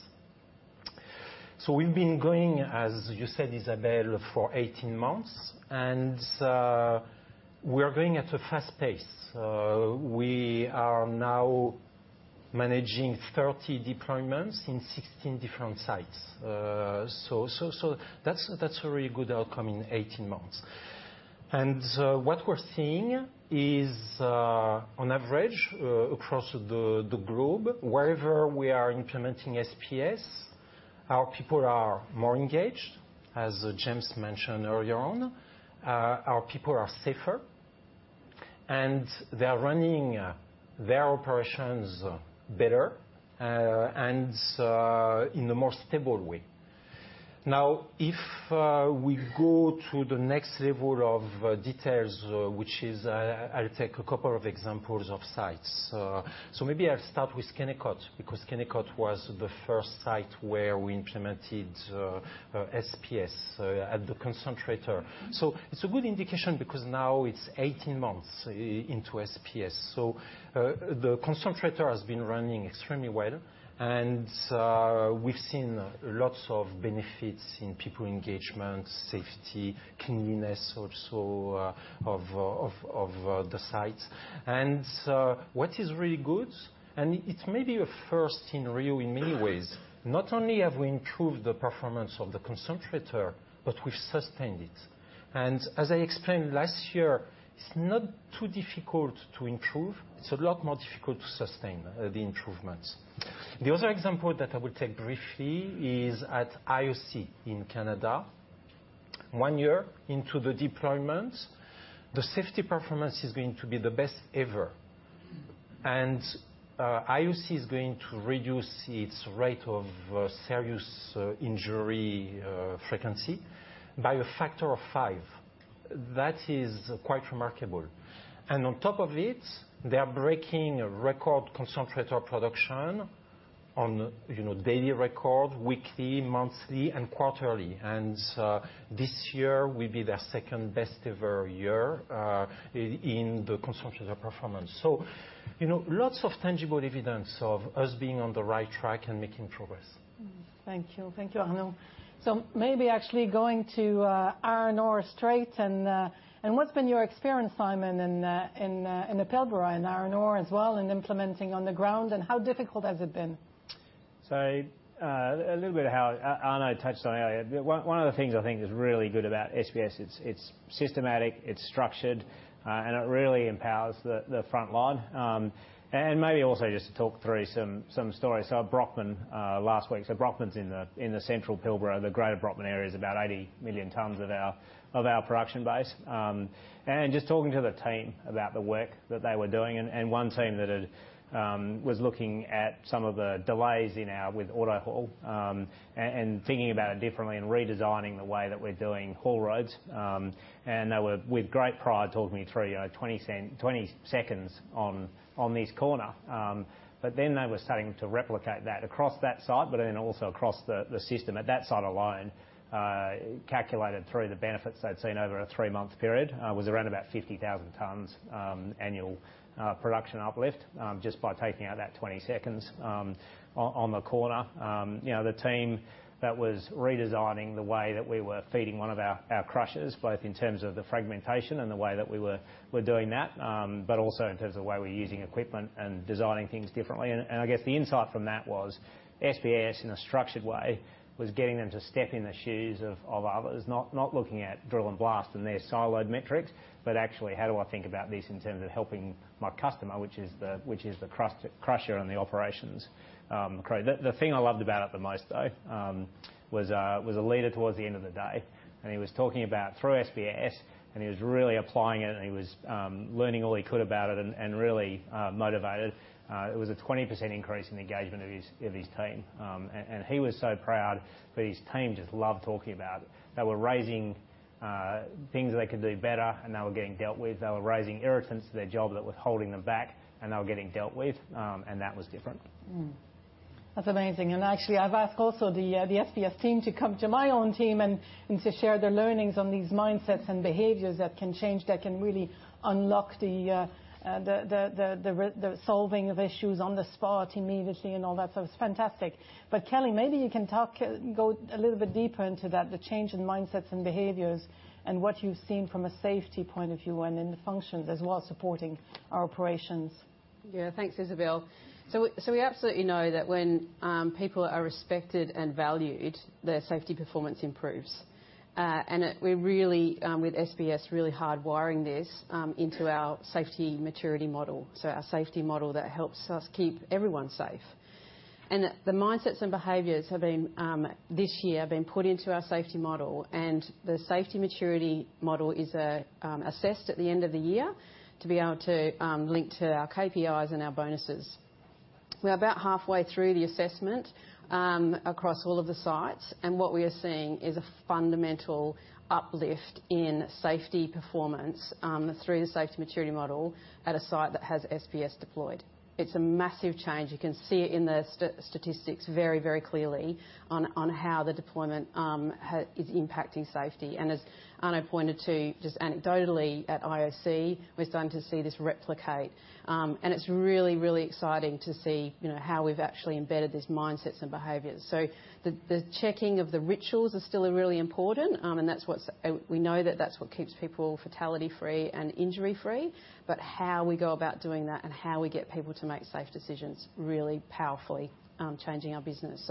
We've been going, as you said, Isabelle, for 18 months, and we are going at a fast pace. We are now managing 30 deployments in 16 different sites. That's a very good outcome in 18 months. What we're seeing is, on average, across the globe, wherever we are implementing SPS, our people are more engaged, as James mentioned earlier on. Our people are safer, and they're running their operations better, and in a more stable way. Now, if we go to the next level of details, which is, I'll take a couple of examples of sites. Maybe I'll start with Kennecott, because Kennecott was the first site where we implemented SPS at the concentrator. It's a good indication because now it's 18 months into SPS. The concentrator has been running extremely well, we've seen lots of benefits in people engagement, safety, cleanliness also of the site. What is really good, and it may be a first in Rio in many ways, not only have we improved the performance of the concentrator, but we've sustained it. As I explained last year, it's not too difficult to improve. It's a lot more difficult to sustain the improvements. The other example that I will take briefly is at IOC in Canada. One year into the deployment, the safety performance is going to be the best ever. IOC is going to reduce its rate of serious injury frequency by a factor of five. That is quite remarkable. On top of it, they are breaking record concentrator production, you know, daily record, weekly, monthly, and quarterly. This year will be their second-best ever year in the consumption of their performance. You know, lots of tangible evidence of us being on the right track and making progress. Thank you. Thank you, Arnaud. Maybe actually going to iron ore straight and what's been your experience, Simon, in the Pilbara, in iron ore as well and implementing on the ground? How difficult has it been? A little bit of how Arnaud touched on earlier. One of the things I think is really good about SBS, it's systematic, it's structured, and it really empowers the front line. And maybe also just talk through some stories. Brockman last week. Brockman's in the central Pilbara. The greater Brockman area's about 80 million tons of our production base. And just talking to the team about the work that they were doing, and one team that had was looking at some of the delays in our with AutoHaul, and thinking about it differently and redesigning the way that we're doing haul roads. And they were, with great pride, talking me through, you know, 20 seconds on this corner. They were starting to replicate that across that site, but then also across the system. At that site alone, calculated through the benefits they'd seen over a 3-month period, was around about 50,000 tons annual production uplift, just by taking out that 20 seconds on the corner. You know, the team that was redesigning the way that we were feeding one of our crushers, both in terms of the fragmentation and the way that we were doing that, but also in terms of the way we're using equipment and designing things differently. I guess the insight from that was SBS, in a structured way, was getting them to step in the shoes of others. Not looking at drill and blast and their siloed metrics, but actually, how do I think about this in terms of helping my customer, which is the crust-crusher and the operations crew. The thing I loved about it the most, though, was a leader towards the end of the day, and he was talking about through SBS, and he was really applying it, and he was learning all he could about it and really motivated. It was a 20% increase in the engagement of his team. He was so proud that his team just loved talking about it. They were raising things they could do better, and they were getting dealt with. They were raising irritants to their job that was holding them back, and they were getting dealt with, and that was different. That's amazing. Actually, I've asked also the SBS team to come to my own team and to share their learnings on these mindsets and behaviors that can change, that can really unlock the solving of issues on the spot immediately and all that. It's fantastic. Kelly, maybe you can talk go a little bit deeper into that, the change in mindsets and behaviors and what you've seen from a safety point of view and in the functions as well, supporting our operations. Thanks, Isabelle. We absolutely know that when people are respected and valued, their safety performance improves. We really, with SBS, really hardwiring this into our safety maturity model, so our safety model that helps us keep everyone safe. The mindsets and behaviors have been, this year, been put into our safety model. The safety maturity model is assessed at the end of the year to be able to link to our KPIs and our bonuses. We're about halfway through the assessment across all of the sites, and what we are seeing is a fundamental uplift in safety performance through the safety maturity model at a site that has SBS deployed. It's a massive change. You can see it in the statistics very, very clearly on how the deployment is impacting safety. As Arnaud pointed to, just anecdotally at IOC, we're starting to see this replicate. It's really, really exciting to see, you know, how we've actually embedded these mindsets and behaviors. The checking of the rituals are still really important, and we know that that's what keeps people fatality-free and injury-free. How we go about doing that and how we get people to make safe decisions, really powerfully changing our business.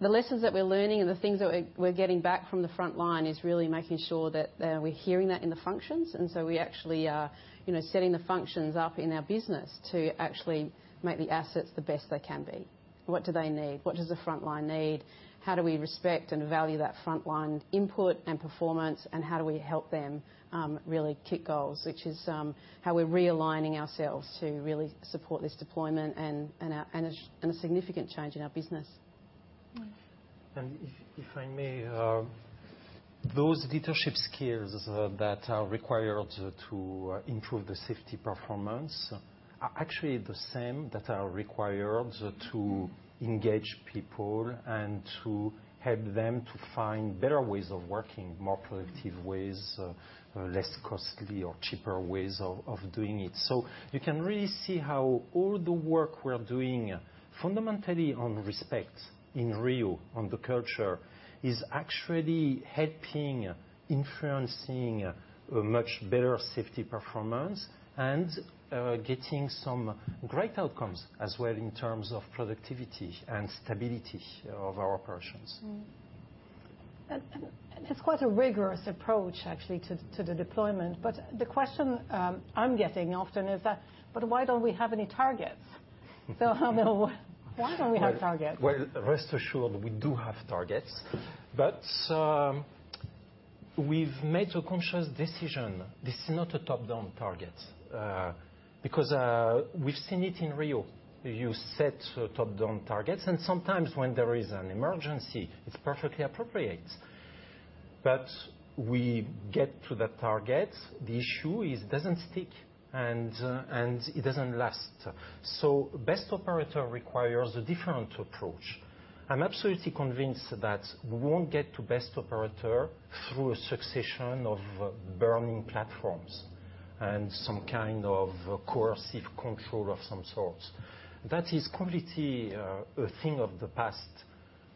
The lessons that we're learning and the things that we're getting back from the front line is really making sure that we're hearing that in the functions. We actually are, you know, setting the functions up in our business to actually make the assets the best they can be. What do they need? What does the front line need? How do we respect and value that front-line input and performance, and how do we help them really kick goals? Which is how we're realigning ourselves to really support this deployment and a significant change in our business. Mm. If I may, those leadership skills that are required to improve the safety performance are actually the same that are required to engage people and to help them to find better ways of working, more productive ways, less costly or cheaper ways of doing it. You can really see how all the work we're doing fundamentally on respect in Rio on the culture is actually helping influencing a much better safety performance and getting some great outcomes as well in terms of productivity and stability of our operations. It's quite a rigorous approach actual ly to the deployment, but the question I'm getting often is that, but why don't we have any targets? Arnaud, why don't we have targets? Well, rest assured, we do have targets. We've made a conscious decision. This is not a top-down target, because, we've seen it in Rio. You set top-down targets, sometimes when there is an emergency, it's perfectly appropriate. Mm. We get to that target, the issue is it doesn't stick and it doesn't last. Best operator requires a different approach. I'm absolutely convinced that we won't get to best operator through a succession of burning platforms and some kind of coercive control of some sort. That is completely a thing of the past.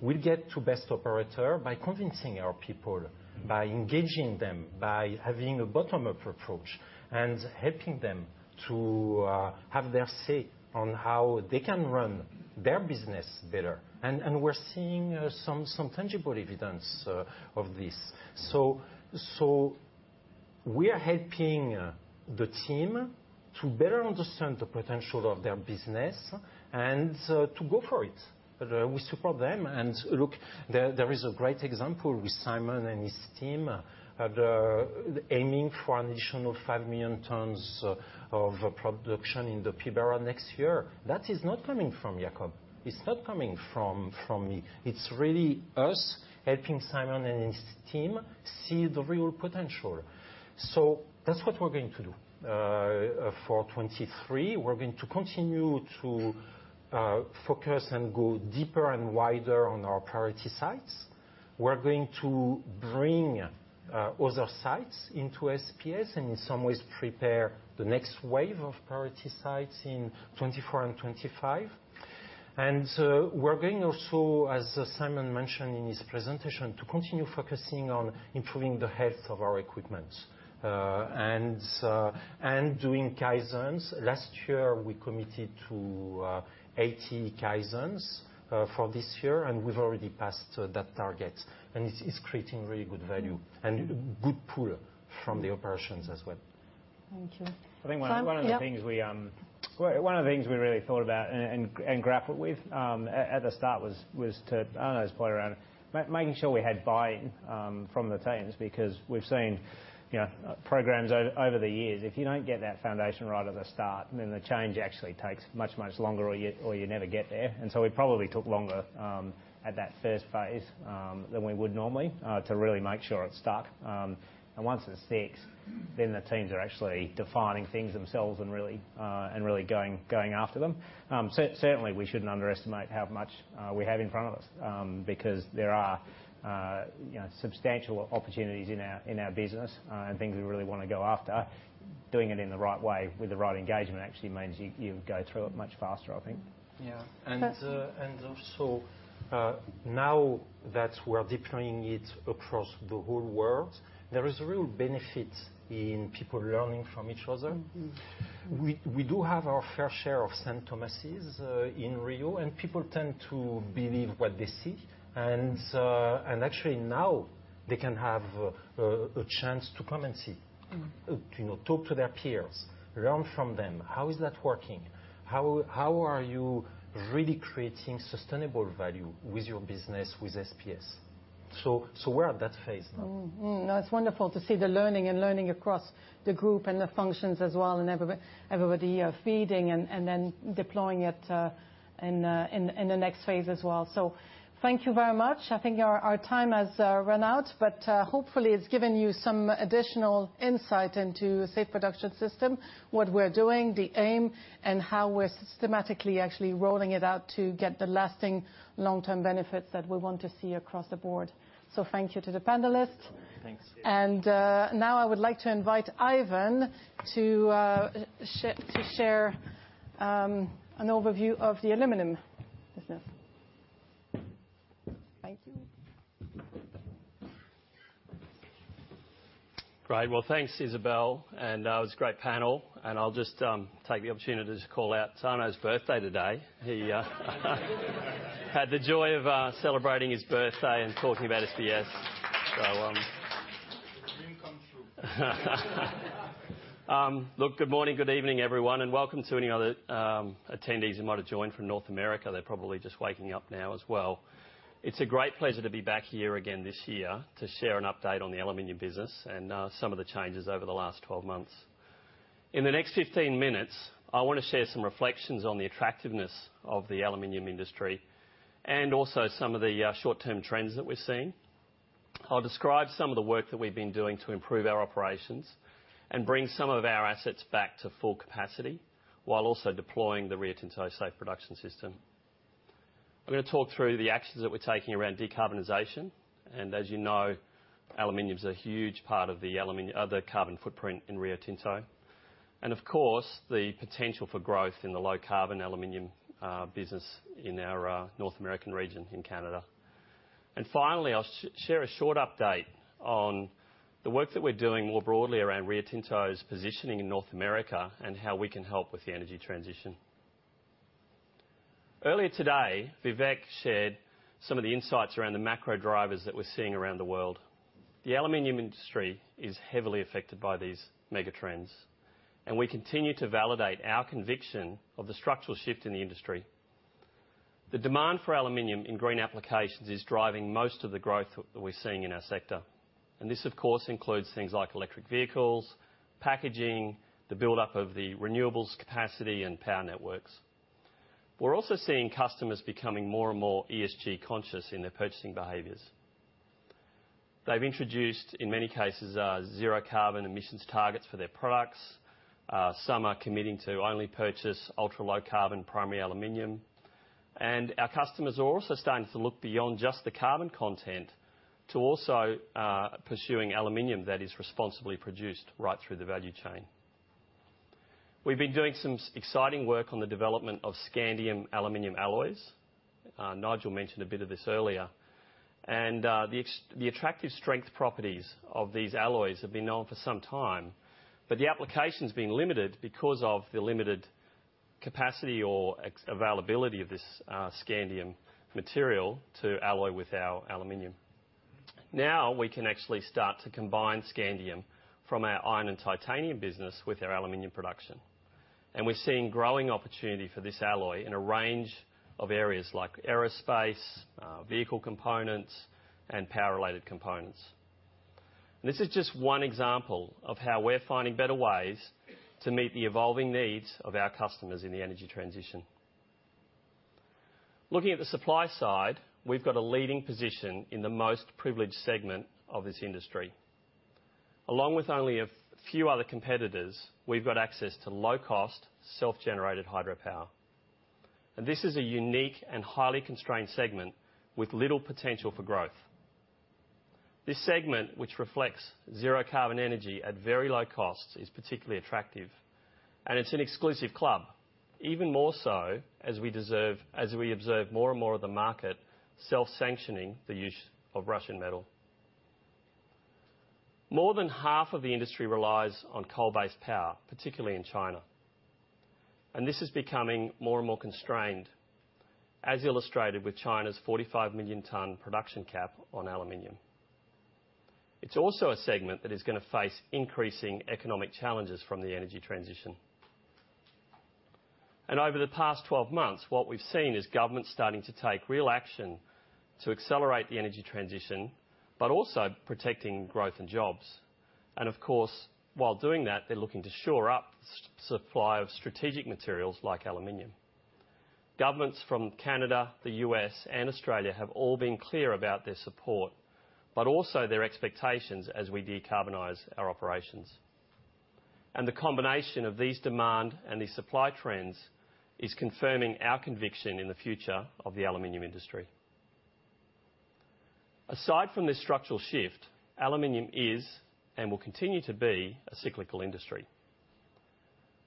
We'll get to best operator by convincing our people, by engaging them, by having a bottom-up approach and helping them to have their say on how they can run their business better. We're seeing some tangible evidence of this. We are helping the team to better understand the potential of their business and to go for it. We support them. Look, there is a great example with Simon and his team at aiming for an additional 5 million tons of production in the Pilbara next year. That is not coming from Jakob. It's not coming from me. It's really us helping Simon and his team see the real potential. That's what we're going to do for 2023. We're going to continue to focus and go deeper and wider on our priority sites. We're going to bring other sites into SPS, and in some ways prepare the next wave of priority sites in 2024 and 2025. We're going also, as Simon mentioned in his presentation, to continue focusing on improving the health of our equipment and doing Kaizen. Last year, we committed to 80 Kaizen for this year, and we've already passed that target. It's creating really good value and good pull from the operations as well. Thank you. Simon? Yeah. I think one of the things we really thought about and grappled with at the start was to Arnaud's point around making sure we had buy-in from the teams, because we've seen, you know, programs over the years, if you don't get that foundation right at the start, then the change actually takes much, much longer or you never get there. We probably took longer at that first phase than we would normally to really make sure it stuck. Once it sticks, then the teams are actually defining things themselves and really going after them. Certainly, we shouldn't underestimate how much we have in front of us, because there are, you know, substantial opportunities in our business, and things we really wanna go after. Doing it in the right way with the right engagement actually means you go through it much faster, I think. Yeah. That's- Also, now that we're deploying it across the whole world, there is a real benefit in people learning from each other. Mm-hmm. We do have our fair share of doubting Thomas in Rio, and people tend to believe what they see. Actually now they can have a chance to come and see. Mm-hmm. You know, talk to their peers, learn from them. How is that working? How are you really creating sustainable value with your business, with SPS? We're at that phase now. It's wonderful to see the learning and learning across the group and the functions as well, and everybody feeding and then deploying it in the next phase as well. Thank you very much. I think our time has run out, but hopefully it's given you some additional insight into Safe Production System, what we're doing, the aim, and how we're systematically actually rolling it out to get the lasting long-term benefits that we want to see across the board. Thank you to the panelists. Thanks. Now I would like to invite Ivan to share an overview of the aluminum business. Thank you. Great. THanks, Isabelle, and it was a great panel, and I'll just take the opportunity to call out Arnaud's birthday today. He had the joy of celebrating his birthday and talking about SPS. A dream come true. Look, good morning, good evening, everyone, and welcome to any other attendees who might have joined from North America. They're probably just waking up now as well. It's a great pleasure to be back here again this year to share an update on the aluminum business and some of the changes over the last 12 months. In the next 15 minutes, I wanna share some reflections on the attractiveness of the aluminum industry and also some of the short-term trends that we're seeing. I'll describe some of the work that we've been doing to improve our operations and bring some of our assets back to full capacity while also deploying the Rio Tinto Safe Production System. I'm gonna talk through the actions that we're taking around decarbonization. As you know, aluminum is a huge part of the carbon footprint in Rio Tinto. Of course, the potential for growth in the low-carbon aluminum business in our North American region in Canada. Finally, I'll share a short update on the work that we're doing more broadly around Rio Tinto's positioning in North America and how we can help with the energy transition. Earlier today, Vivek shared some of the insights around the macro drivers that we're seeing around the world. The aluminum industry is heavily affected by these mega trends. We continue to validate our conviction of the structural shift in the industry. The demand for aluminum in green applications is driving most of the growth that we're seeing in our sector. This of course, includes things like electric vehicles, packaging, the buildup of the renewables capacity and power networks. We're also seeing customers becoming more and more ESG conscious in their purchasing behaviors. They've introduced, in many cases, zero carbon emissions targets for their products. Some are committing to only purchase ultra-low carbon primary aluminum. Our customers are also starting to look beyond just the carbon content to also pursuing aluminum that is responsibly produced right through the value chain. We've been doing some exciting work on the development of scandium aluminum alloys. Nigel mentioned a bit of this earlier. The attractive strength properties of these alloys have been known for some time. The application's been limited because of the limited capacity or availability of this scandium material to alloy with our aluminum. Now we can actually start to combine scandium from our iron and titanium business with our aluminum production, and we're seeing growing opportunity for this alloy in a range of areas, like aerospace, vehicle components, and power-related components. This is just one example of how we're finding better ways to meet the evolving needs of our customers in the energy transition. Looking at the supply side, we've got a leading position in the most privileged segment of this industry. Along with only a few other competitors, we've got access to low-cost, self-generated hydropower. This is a unique and highly constrained segment with little potential for growth. This segment, which reflects zero carbon energy at very low cost, is particularly attractive, and it's an exclusive club, even more so as we observe more and more of the market self-sanctioning the use of Russian metal. More than half of the industry relies on coal-based power, particularly in China, this is becoming more and more constrained, as illustrated with China's 45 million ton production cap on aluminum. It's also a segment that is gonna face increasing economic challenges from the energy transition. Over the past 12 months, what we've seen is government starting to take real action to accelerate the energy transition, but also protecting growth and jobs. Of course, while doing that, they're looking to shore up supply of strategic materials like aluminum. Governments from Canada, the U.S., and Australia have all been clear about their support, but also their expectations as we decarbonize our operations. The combination of these demand and these supply trends is confirming our conviction in the future of the aluminum industry. Aside from this structural shift, aluminum is, and will continue to be, a cyclical industry.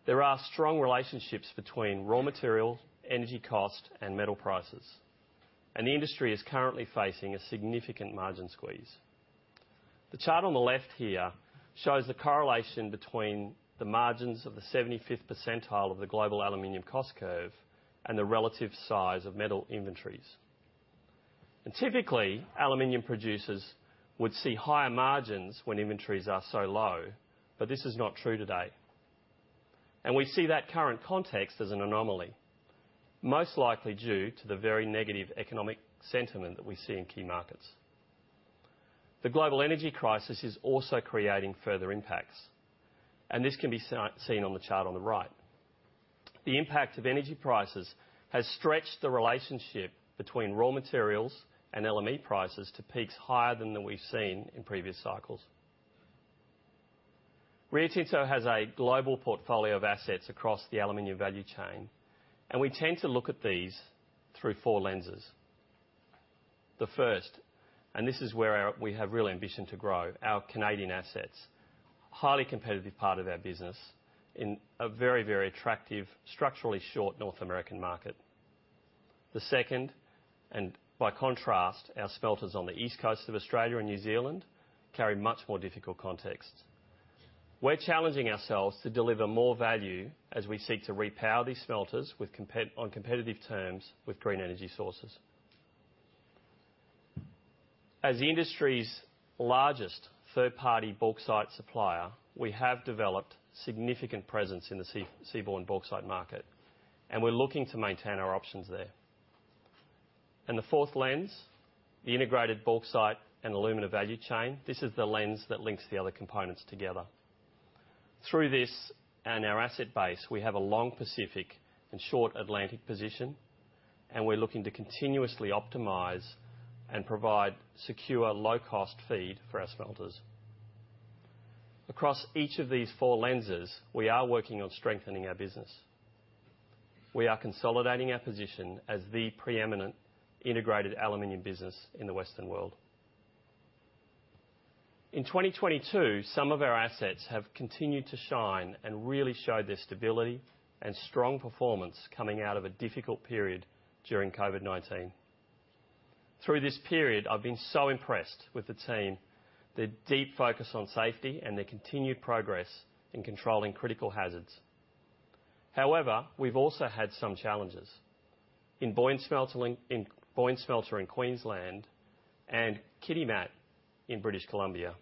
There are strong relationships between raw material, energy cost, and metal prices, and the industry is currently facing a significant margin squeeze. The chart on the left here shows the correlation between the margins of the 75th percentile of the global aluminium cost curve and the relative size of metal inventories. Typically, aluminium producers would see higher margins when inventories are so low, but this is not true today. We see that current context as an anomaly, most likely due to the very negative economic sentiment that we see in key markets. The global energy crisis is also creating further impacts, and this can be seen on the chart on the right. The impact of energy prices has stretched the relationship between raw materials and LME prices to peaks higher than what we've seen in previous cycles. Rio Tinto has a global portfolio of assets across the aluminum value chain, and we tend to look at these through four lenses. The first, and this is where we have real ambition to grow our Canadian assets. Highly competitive part of our business in a very, very attractive, structurally short North American market. The second, and by contrast, our smelters on the east coast of Australia and New Zealand carry much more difficult contexts. We're challenging ourselves to deliver more value as we seek to repower these smelters on competitive terms with green energy sources. As the industry's largest third-party bauxite supplier, we have developed significant presence in the seaborne bauxite market, and we're looking to maintain our options there. The fourth lens, the integrated bauxite and alumina value chain, this is the lens that links the other components together. Through this and our asset base, we have a long Pacific and short Atlantic position, and we're looking to continuously optimize and provide secure low-cost feed for our smelters. Across each of these four lenses, we are working on strengthening our business. We are consolidating our position as the preeminent integrated aluminum business in the Western world. In 2022, some of our assets have continued to shine and really show their stability and strong performance coming out of a difficult period during COVID-19. Through this period, I've been so impressed with the team, their deep focus on safety, and their continued progress in controlling critical hazards. However, we've also had some challenges. In Boyne Smelter in Queensland and Kitimat in British Columbia,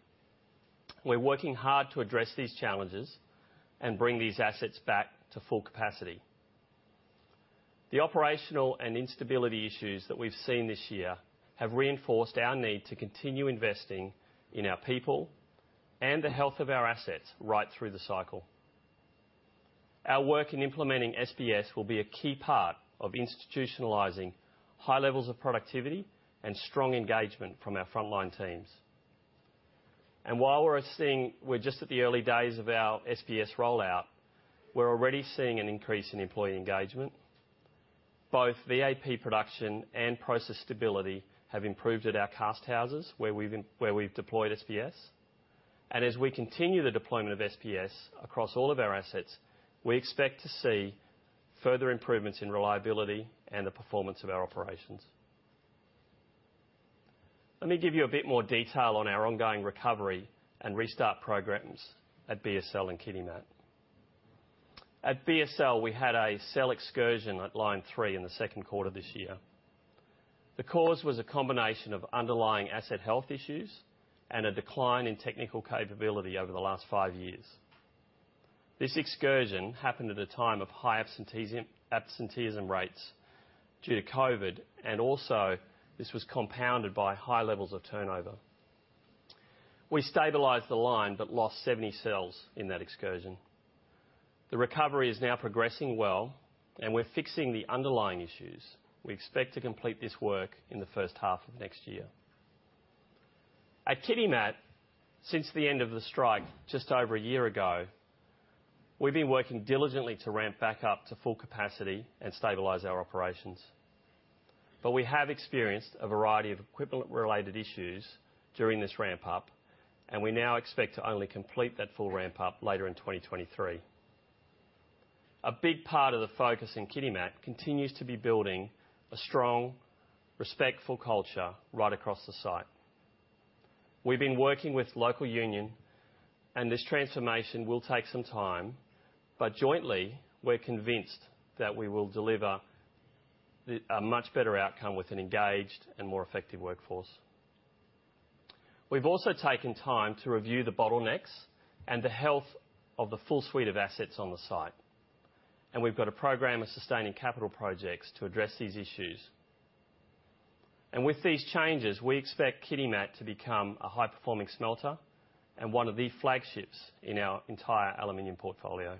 we're working hard to address these challenges and bring these assets back to full capacity. The operational and instability issues that we've seen this year have reinforced our need to continue investing in our people and the health of our assets right through the cycle. Our work in implementing SBS will be a key part of institutionalizing high levels of productivity and strong engagement from our frontline teams. While we're just at the early days of our SBS rollout, we're already seeing an increase in employee engagement. Both VAP production and process stability have improved at our cast houses where we've deployed SBS. As we continue the deployment of SBS across all of our assets, we expect to see further improvements in reliability and the performance of our operations. Let me give you a bit more detail on our ongoing recovery and restart programs at BSL and Kitimat. At BSL, we had a cell excursion at line 3 in the second quarter this year. The cause was a combination of underlying asset health issues and a decline in technical capability over the last five years. This excursion happened at a time of high absenteeism rates due to COVID, and also this was compounded by high levels of turnover. We stabilized the line, but lost 70 cells in that excursion. The recovery is now progressing well, and we're fixing the underlying issues. We expect to complete this work in the first half of next year. At Kitimat, since the end of the strike just over a year ago, we've been working diligently to ramp back up to full capacity and stabilize our operations. We have experienced a variety of equipment-related issues during this ramp-up, and we now expect to only complete that full ramp-up later in 2023. A big part of the focus in Kitimat continues to be building a strong, respectful culture right across the site. We've been working with local union, and this transformation will take some time, but jointly, we're convinced that we will deliver a much better outcome with an engaged and more effective workforce. We've also taken time to review the bottlenecks and the health of the full suite of assets on the site, and we've got a program of sustaining capital projects to address these issues, ith these changes, we expect Kitimat to become a high-performing smelter and one of the flagships in our entire aluminum portfolio.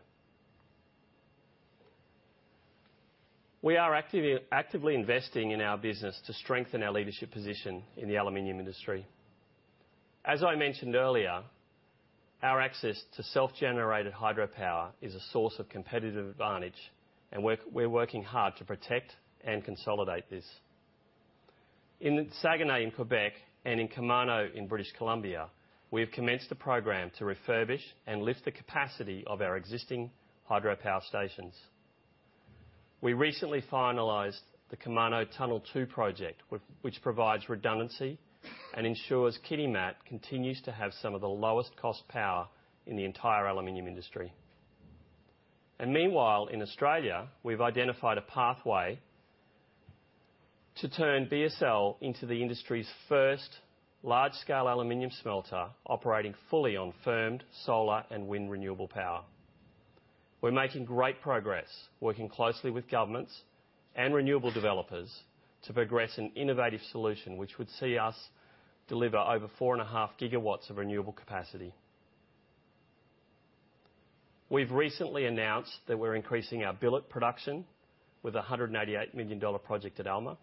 We are actively investing in our business to strengthen our leadership position in the aluminum industry. As I mentioned earlier, our access to self-generated hydropower is a source of competitive advantage, and we're working hard to protect and consolidate this. In Saguenay in Quebec and in Kemano in British Columbia, we have commenced a program to refurbish and lift the capacity of our existing hydropower stations. We recently finalized the Kemano Tunnel Two project which provides redundancy and ensures Kitimat continues to have some of the lowest cost power in the entire aluminum industry. Meanwhile, in Australia, we've identified a pathway to turn BSL into the industry's first large-scale aluminum smelter operating fully on firmed solar and wind renewable power. We're making great progress working closely with governments and renewable developers to progress an innovative solution which would see us deliver over 4.5 gigawatts of renewable capacity. We've recently announced that we're increasing our billet production with a $188 million project at Alma.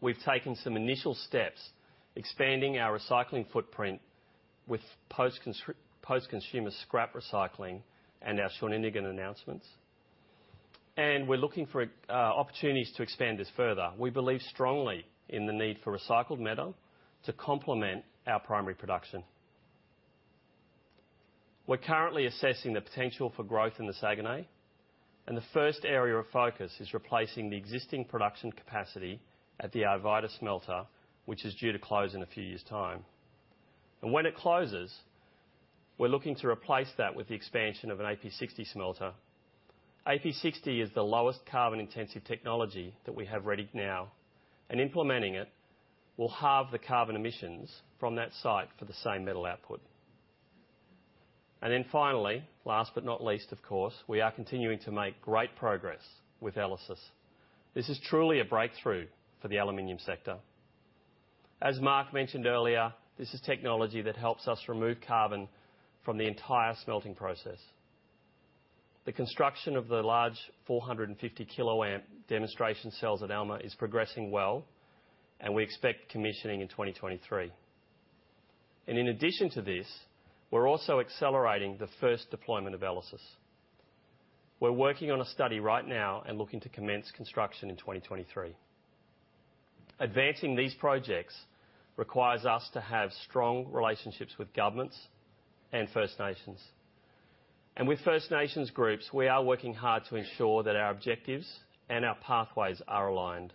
We've taken some initial steps expanding our recycling footprint with post-consumer scrap recycling and our Saguenay announcements. We're looking for opportunities to expand this further. We believe strongly in the need for recycled metal to complement our primary production. We're currently assessing the potential for growth in the Saguenay, and the first area of focus is replacing the existing production capacity at the Arvida smelter, which is due to close in a few years' time. When it closes, we're looking to replace that with the expansion of an AP60 smelter. AP60 is the lowest carbon-intensive technology that we have ready now, implementing it will halve the carbon emissions from that site for the same metal output. Finally, last but not least, of course, we are continuing to make great progress with ELYSIS. This is truly a breakthrough for the aluminum sector. As Mark mentioned earlier, this is technology that helps us remove carbon from the entire smelting process. The construction of the large 450 kiloamp demonstration cells at Alma is progressing well, and we expect commissioning in 2023. In addition to this, we're also accelerating the first deployment of ELYSIS. We're working on a study right now and looking to commence construction in 2023. Advancing these projects requires us to have strong relationships with governments and First Nations. With First Nations groups, we are working hard to ensure that our objectives and our pathways are aligned.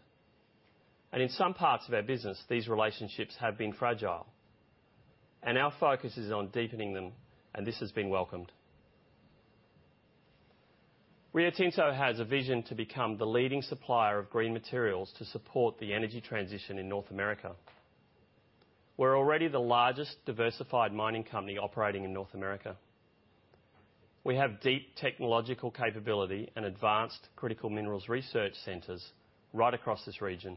In some parts of our business, these relationships have been fragile. Our focus is on deepening them, and this has been welcomed. Rio Tinto has a vision to become the leading supplier of green materials to support the energy transition in North America. We're already the largest diversified mining company operating in North America. We have deep technological capability and advanced critical minerals research centers right across this region.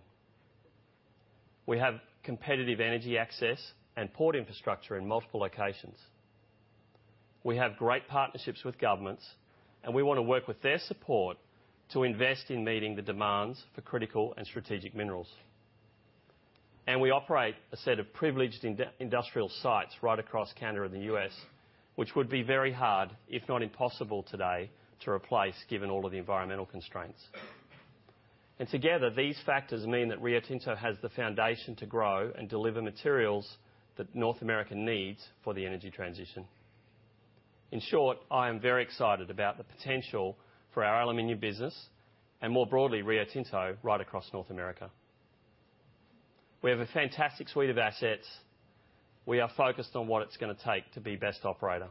We have competitive energy access and port infrastructure in multiple locations. We have great partnerships with governments, and we want to work with their support to invest in meeting the demands for critical and strategic minerals. We operate a set of privileged industrial sites right across Canada and the U.S., which would be very hard, if not impossible today, to replace, given all of the environmental constraints. Together, these factors mean that Rio Tinto has the foundation to grow and deliver materials that North America needs for the energy transition. In short, I am very excited about the potential for our aluminum business and more broadly, Rio Tinto right across North America. We have a fantastic suite of assets. We are focused on what it's gonna take to be best operator.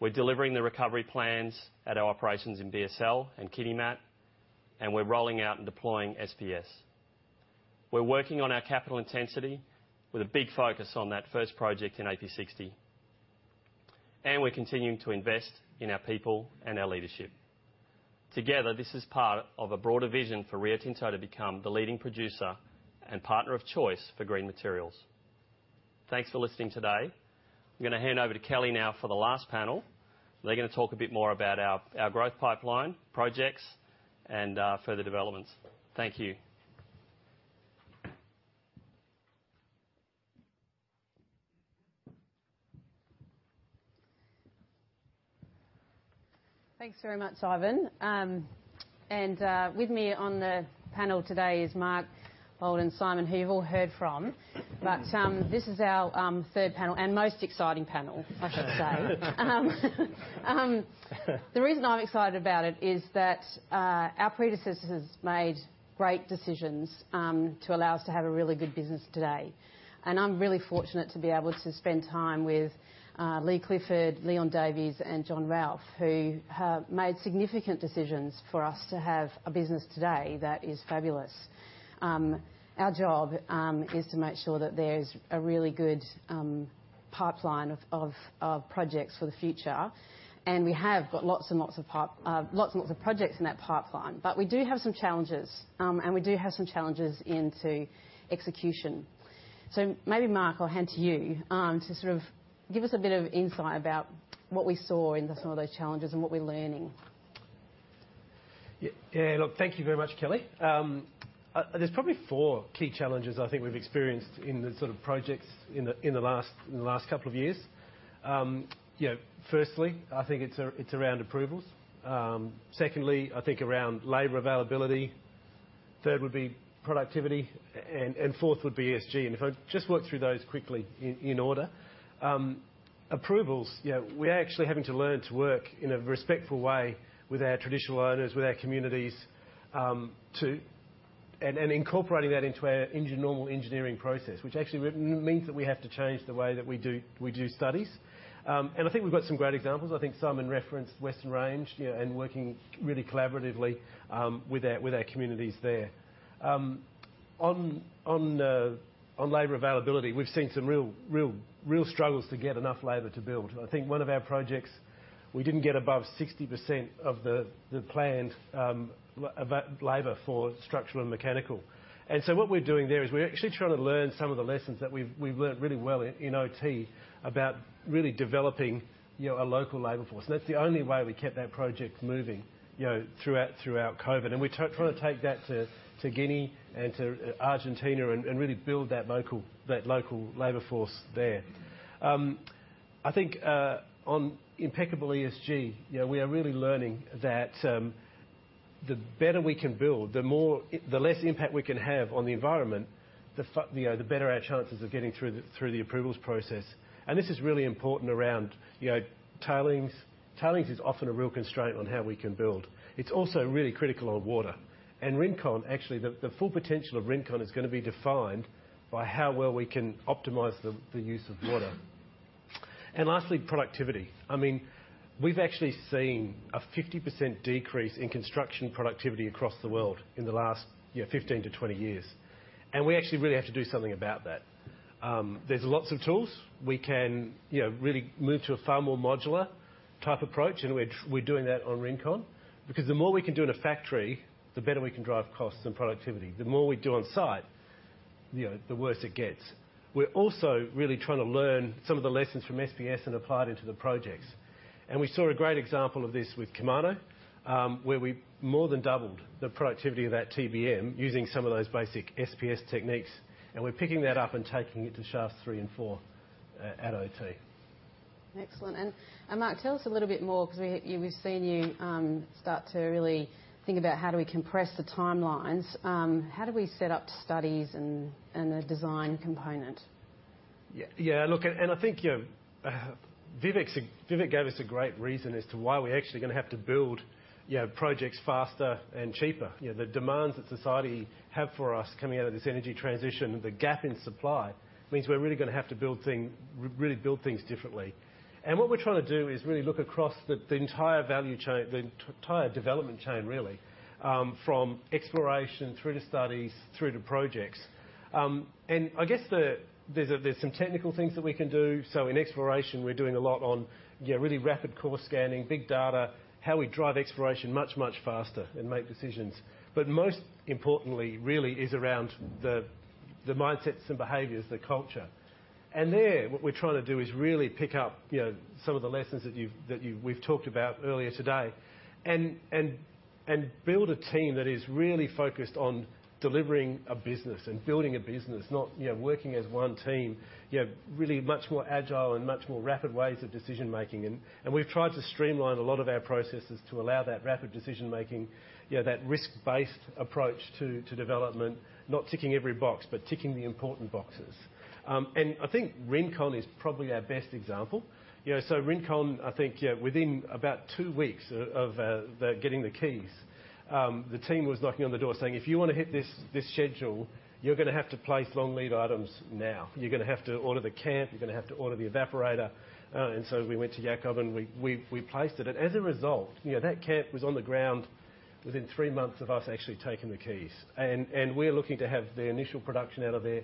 We're delivering the recovery plans at our operations in BSL and Kitimat, and we're rolling out and deploying SPS. We're working on our capital intensity with a big focus on that first project in AP60, and we're continuing to invest in our people and our leadership. Together, this is part of a broader vision for Rio Tinto to become the leading producer and partner of choice for green materials. Thanks for listening today. I'm gonna hand over to Kelly now for the last panel. They're gonna talk a bit more about our growth pipeline, projects, and further developments. Thank you. Thanks very much, Ivan. With me on the panel today is Mark Alden and Simon, who you've all heard from. This is our third panel and most exciting panel, I should say. The reason I'm excited about it is that our predecessors made great decisions to allow us to have a really good business today. I'm really fortunate to be able to spend time with Leigh Clifford, Leon Davis, and John Ralph, who have made significant decisions for us to have a business today that is fabulous. Our job is to make sure that there's a really good pipeline of projects for the future, and we have got lots and lots of projects in that pipeline. We do have some challenges, and we do have some challenges into execution. Maybe Mark, I'll hand to you, to sort of give us a bit of insight about what we saw in some of those challenges and what we're learning. Yeah. Look, thank you very much, Kelly. There's probably 4 key challenges I think we've experienced in the sort of projects in the last 2 years. You know, firstly, I think it's around approvals. Secondly, I think around labor availability. Third would be productivity, and fourth would be ESG. If I just work through those quickly in order. Approvals, you know, we're actually having to learn to work in a respectful way with our traditional owners, with our communities, and incorporating that into our normal engineering process, which actually means that we have to change the way that we do studies. I think we've got some great examples. I think Simon referenced Western Range, you know, and working really collaboratively with our communities there. On labor availability, we've seen some real struggles to get enough labor to build. I think one of our projects, we didn't get above 60% of the planned labor for structural and mechanical. What we're doing there is we're actually trying to learn some of the lessons that we've learnt really well in OT about really developing, you know, a local labor force. That's the only way we kept that project moving, you know, throughout Covid. We try to take that to Guinea and to Argentina and really build that local labor force there. I think, on impeccable ESG, you know, we are really learning that the better we can build, the less impact we can have on the environment, you know, the better our chances of getting through the approvals process. This is really important around, you know, tailings. Tailings is often a real constraint on how we can build. It's also really critical on water. Rincon, actually, the full potential of Rincon is gonna be defined by how well we can optimize the use of water. Lastly, productivity. I mean, we've actually seen a 50% decrease in construction productivity across the world in the last, you know, 15-20 years, and we actually really have to do something about that. There's lots of tools. We can, you know, really move to a far more modular type approach, and we're doing that on Rincon, because the more we can do in a factory, the better we can drive costs and productivity. The more we do on site, you know, the worse it gets. We're also really trying to learn some of the lessons from SPS and apply it into the projects. We saw a great example of this with Kemano, where we more than doubled the productivity of that TBM using some of those basic SPS techniques, and we're picking that up and taking it to shafts three and four at OT. Excellent. Mark, tell us a little bit more because we've seen you, start to really think about how do we compress the timelines. How do we set up studies and a design component? Yeah. Look, I think, you know, Vivek gave us a great reason as to why we're actually gonna have to build, you know, projects faster and cheaper. You know, the demands that society have for us coming out of this energy transition, the gap in supply means we're really gonna have to really build things differently. What we're trying to do is really look across the entire value chain, the entire development chain, really, from exploration through to studies through to projects. I guess there's some technical things that we can do. In exploration, we're doing a lot on, you know, really rapid core scanning, big data, how we drive exploration much faster and make decisions. Most importantly really is around the mindsets and behaviors, the culture. There, what we're trying to do is really pick up, you know, some of the lessons that we've talked about earlier today and build a team that is really focused on delivering a business and building a business. Not, you know, working as one team. You have really much more agile and much more rapid ways of decision-making. We've tried to streamline a lot of our processes to allow that rapid decision-making. You know, that risk-based approach to development. Not ticking every box, but ticking the important boxes. I think Rincon is probably our best example. Rincon, I think, yeah, within about 2 weeks of the getting the keys, the team was knocking on the door saying, "If you wanna hit this schedule, you're gonna have to place long-lead items now. You're gonna have to order the camp, you're gonna have to order the evaporator." We went to Jakob and we placed it. As a result, you know, that camp was on the ground within 3 months of us actually taking the keys. We're looking to have the initial production out of there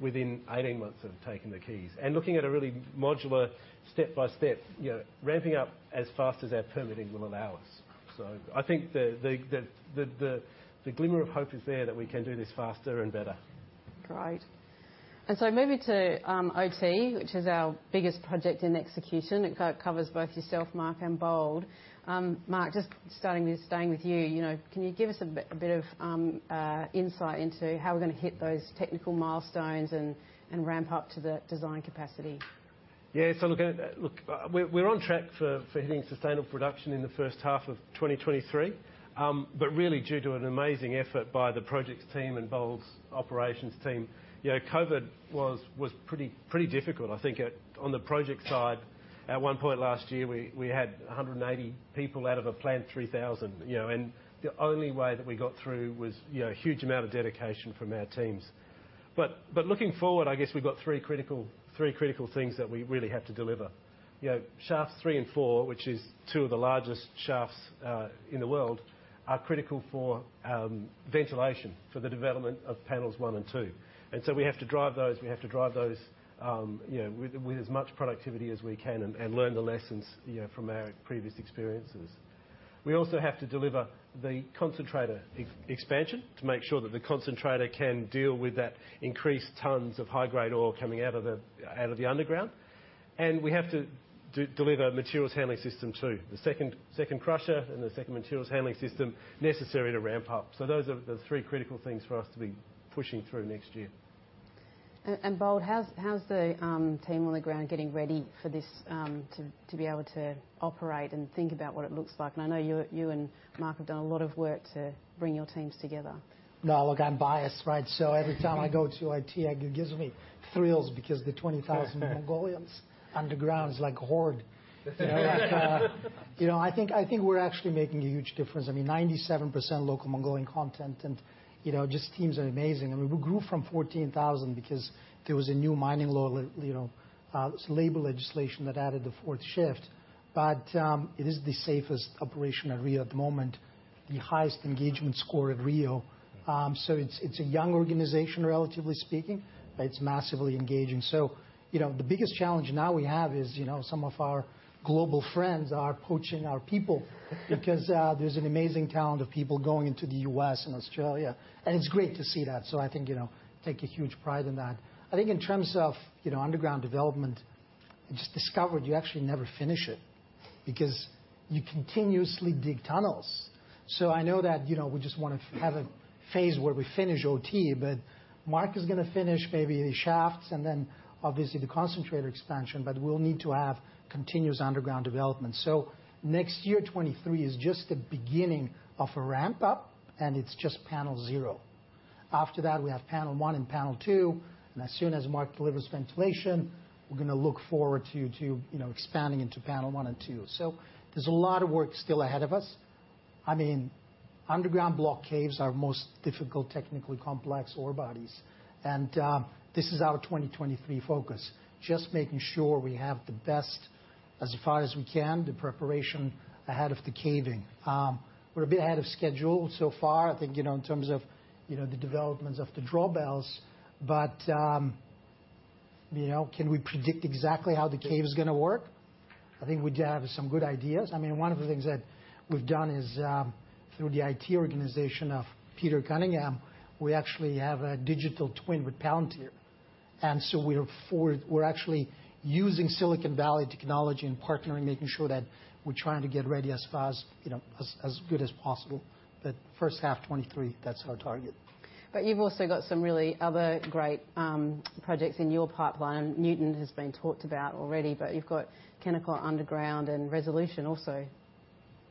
within 18 months of taking the keys. Looking at a really modular step-by-step, you know, ramping up as fast as our permitting will allow us. I think the glimmer of hope is there that we can do this faster and better. Great. Moving to OT, which is our biggest project in execution. It kind of covers both yourself, Mark, and Bold. Mark, just staying with you know, can you give us a bit of insight into how we're gonna hit those technical milestones and ramp up to the design capacity? Look, we're on track for hitting sustainable production in the first half of 2023. Really due to an amazing effort by the Projects team and Bold's Operations team. You know, COVID was pretty difficult. I think on the project side, at one point last year, we had 180 people out of a plant, 3,000. You know, the only way that we got through was, you know, huge amount of dedication from our teams. Looking forward, I guess we've got three critical things that we really have to deliver. You know, shafts 3 and 4, which is 2 of the largest shafts in the world, are critical for ventilation, for the development of panels 1 and 2. We have to drive those, you know, with as much productivity as we can and learn the lessons, you know, from our previous experiences. We also have to deliver the concentrator expansion to make sure that the concentrator can deal with that increased tons of high-grade ore coming out of the underground. We have to deliver materials handling system too. The second crusher and the second materials handling system necessary to ramp up. Those are the three critical things for us to be pushing through next year. Bold, how's the team on the ground getting ready for this to be able to operate and think about what it looks like? I know you're, you and Mark have done a lot of work to bring your teams together. I'm biased, right? Every time I go to OT it gives me thrills because the 20,000 Mongolians underground is like horde. You know, like, you know, I think we're actually making a huge difference. I mean, 97% local Mongolian content and, you know, just teams are amazing. I mean, we grew from 14,000 because there was a new mining law, you know, this labor legislation that added the fourth shift. It is the safest operation at Rio at the moment, the highest engagement score at Rio. It's, it's a young organization relatively speaking, but it's massively engaging. You know, the biggest challenge now we have is, you know, some of our global friends are poaching our people. There's an amazing talent of people going into the U.S. and Australia, and it's great to see that. I think, you know, take a huge pride in that. I think in terms of, you know, underground development, I just discovered you actually never finish it, because you continuously dig tunnels. I know that, you know, we just wanna have a phase where we finish OT, but Mark is gonna finish maybe the shafts and then obviously the concentrator expansion. We'll need to have continuous underground development. Next year, 2023, is just the beginning of a ramp-up, and it's just panel 0. After that, we have panel 1 and panel 2, and as soon as Mark delivers ventilation, we're gonna look forward to, you know, expanding into panel 1 and 2. There's a lot of work still ahead of us. I mean, underground block caves are most difficult, technically complex ore bodies. This is our 2023 focus, just making sure we have the best, as far as we can, the preparation ahead of the caving. We're a bit ahead of schedule so far. I think, you know, in terms of, you know, the developments of the drawbells. Can we predict exactly how the cave is gonna work? I think we do have some good ideas. I mean, one of the things that we've done is, through the IT organization of Peter Cunningham, we actually have a digital twin with Palantir. We're actually using Silicon Valley technology and partnering, making sure that we're trying to get ready as far as good as possible. The first half 2023, that's our target. You've also got some really other great projects in your pipeline. Nuton has been talked about already, but you've got Kennecott Underground and resolution also.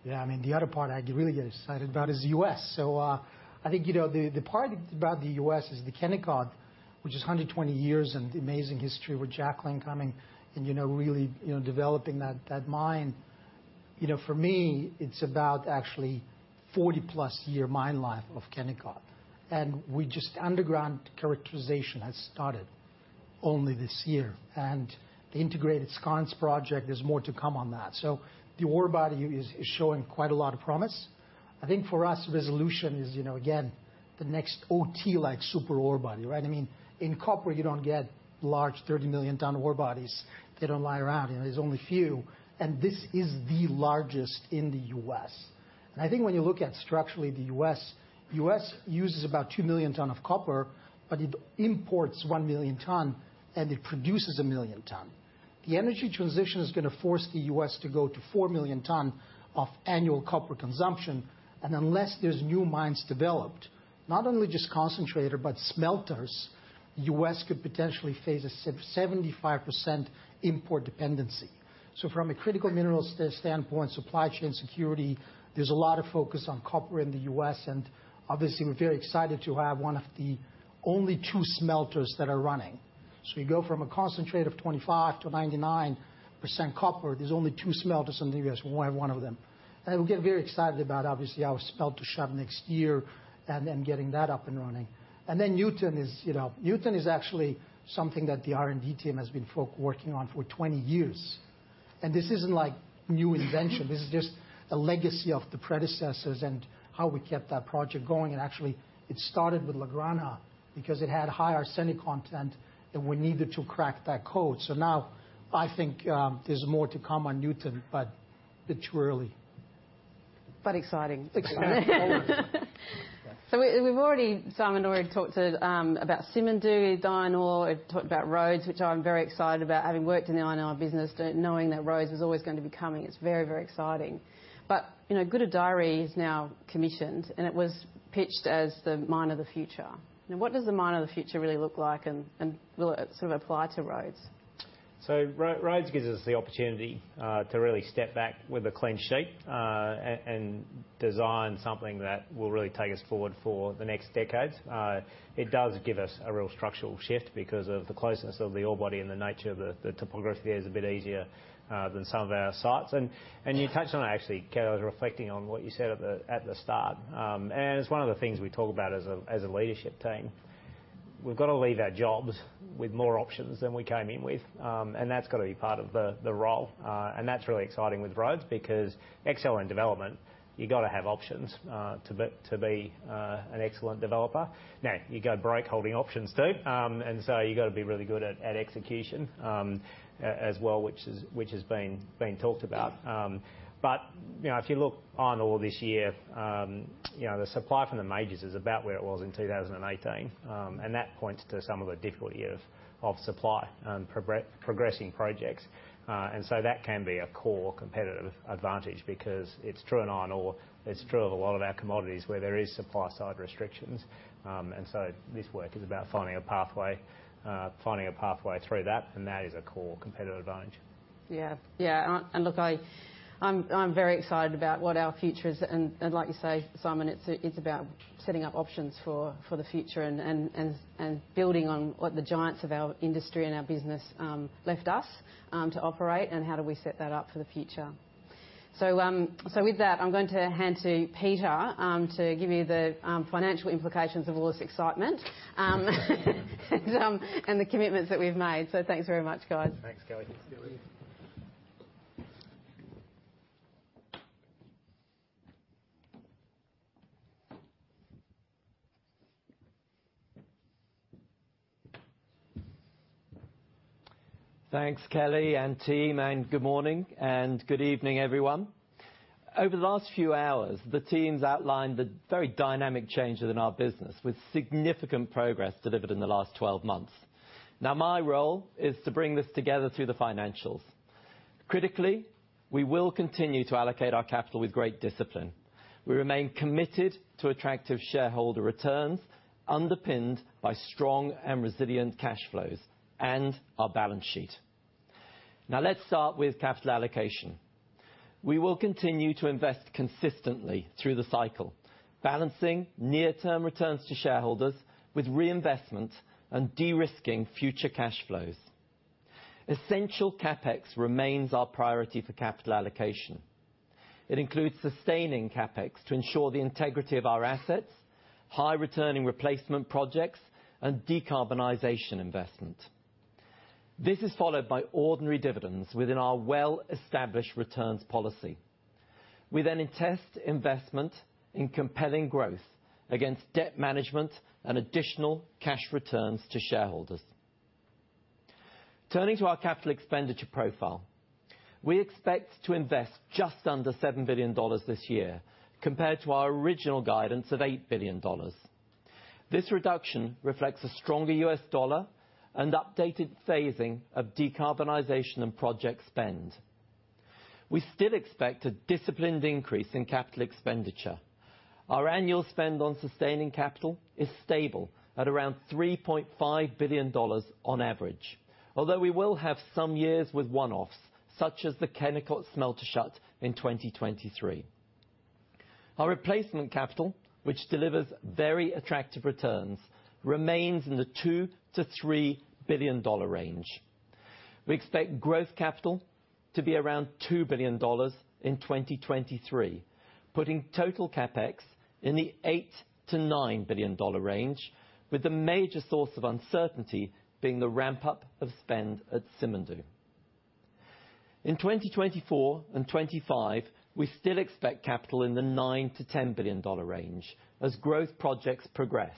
The other part I really get excited about is the U.S. I think, you know, the part about the U.S. is the Kennecott, which is 120 years and amazing history with Jackling coming and, you know, really, you know, developing that mine. You know, for me, it's about actually 40-plus year mine life of Kennecott. Underground characterization has started only this year. The integrated scans project, there's more to come on that. The ore body is showing quite a lot of promise. I think for us, Resolution is, you know, again, the next OT-like super ore body, right? I mean, in copper, you don't get large 30 million ton ore bodies. They don't lie around, you know, there's only few, and this is the largest in the U.S. I think when you look at structurally the U.S., U.S. uses about 2 million tons of copper, but it imports 1 million tons, and it produces 1 million tons. The energy transition is gonna force the U.S. to go to 4 million tons of annual copper consumption, and unless there's new mines developed, not only just concentrator, but smelters, the U.S. could potentially face a 75% import dependency. From a critical minerals standpoint, supply chain security, there's a lot of focus on copper in the U.S., and obviously we're very excited to have one of the only 2 smelters that are running. You go from a concentrate of 25% to 99% copper, there's only 2 smelters in the U.S. We're one of them. We get very excited about obviously our smelter shut next year and then getting that up and running. Nuton is, you know, Nuton is actually something that the R&D team has been working on for 20 years. This isn't like new invention. This is just a legacy of the predecessors and how we kept that project going. Actually, it started with La Granja because it had high arsenic content, and we needed to crack that code. Now I think there's more to come on Nuton, but it's early. Exciting. Exciting. We've already Simon already talked to about Simandou, Diavik. We've talked about Rhodes, which I'm very excited about, having worked in the iron ore business, knowing that Rhodes is always gonna be coming. It's very, very exciting. You know, Gudai-Darri is now commissioned, and it was pitched as the mine of the future. What does the mine of the future really look like, and will it sort of apply to Rhodes? Rhodes gives us the opportunity to really step back with a clean sheet and design something that will really take us forward for the next decades. It does give us a real structural shift because of the closeness of the ore body and the nature of the topography there is a bit easier than some of our sites. You touched on it, actually, Kelly. I was reflecting on what you said at the start. It's one of the things we talk about as a leadership team. We've got to leave our jobs with more options than we came in with. That's got to be part of the role, and that's really exciting with Rhodes because excel in development, you gotta have options to be an excellent developer. You go break holding options too, you gotta be really good at execution, as well, which is, which has been talked about. You know, if you look on all this year, you know, the supply from the majors is about where it was in 2018. That points to some of the difficulty of supply and progressing projects. That can be a core competitive advantage because it's true in iron ore, it's true of a lot of our commodities where there is supply-side restrictions. This work is about finding a pathway, finding a pathway through that, and that is a core competitive advantage. I'm very excited about what our future is. Like you say, Simon, it's about setting up options for the future and building on what the giants of our industry and our business left us to operate and how do we set that up for the future. With that, I'm going to hand to Peter to give you the financial implications of all this excitement. The commitments that we've made. Thanks very much, guys. Thanks, Kelly. Thanks, Kelly. Thanks, Kelly and team. Good morning and good evening, everyone. Over the last few hours, the teams outlined the very dynamic changes in our business with significant progress delivered in the last 12 months. My role is to bring this together through the financials. Critically, we will continue to allocate our capital with great discipline. We remain committed to attractive shareholder returns underpinned by strong and resilient cash flows and our balance sheet. Let's start with capital allocation. We will continue to invest consistently through the cycle, balancing near-term returns to shareholders with reinvestment and de-risking future cash flows. Essential CapEx remains our priority for capital allocation. It includes sustaining CapEx to ensure the integrity of our assets, high returning replacement projects, and decarbonization investment. This is followed by ordinary dividends within our well-established returns policy. We attest investment in compelling growth against debt management and additional cash returns to shareholders. Turning to our capital expenditure profile, we expect to invest just under $7 billion this year compared to our original guidance of $8 billion. This reduction reflects a stronger US dollar and updated phasing of decarbonization and project spend. We still expect a disciplined increase in capital expenditure. Our annual spend on sustaining capital is stable at around $3.5 billion on average. Although we will have some years with one-offs, such as the chemical smelter shut in 2023. Our replacement capital, which delivers very attractive returns, remains in the $2 billion-$3 billion range. We expect growth capital to be around $2 billion in 2023, putting total CapEx in the $8 billion-$9 billion range, with the major source of uncertainty being the ramp-up of spend at Simandou. In 2024 and 2025, we still expect capital in the $9 billion-$10 billion range as growth projects progress.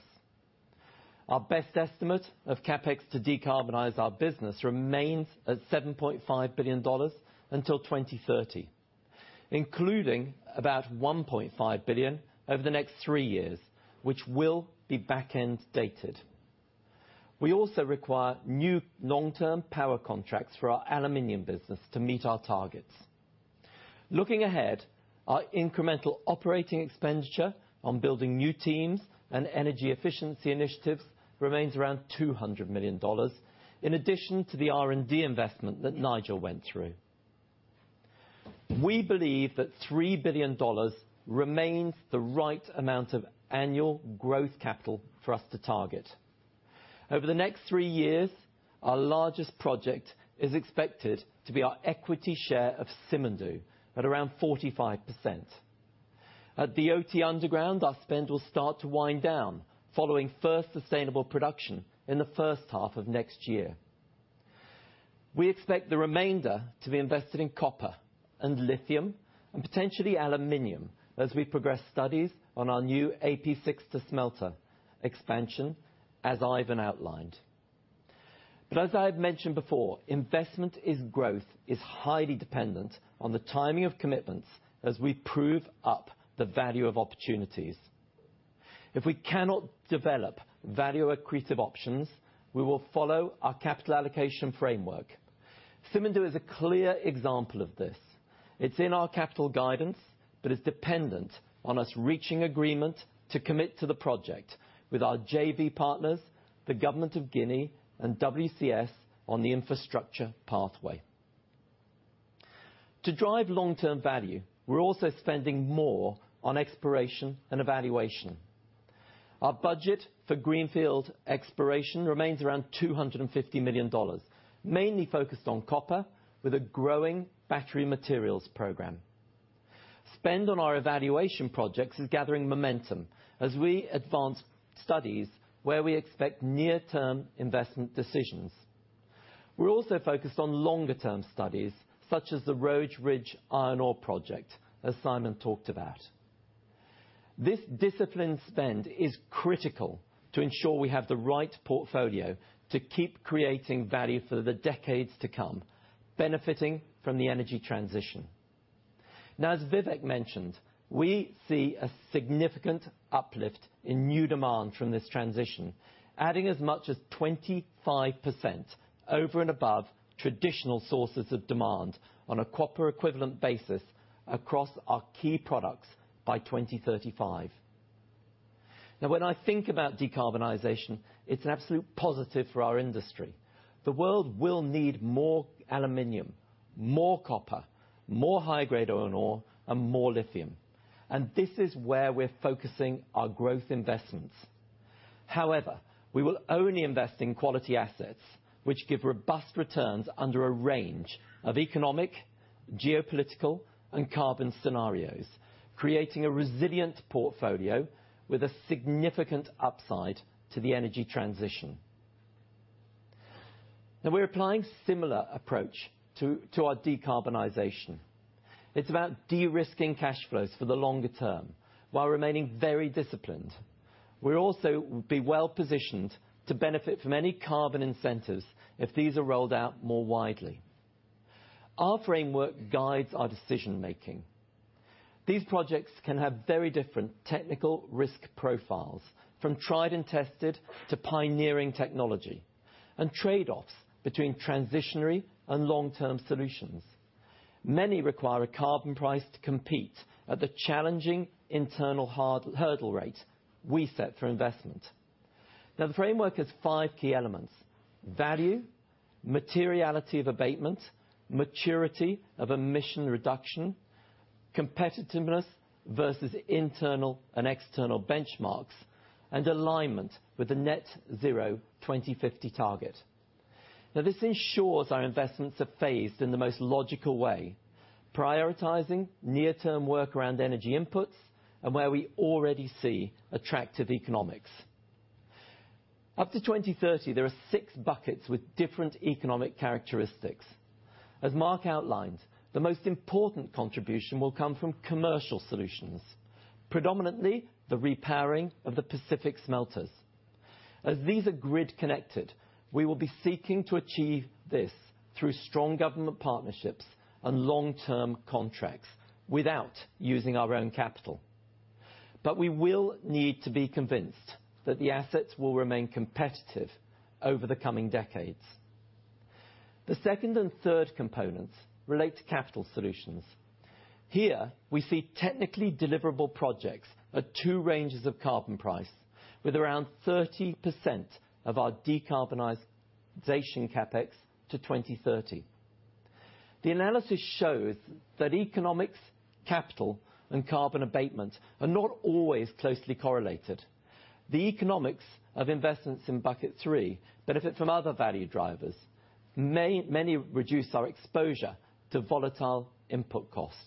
Our best estimate of CapEx to decarbonize our business remains at $7.5 billion until 2030. Including about $1.5 billion over the next three years, which will be backend dated. We also require new long-term power contracts for our aluminum business to meet our targets. Looking ahead, our incremental operating expenditure on building new teams and energy efficiency initiatives remains around $200 million in addition to the R&D investment that Nigel went through. We believe that $3 billion remains the right amount of annual growth capital for us to target. Over the next 3 years, our largest project is expected to be our equity share of Simandou at around 45%. At Oyu Tolgoi underground, our spend will start to wind down following first sustainable production in the first half of next year. We expect the remainder to be invested in copper and lithium and potentially aluminum as we progress studies on our new AP62 smelter expansion, as Ivan outlined. As I've mentioned before, investment in growth is highly dependent on the timing of commitments as we prove up the value of opportunities. If we cannot develop value-accretive options, we will follow our capital allocation framework. Simandou is a clear example of this. It's in our capital guidance, but is dependent on us reaching agreement to commit to the project with our JV partners, the government of Guinea, and WCS on the infrastructure pathway. To drive long-term value, we're also spending more on exploration and evaluation. Our budget for greenfield exploration remains around $250 million, mainly focused on copper with a growing battery materials program. Spend on our evaluation projects is gathering momentum as we advance studies where we expect near-term investment decisions. We're also focused on longer term studies, such as the Rhodes Ridge Iron Ore project, as Simon talked about. This disciplined spend is critical to ensure we have the right portfolio to keep creating value for the decades to come, benefiting from the energy transition. As Vivek mentioned, we see a significant uplift in new demand from this transition, adding as much as 25% over and above traditional sources of demand on a copper equivalent basis across our key products by 2035. When I think about decarbonization, it's an absolute positive for our industry. The world will need more aluminum, more copper, more high-grade iron ore, and more lithium. This is where we're focusing our growth investments. However, we will only invest in quality assets which give robust returns under a range of economic, geopolitical, and carbon scenarios, creating a resilient portfolio with a significant upside to the energy transition. We're applying similar approach to our decarbonization. It's about de-risking cash flows for the longer term while remaining very disciplined. We'll also be well-positioned to benefit from any carbon incentives if these are rolled out more widely. Our framework guides our decision-making. These projects can have very different technical risk profiles, from tried and tested to pioneering technology, and trade-offs between transitionary and long-term solutions. Many require a carbon price to compete at the challenging internal hard hurdle rate we set for investment. The framework has five key elements: value, materiality of abatement, maturity of emission reduction, competitiveness versus internal and external benchmarks, and alignment with the net zero 2050 target. This ensures our investments are phased in the most logical way, prioritizing near-term work around energy inputs and where we already see attractive economics. Up to 2030, there are six buckets with different economic characteristics. As Mark Alden outlined, the most important contribution will come from commercial solutions, predominantly the repowering of the Pacific smelters. As these are grid connected, we will be seeking to achieve this through strong government partnerships and long-term contracts without using our own capital. We will need to be convinced that the assets will remain competitive over the coming decades. The second and third components relate to capital solutions. Here, we see technically deliverable projects at two ranges of carbon price with around 30% of our decarbonization CapEx to 2030. The analysis shows that economics, capital, and carbon abatement are not always closely correlated. The economics of investments in bucket three benefit from other value drivers. Many reduce our exposure to volatile input costs.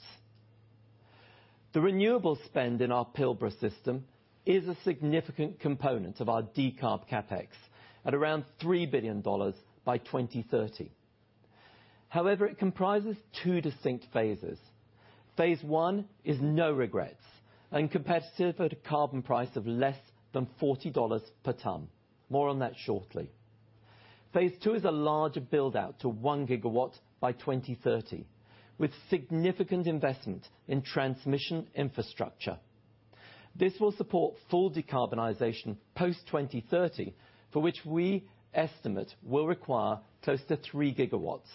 The renewable spend in our Pilbara system is a significant component of our decarb CapEx at around $3 billion by 2030. However, it comprises two distinct phases. Phase one is no regrets and competitive at a carbon price of less than $40 per ton. More on that shortly. Phase two is a large build-out to 1 gigawatt by 2030, with significant investment in transmission infrastructure. This will support full decarbonization post-2030, for which we estimate will require close to 3 gigawatts.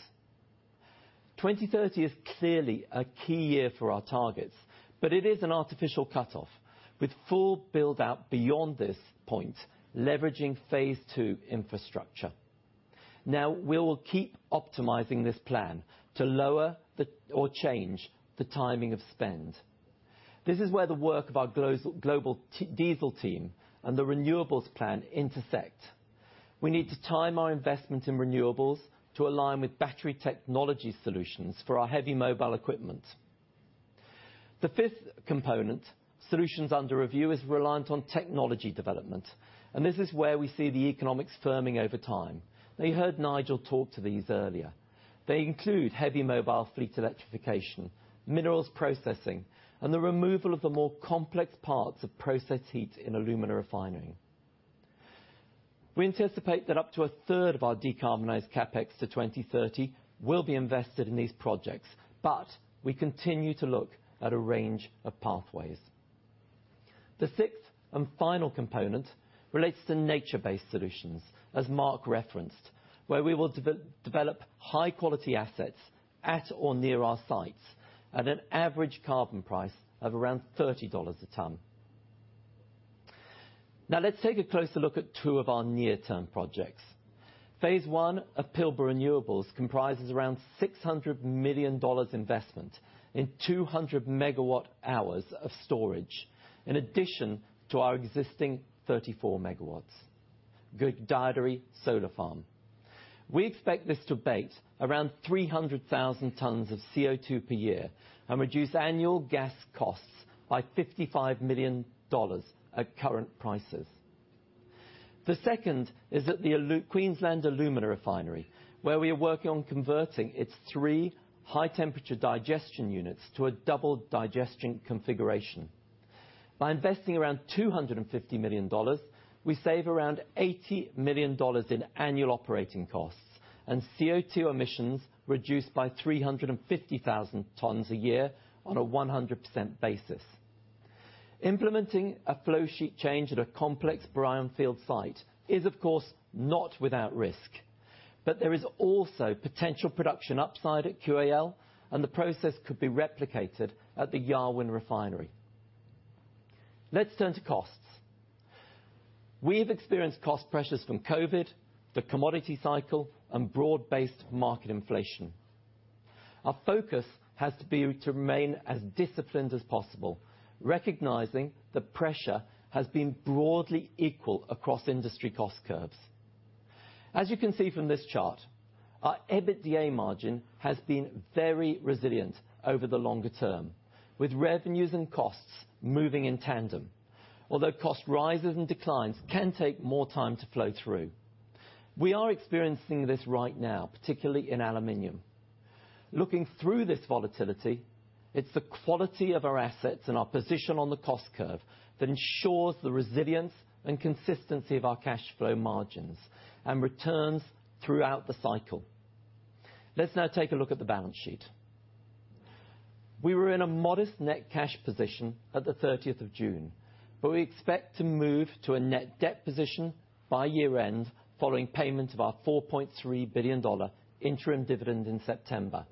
2030 is clearly a key year for our targets, it is an artificial cutoff, with full build-out beyond this point, leveraging phase two infrastructure. We will keep optimizing this plan to lower the or change the timing of spend. This is where the work of our global diesel team and the renewables plan intersect. We need to time our investment in renewables to align with battery technology solutions for our heavy mobile equipment. The fifth component, solutions under review, is reliant on technology development. This is where we see the economics firming over time. You heard Nigel talk to these earlier. They include heavy mobile fleet electrification, minerals processing, and the removal of the more complex parts of process heat in alumina refinery. We anticipate that up to a third of our decarbonized CapEx to 2030 will be invested in these projects. We continue to look at a range of pathways. The sixth and final component relates to nature-based solutions, as Mark referenced, where we will develop high-quality assets at or near our sites at an average carbon price of around $30 a ton. Let's take a closer look at two of our near-term projects. Phase one of Pilbara Renewables comprises around $600 million investment in 200 megawatt hours of storage, in addition to our existing 34 megawatts Gudai-Darri Solar Farm. We expect this to abate around 300,000 tons of CO2 per year and reduce annual gas costs by $55 million at current prices. The second is at the Queensland Alumina Refinery, where we are working on converting its three high-temperature digestion units to a double digestion configuration. By investing around $250 million, we save around $80 million in annual operating costs, and CO2 emissions reduce by 350,000 tons a year on a 100% basis. Implementing a flow sheet change at a complex brownfield site is, of course, not without risk. There is also potential production upside at QAL, and the process could be replicated at the Yarwun Refinery. Let's turn to costs. We've experienced cost pressures from COVID, the commodity cycle, and broad-based market inflation. Our focus has to be to remain as disciplined as possible, recognizing the pressure has been broadly equal across industry cost curves. As you can see from this chart, our EBITDA margin has been very resilient over the longer term, with revenues and costs moving in tandem. Cost rises and declines can take more time to flow through. We are experiencing this right now, particularly in aluminum. Looking through this volatility, it's the quality of our assets and our position on the cost curve that ensures the resilience and consistency of our cash flow margins and returns throughout the cycle. Let's now take a look at the balance sheet. We were in a modest net cash position at the 30th of June, but we expect to move to a net debt position by year end following payment of our $4.3 billion interim dividend in September.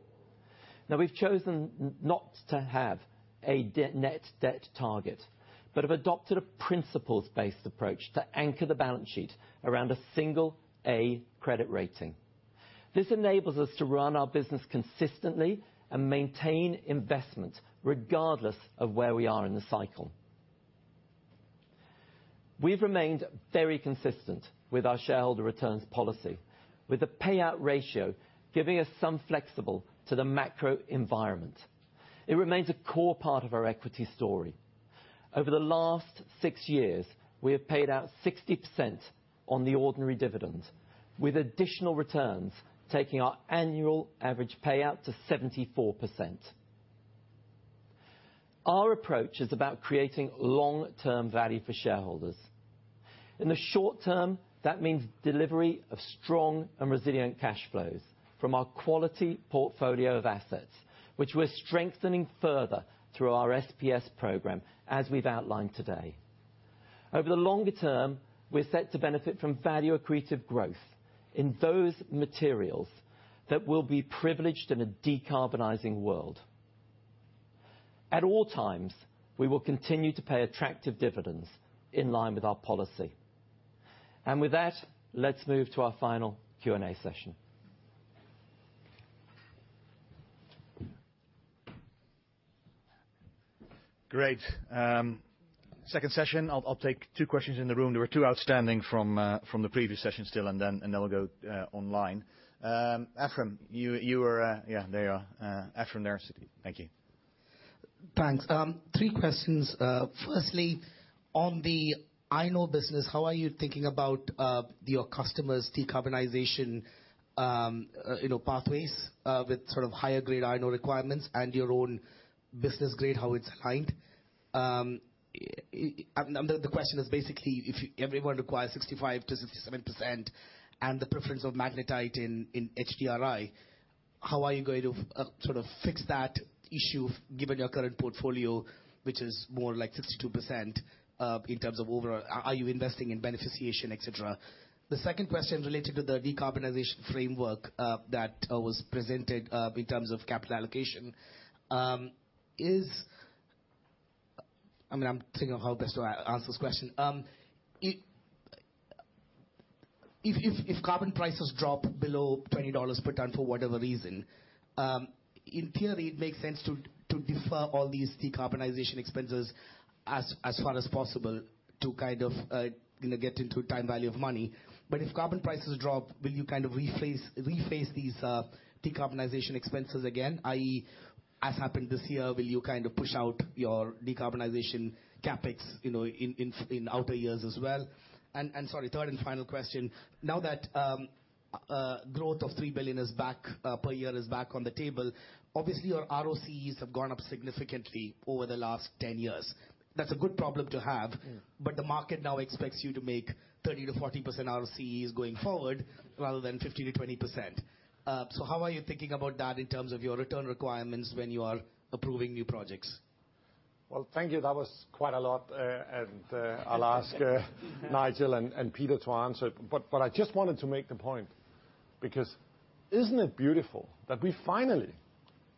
We've chosen not to have a net debt target, but have adopted a principles-based approach to anchor the balance sheet around a single A credit rating. This enables us to run our business consistently and maintain investment regardless of where we are in the cycle. We've remained very consistent with our shareholder returns policy, with the payout ratio giving us some flexible to the macro environment. It remains a core part of our equity story. Over the last six years, we have paid out 60% on the ordinary dividend, with additional returns, taking our annual average payout to 74%. Our approach is about creating long-term value for shareholders. In the short term, that means delivery of strong and resilient cash flows from our quality portfolio of assets, which we're strengthening further through our SPS program, as we've outlined today. Over the longer term, we're set to benefit from value-accretive growth in those materials that will be privileged in a decarbonizing world. At all times, we will continue to pay attractive dividends in line with our policy. With that, let's move to our final Q&A session. Great. Second session, I'll take 2 questions in the room. There were 2 outstanding from the previous session still, and then we'll go online. Ephram, you were, yeah, there you are. Ephrem Ravi. Thank you. Thanks. Three questions. Firstly, on the iron ore business, how are you thinking about your customers' decarbonization, you know, pathways, with sort of higher grade iron ore requirements and your own business grade, how it's aligned? The question is basically, if everyone requires 65%-67% and the preference of magnetite in HBI, how are you going to sort of fix that issue given your current portfolio, which is more like 62%, in terms of overall? Are you investing in beneficiation, et cetera? The second question related to the decarbonization framework, that, was presented, in terms of capital allocation. I mean, I'm thinking of how best to answer this question. If carbon prices drop below $20 per ton for whatever reason, in theory it makes sense to defer all these decarbonization expenses as far as possible to kind of, you know, get into time value of money. If carbon prices drop, will you kind of rephrase these decarbonization expenses again, i.e., as happened this year, will you kind of push out your decarbonization CapEx, you know, in outer years as well? Sorry, third and final question. Now that growth of $3 billion per year is back on the table, obviously your ROCEs have gone up significantly over the last 10 years. That's a good problem to have. Mm. The market now expects you to make 30%-40% ROCEs going forward rather than 15%-20%. How are you thinking about that in terms of your return requirements when you are approving new projects? That was quite a lot. I'll ask Nigel Stewart and Peter Cunningham to answer. But I just wanted to make the point, because isn't it beautiful that we finally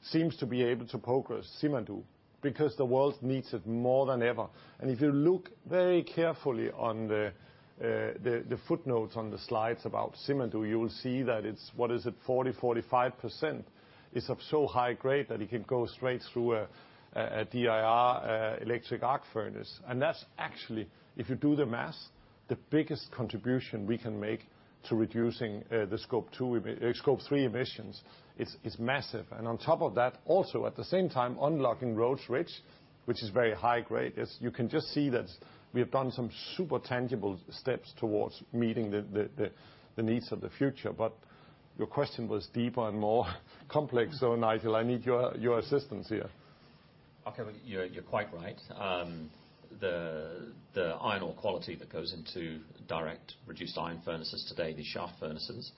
seems to be able to progress Simandou because the world needs it more than ever? If you look very carefully on the footnotes on the slides about Simandou, you will see that it's, what is it, 40-45%. It's of so high grade that it can go straight through a DRI, electric arc furnace. That's actually, if you do the math, the biggest contribution we can make to reducing the Scope 2 Scope 3 emissions. It's massive. On top of that, also at the same time unlocking Rhodes Ridge, which is very high grade. It's, you can just see that we have done some super tangible steps towards meeting the needs of the future. Your question was deeper and more complex. Nigel, I need your assistance here. You're quite right. The iron ore quality that goes into direct reduced iron furnaces today, the shaft furnaces,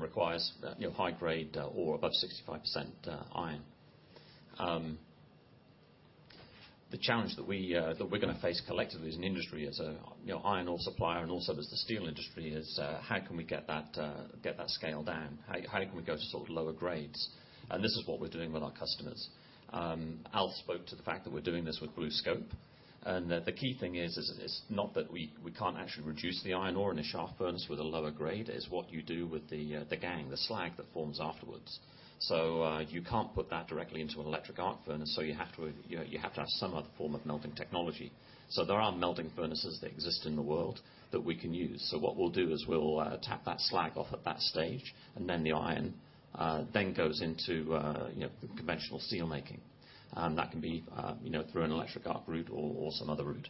requires, you know, high grade ore, above 65% iron. The challenge that we're gonna face collectively as an industry, as a, you know, iron ore supplier, and also as the steel industry is, how can we get that scale down? How can we go to sort of lower grades? This is what we're doing with our customers. Al spoke to the fact that we're doing this with BlueScope. The key thing is, it's not that we can't actually reduce the iron ore in a shaft furnace with a lower grade, it's what you do with the gang, the slag that forms afterwards. You can't put that directly into an electric arc furnace, you have to have some other form of melting technology. There are melting furnaces that exist in the world that we can use. What we'll do is we'll tap that slag off at that stage, and then the iron then goes into, you know, conventional steel making. That can be, you know, through an electric arc route or some other route.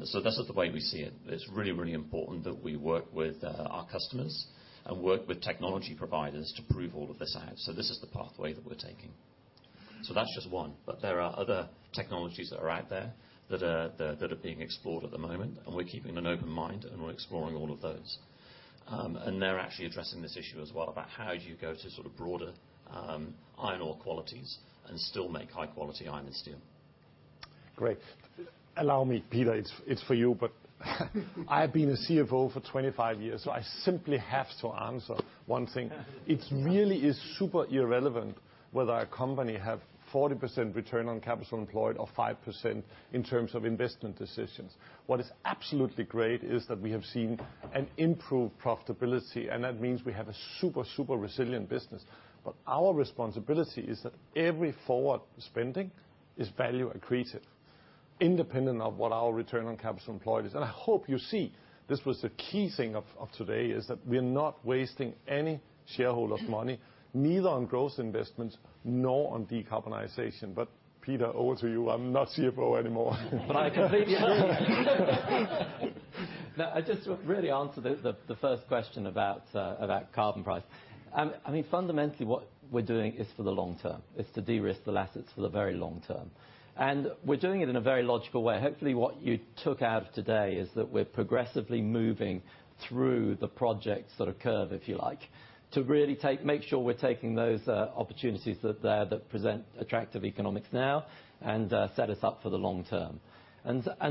This is the way we see it. It's really important that we work with our customers and work with technology providers to prove all of this out. This is the pathway that we're taking. That's just one. There are other technologies that are out there that are being explored at the moment, and we're keeping an open mind, and we're exploring all of those. They're actually addressing this issue as well about how do you go to sort of broader iron ore qualities and still make high-quality iron and steel. Great. Allow me, Peter, it's for you. I've been a CFO for 25 years, so I simply have to answer 1 thing. It really is super irrelevant whether a company have 40% return on capital employed or 5% in terms of investment decisions. What is absolutely great is that we have seen an improved profitability, and that means we have a super resilient business. Our responsibility is that every forward spending is value accretive, independent of what our return on capital employed is. I hope you see this was the key thing of today, is that we're not wasting any shareholders' money, neither on growth investments nor on decarbonization. Peter, over to you. I'm not CFO anymore. I completely agree. No, I just really answer the first question about carbon price. I mean, fundamentally what we're doing is for the long term. It's to de-risk the assets for the very long term. We're doing it in a very logical way. Hopefully, what you took out of today is that we're progressively moving through the project sort of curve, if you like, to really make sure we're taking those opportunities that are there that present attractive economics now and set us up for the long term.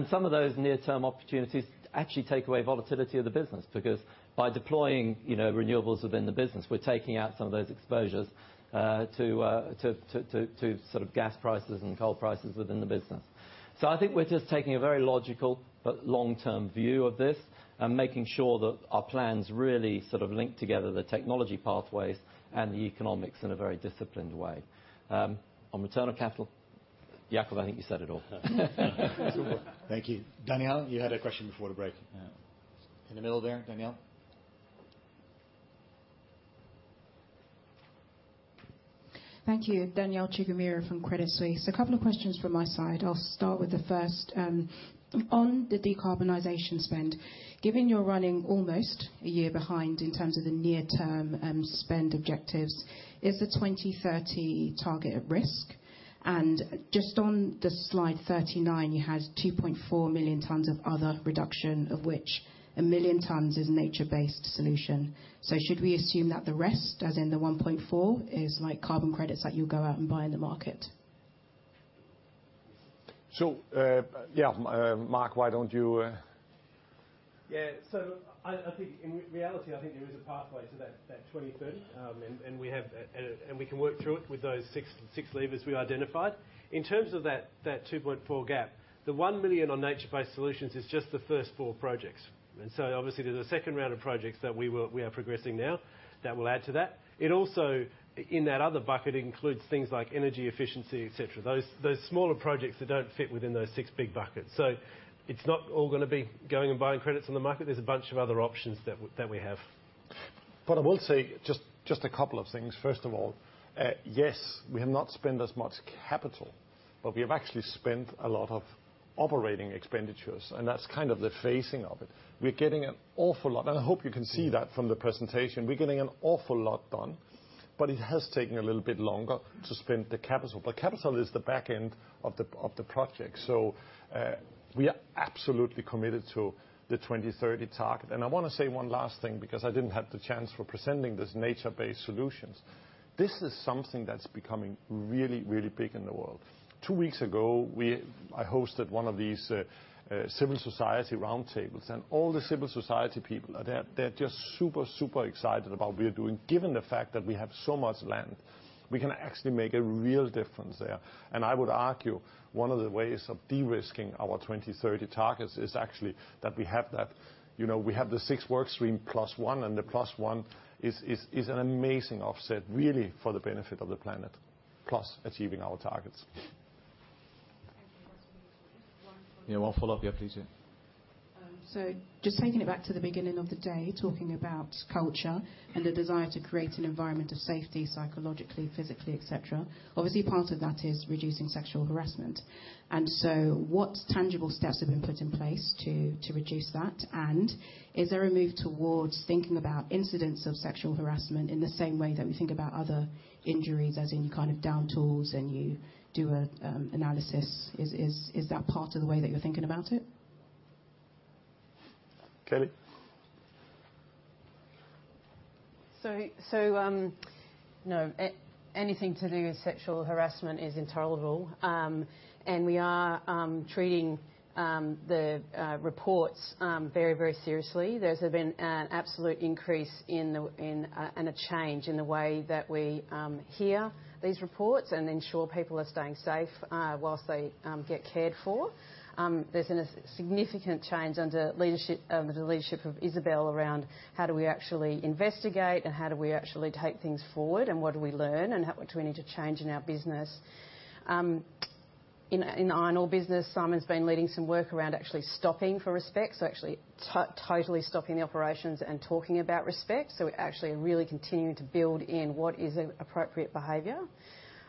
Some of those near-term opportunities actually take away volatility of the business. By deploying, you know, renewables within the business, we're taking out some of those exposures to sort of gas prices and coal prices within the business. I think we're just taking a very logical but long-term view of this, and making sure that our plans really sort of link together the technology pathways and the economics in a very disciplined way. On return of capital, Jakob, I think you said it all. Super. Thank you. Danielle, you had a question before the break. Yeah. In the middle there, Danielle. Thank you. Danielle Chigumira from Credit Suisse. A couple of questions from my side. I'll start with the first. On the decarbonization spend, given you're running almost a year behind in terms of the near-term spend objectives, is the 2030 target at risk? Just on the slide 39, you had 2.4 million tons of other reduction, of which 1 million tons is nature-based solution. Should we assume that the rest, as in the 1.4, is like carbon credits that you'll go out and buy in the market? Yeah, Mark, why don't you... I think in reality, I think there is a pathway to that 2030. And we can work through it with those 6 levers we identified. In terms of that 2.4 gap, the 1 million on nature-based solutions is just the first 4 projects. Obviously, there's a second round of projects that we are progressing now that will add to that. It also in that other bucket includes things like energy efficiency, et cetera. Those smaller projects that don't fit within those 6 big buckets. It's not all gonna be going and buying credits on the market. There's a bunch of other options that we have. I will say just a couple of things. First of all, yes, we have not spent as much capital, but we have actually spent a lot of operating expenditures, and that's kind of the phasing of it. We're getting an awful lot, and I hope you can see that from the presentation. We're getting an awful lot done, but it has taken a little bit longer to spend the capital. Capital is the back end of the, of the project. We are absolutely committed to the 2030 target. I wanna say one last thing because I didn't have the chance for presenting this nature-based solutions. This is something that's becoming really, really big in the world. Two weeks ago, I hosted one of these civil society roundtables. All the civil society people, they're just super excited about we're doing. Given the fact that we have so much land, we can actually make a real difference there. I would argue one of the ways of de-risking our 2030 targets is actually that we have that. You know, we have the six work stream plus one. The plus one is an amazing offset really for the benefit of the planet, plus achieving our targets. Thank you. One follow-up. Yeah, one follow-up. Yeah, please. Just taking it back to the beginning of the day, talking about culture and the desire to create an environment of safety, psychologically, physically, et cetera. Obviously, part of that is reducing sexual harassment. What tangible steps have been put in place to reduce that? Is there a move towards thinking about incidents of sexual harassment in the same way that we think about other injuries, as in you kind of down tools and you do an analysis? Is that part of the way that you're thinking about it? Kelly? No. Anything to do with sexual harassment is intolerable. We are treating the reports very, very seriously. There's been an absolute increase in and a change in the way that we hear these reports and ensure people are staying safe whilst they get cared for. There's been a significant change under leadership, the leadership of Isabelle around how do we actually investigate and how do we actually take things forward and what do we learn and how much we need to change in our business. In the iron ore business, Simon's been leading some work around actually stopping for respect, so actually totally stopping the operations and talking about respect. We're actually really continuing to build in what is appropriate behavior.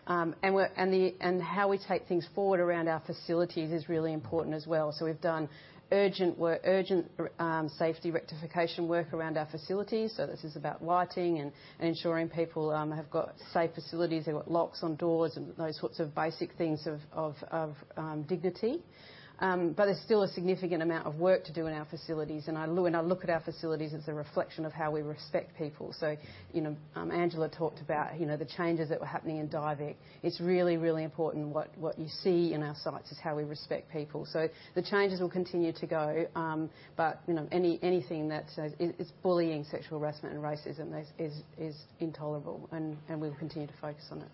How we take things forward around our facilities is really important as well. We've done urgent work, urgent safety rectification work around our facilities. This is about lighting and ensuring people have got safe facilities. They've got locks on doors and those sorts of basic things of dignity. There's still a significant amount of work to do in our facilities. I look at our facilities as a reflection of how we respect people. You know, Angela talked about, you know, the changes that were happening in Diavik. It's really important what you see in our sites is how we respect people. The changes will continue to go, but, you know, anything that's, it's bullying, sexual harassment and racism is intolerable, and we'll continue to focus on it.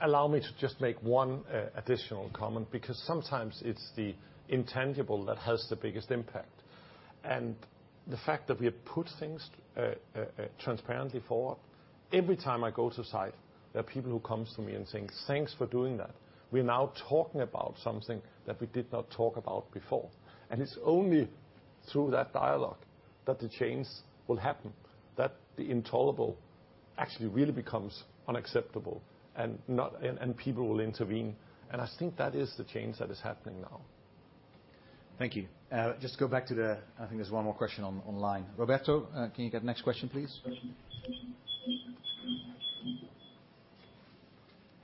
Allow me to just make 1 additional comment because sometimes it's the intangible that has the biggest impact. The fact that we have put things transparently forward, every time I go to a site, there are people who comes to me and saying, "Thanks for doing that. We're now talking about something that we did not talk about before." It's only through that dialogue that the change will happen, that the intolerable actually really becomes unacceptable and not... and people will intervene. I think that is the change that is happening now. Thank you. I think there's one more question online. Roberto, can you get next question, please?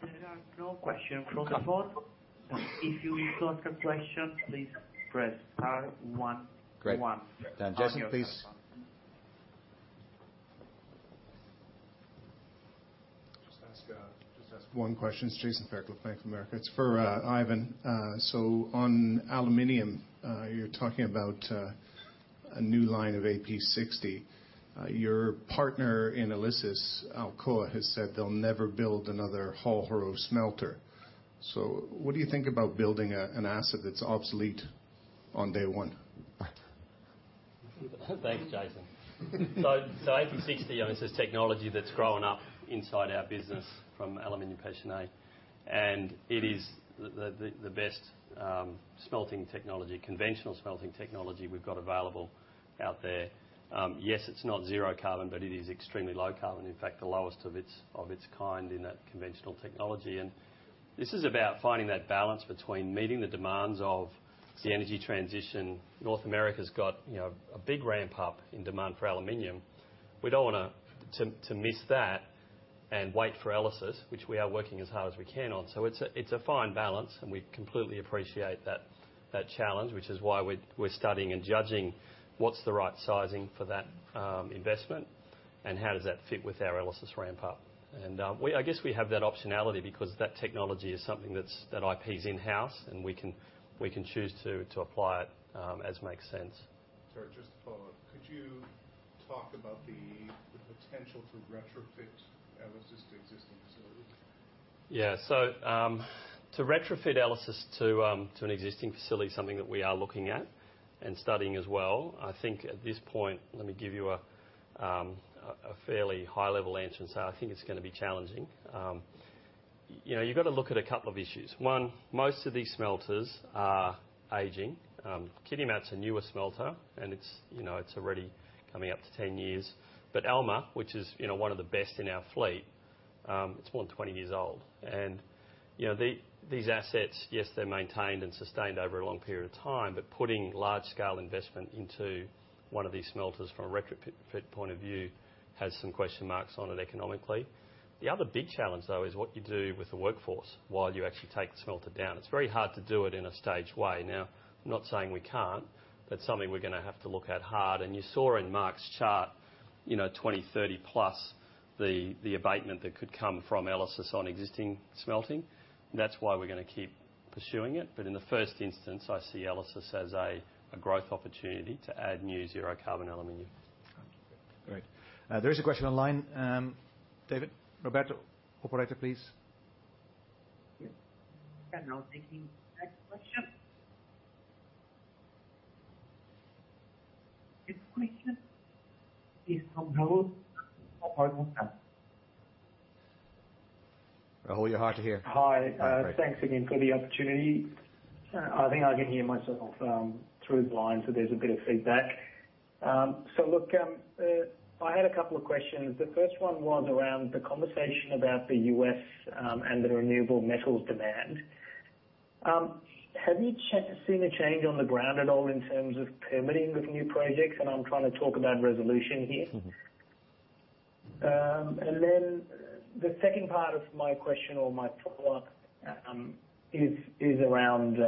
There are no question from the phone. If you wish to ask a question, please press star one one. Great. Jason, please. Just ask one question. It's Jason Fairclough. Thank you, Mark. It's for Ivan. On aluminum, you're talking about a new line of AP60. Your partner in ELYSIS, Alcoa, has said they'll never build another Hall-Héroult smelter. What do you think about building an asset that's obsolete on day 1? Thanks, Jason. AP60, I mean, this is technology that's grown up inside our business from Aluminium Péchiney, and it is the best smelting technology, conventional smelting technology we've got available out there. Yes, it's not zero carbon, but it is extremely low carbon. In fact, the lowest of its kind in that conventional technology. This is about finding that balance between meeting the demands of the energy transition. North America's got, a big ramp up in demand for aluminum. We don't wanna miss that and wait for ELYSIS, which we are working as hard as we can on. It's a fine balance, and we completely appreciate that. That challenge, which is why we're studying and judging what's the right sizing for that investment and how does that fit with our ELYSIS ramp up. I guess we have that optionality because that technology is something that IP is in-house, and we can choose to apply it as makes sense. Sorry, just to follow up. Could you talk about the potential to retrofit ELYSIS to existing facilities? To retrofit ELYSIS to an existing facility is something that we are looking at and studying as well. I think at this point, let me give you a fairly high level answer, I think it's gonna be challenging. You know, you've got to look at a couple of issues. One, most of these smelters are aging. Kitimat's a newer smelter, and it's, you know, it's already coming up to 10 years. Alma, which is, you know, one of the best in our fleet, it's more than 20 years old. You know, these assets, yes, they're maintained and sustained over a long period of time, putting large scale investment into one of these smelters from a retrofit point of view has some question marks on it economically. The other big challenge, though, is what you do with the workforce while you actually take the smelter down. It's very hard to do it in a staged way. Now, I'm not saying we can't, but something we're gonna have to look at hard. You saw in Mark's chart, you know, 20, 30 plus the abatement that could come from ELYSIS on existing smelting. That's why we're gonna keep pursuing it. In the first instance, I see ELYSIS as a growth opportunity to add new zero carbon aluminum. Great. There is a question online, David. Roberto, operator, please. Now taking next question. Next question is from Raul of Morgan Stanley. Raul, you're hard to hear. Hi. Thanks again for the opportunity. I think I can hear myself through the line, so there's a bit of feedback. Look, I had a couple of questions. The first one was around the conversation about the U.S., and the renewable metals demand. Have you seen a change on the ground at all in terms of permitting with new projects? And I'm trying to talk about resolution here. Mm-hmm. Then the second part of my question or my follow-up, is around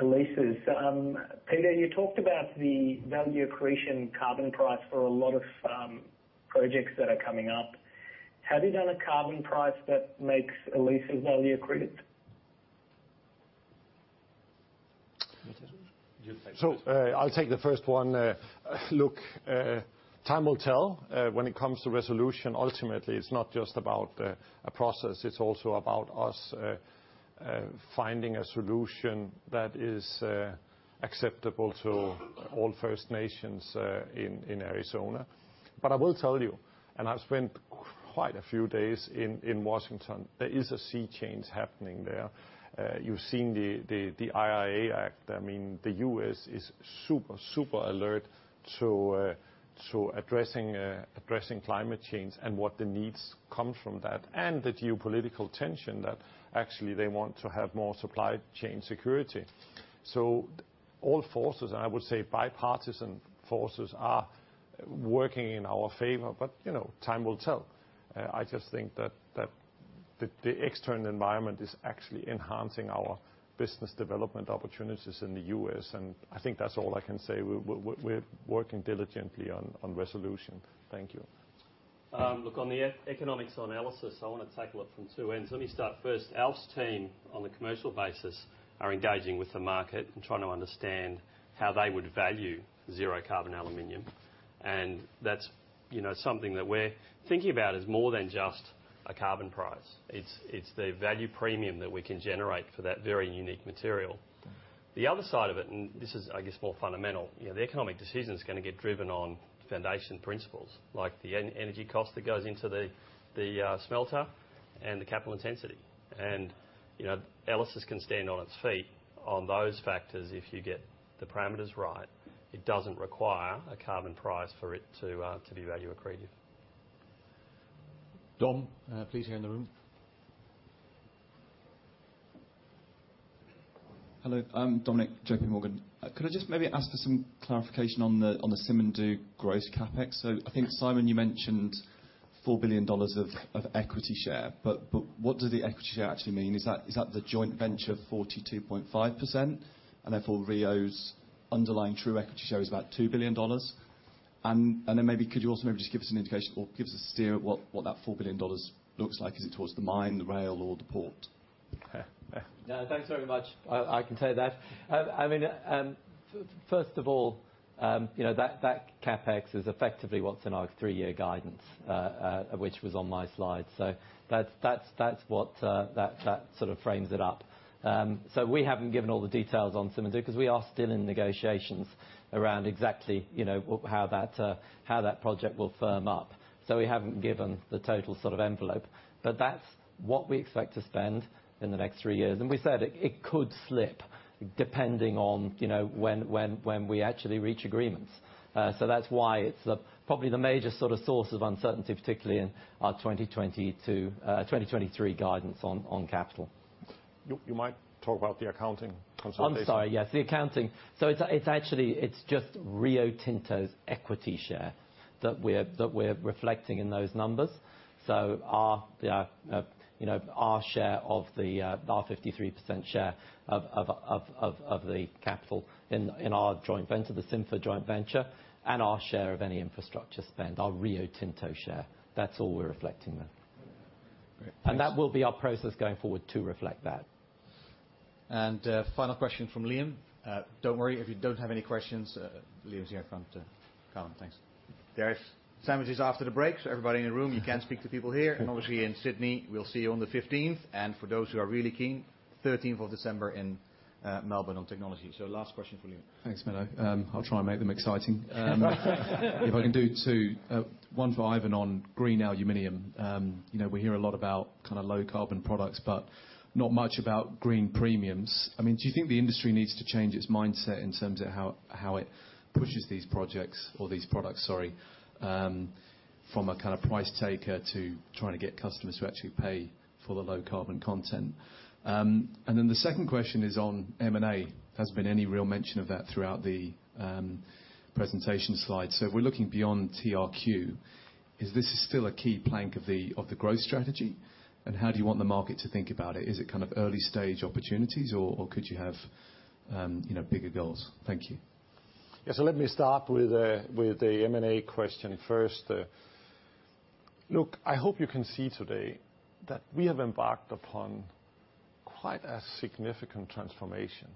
ELYSIS. Peter, you talked about the value accretion carbon price for a lot of projects that are coming up. Have you done a carbon price that makes ELYSIS value accreted? Peter, you take this. I'll take the first one. Look, time will tell. When it comes to resolution, ultimately, it's not just about a process. It's also about us finding a solution that is acceptable to all First Nations in Arizona. I will tell you, and I've spent quite a few days in Washington, there is a sea change happening there. You've seen the IIA Act. I mean, the U.S. is super alert to addressing climate change and what the needs come from that and the geopolitical tension that actually they want to have more supply chain security. All forces, I would say bipartisan forces, are working in our favor, but, you know, time will tell. I just think that the external environment is actually enhancing our business development opportunities in the U.S., and I think that's all I can say. We're working diligently on resolution. Thank you. Look, on the economics on ELYSIS, I want to take a look from two ends. Let me start first. Alf's team, on the commercial basis, are engaging with the market and trying to understand how they would value zero carbon aluminum. That's, you know, something that we're thinking about is more than just a carbon price. It's the value premium that we can generate for that very unique material. The other side of it, this is, I guess, more fundamental, you know, the economic decision is going to get driven on foundation principles like the energy cost that goes into the smelter and the capital intensity. You know, ELYSIS can stand on its feet on those factors if you get the parameters right. It doesn't require a carbon price for it to be value accretive. Dom, please here in the room. Hello, I'm Dominic, JP Morgan. Could I just maybe ask for some clarification on the Simandou gross CapEx? I think, Simon, you mentioned $4 billion of equity share. What does the equity share actually mean? Is that the joint venture 42.5%, and therefore Rio's underlying true equity share is about $2 billion? Then maybe could you also maybe just give us an indication or give us a steer at what that $4 billion looks like? Is it towards the mine, the rail or the port? Yeah. Thanks very much. I can take that. I mean, first of all, you know, that CapEx is effectively what's in our three-year guidance, which was on my slide. That's what that sort of frames it up. We haven't given all the details on Simandou because we are still in negotiations around exactly, you know, how that project will firm up. We haven't given the total sort of envelope. That's what we expect to spend in the next three years. We said it could slip depending on, you know, when we actually reach agreements. That's why it's the, probably the major sort of source of uncertainty, particularly in our 2022, 2023 guidance on capital. You might talk about the accounting consolidation. I'm sorry, yes, the accounting. It's actually, it's just Rio Tinto's equity share that we're reflecting in those numbers. Our, you know, our share of the 53% share of the capital in our joint venture, the Simfer joint venture, and our share of any infrastructure spend, our Rio Tinto share. That's all we're reflecting there. Great. Thanks. That will be our process going forward to reflect that. Final question from Liam. Don't worry if you don't have any questions, Liam's here come to comment. Thanks. There's sandwiches after the break, so everybody in the room, you can speak to people here. Obviously in Sydney, we'll see you on the 15th. For those who are really keen, 13th of December in Melbourne on technology. Last question from Liam. Thanks, Menno. I'll try and make them exciting. If I can do two. One for Ivan on green aluminium. You know, we hear a lot about kind of low carbon products, but not much about green premiums. I mean, do you think the industry needs to change its mindset in terms of how it pushes these projects or these products, sorry, from a kind of price taker to trying to get customers to actually pay for the low carbon content? The second question is on M&A. Has been any real mention of that throughout the presentation slide? If we're looking beyond TRQ, is this still a key plank of the growth strategy? How do you want the market to think about it? Is it kind of early stage opportunities or could you have, you know, bigger goals? Thank you. Let me start with the M&A question first. Look, I hope you can see today that we have embarked upon quite a significant transformation.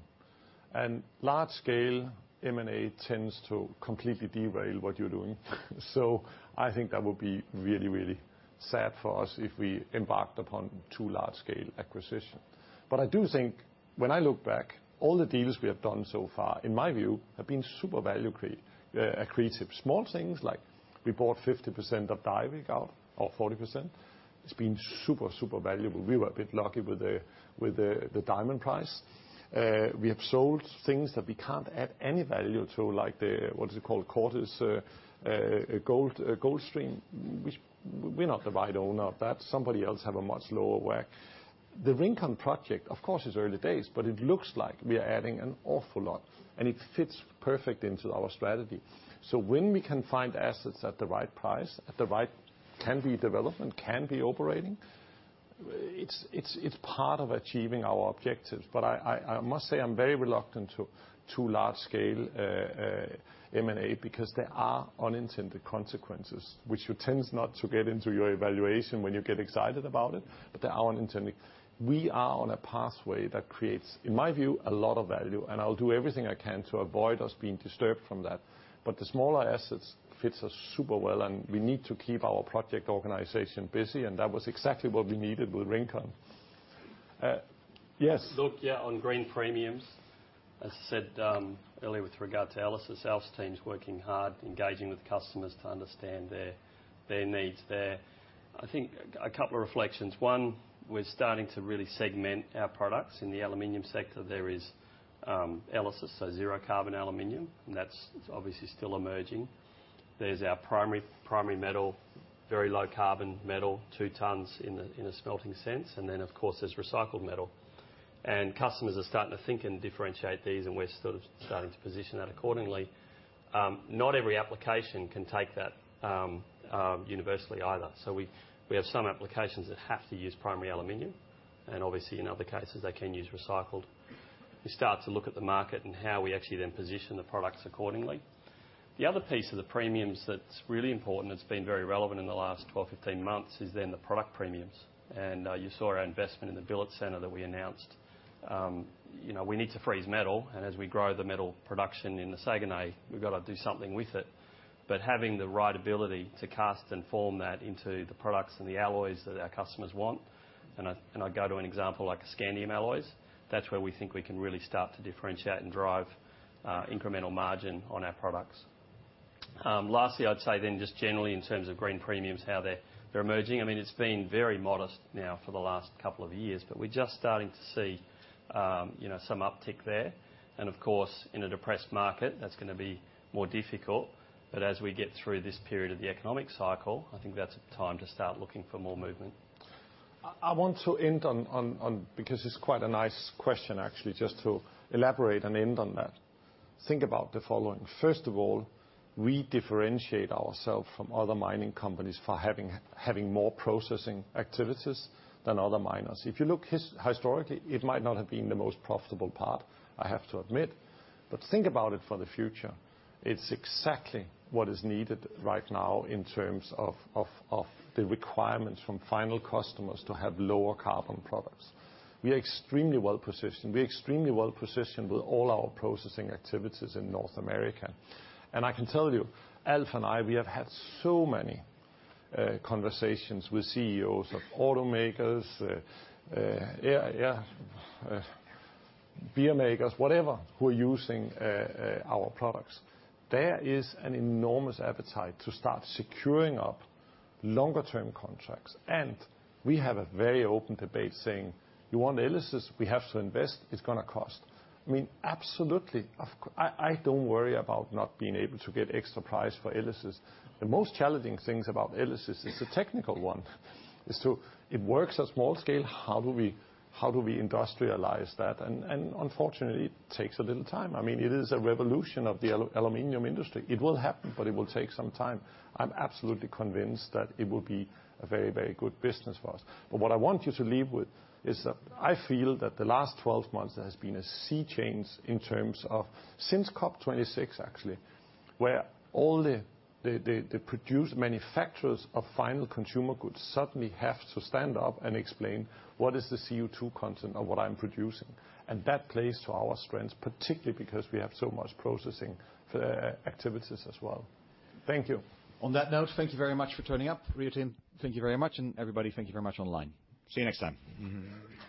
Large scale M&A tends to completely derail what you're doing. I think that would be really sad for us if we embarked upon 2 large scale acquisition. I do think when I look back, all the deals we have done so far, in my view, have been super value accretive. Small things like we bought 50% of Diavik or 40%. It's been super valuable. We were a bit lucky with the diamond price. We have sold things that we can't add any value to, like the, what is it called? Cortez gold stream, which we're not the right owner of that. Somebody else have a much lower WACC. The Rincon project, of course, is early days, but it looks like we are adding an awful lot, and it fits perfect into our strategy. When we can find assets at the right price, at the right can be development, can be operating, it's part of achieving our objectives. I must say I'm very reluctant to 2 large scale M&A because there are unintended consequences, which you tends not to get into your evaluation when you get excited about it. There are unintended. We are on a pathway that creates, in my view, a lot of value, and I'll do everything I can to avoid us being disturbed from that. The smaller assets fits us super well, and we need to keep our project organization busy, and that was exactly what we needed with Rincon. Yes. Look, yeah, on green premiums, as I said earlier with regard to ELYSIS, Alf's team's working hard, engaging with customers to understand their needs there. I think a couple of reflections. One, we're starting to really segment our products. In the aluminum sector, there is ELYSIS, so zero carbon aluminum, and that's obviously still emerging. There's our primary metal, very low carbon metal, 2 tons in a smelting sense. Then, of course, there's recycled metal. Customers are starting to think and differentiate these, and we're sort of starting to position that accordingly. Not every application can take that universally either. We have some applications that have to use primary aluminum, and obviously in other cases, they can use recycled. We start to look at the market and how we actually then position the products accordingly. The other piece of the premiums that's really important, that's been very relevant in the last 12, 15 months is in the product premiums. You saw our investment in the billet center that we announced. You know, we need to freeze metal, and as we grow the metal production in the Saguenay, we've got to do something with it. Having the right ability to cast and form that into the products and the alloys that our customers want, and I go to an example like scandium alloys, that's where we think we can really start to differentiate and drive incremental margin on our products. Lastly, I'd say just generally in terms of green premiums, how they're emerging. I mean, it's been very modest now for the last couple of years, but we're just starting to see, you know, some uptick there. Of course, in a depressed market, that's gonna be more difficult. As we get through this period of the economic cycle, I think that's a time to start looking for more movement. I want to end on because it's quite a nice question, actually, just to elaborate and end on that. Think about the following. First of all, we differentiate ourselves from other mining companies for having more processing activities than other miners. If you look historically, it might not have been the most profitable part, I have to admit. Think about it for the future. It's exactly what is needed right now in terms of the requirements from final customers to have lower carbon products. We are extremely well-positioned. We are extremely well-positioned with all our processing activities in North America. I can tell you, Alf and I, we have had so many conversations with CEOs of automakers, beer makers, whatever, who are using our products. There is an enormous appetite to start securing up longer term contracts. We have a very open debate saying, "You want ELYSIS, we have to invest, it's gonna cost." I mean, absolutely. I don't worry about not being able to get extra price for ELYSIS. The most challenging things about ELYSIS is the technical one. Is to it works at small scale, how do we industrialize that? Unfortunately, it takes a little time. I mean, it is a revolution of the aluminium industry. It will happen, but it will take some time. I'm absolutely convinced that it will be a very, very good business for us. What I want you to leave with is that I feel that the last 12 months, there has been a sea change in terms of since COP26, actually, where all the produced manufacturers of final consumer goods suddenly have to stand up and explain what is the CO2 content of what I'm producing. That plays to our strengths, particularly because we have so much processing, activities as well. Thank you. On that note, thank you very much for turning up. Rio team, thank you very much. Everybody, thank you very much online. See you next time. Mm-hmm.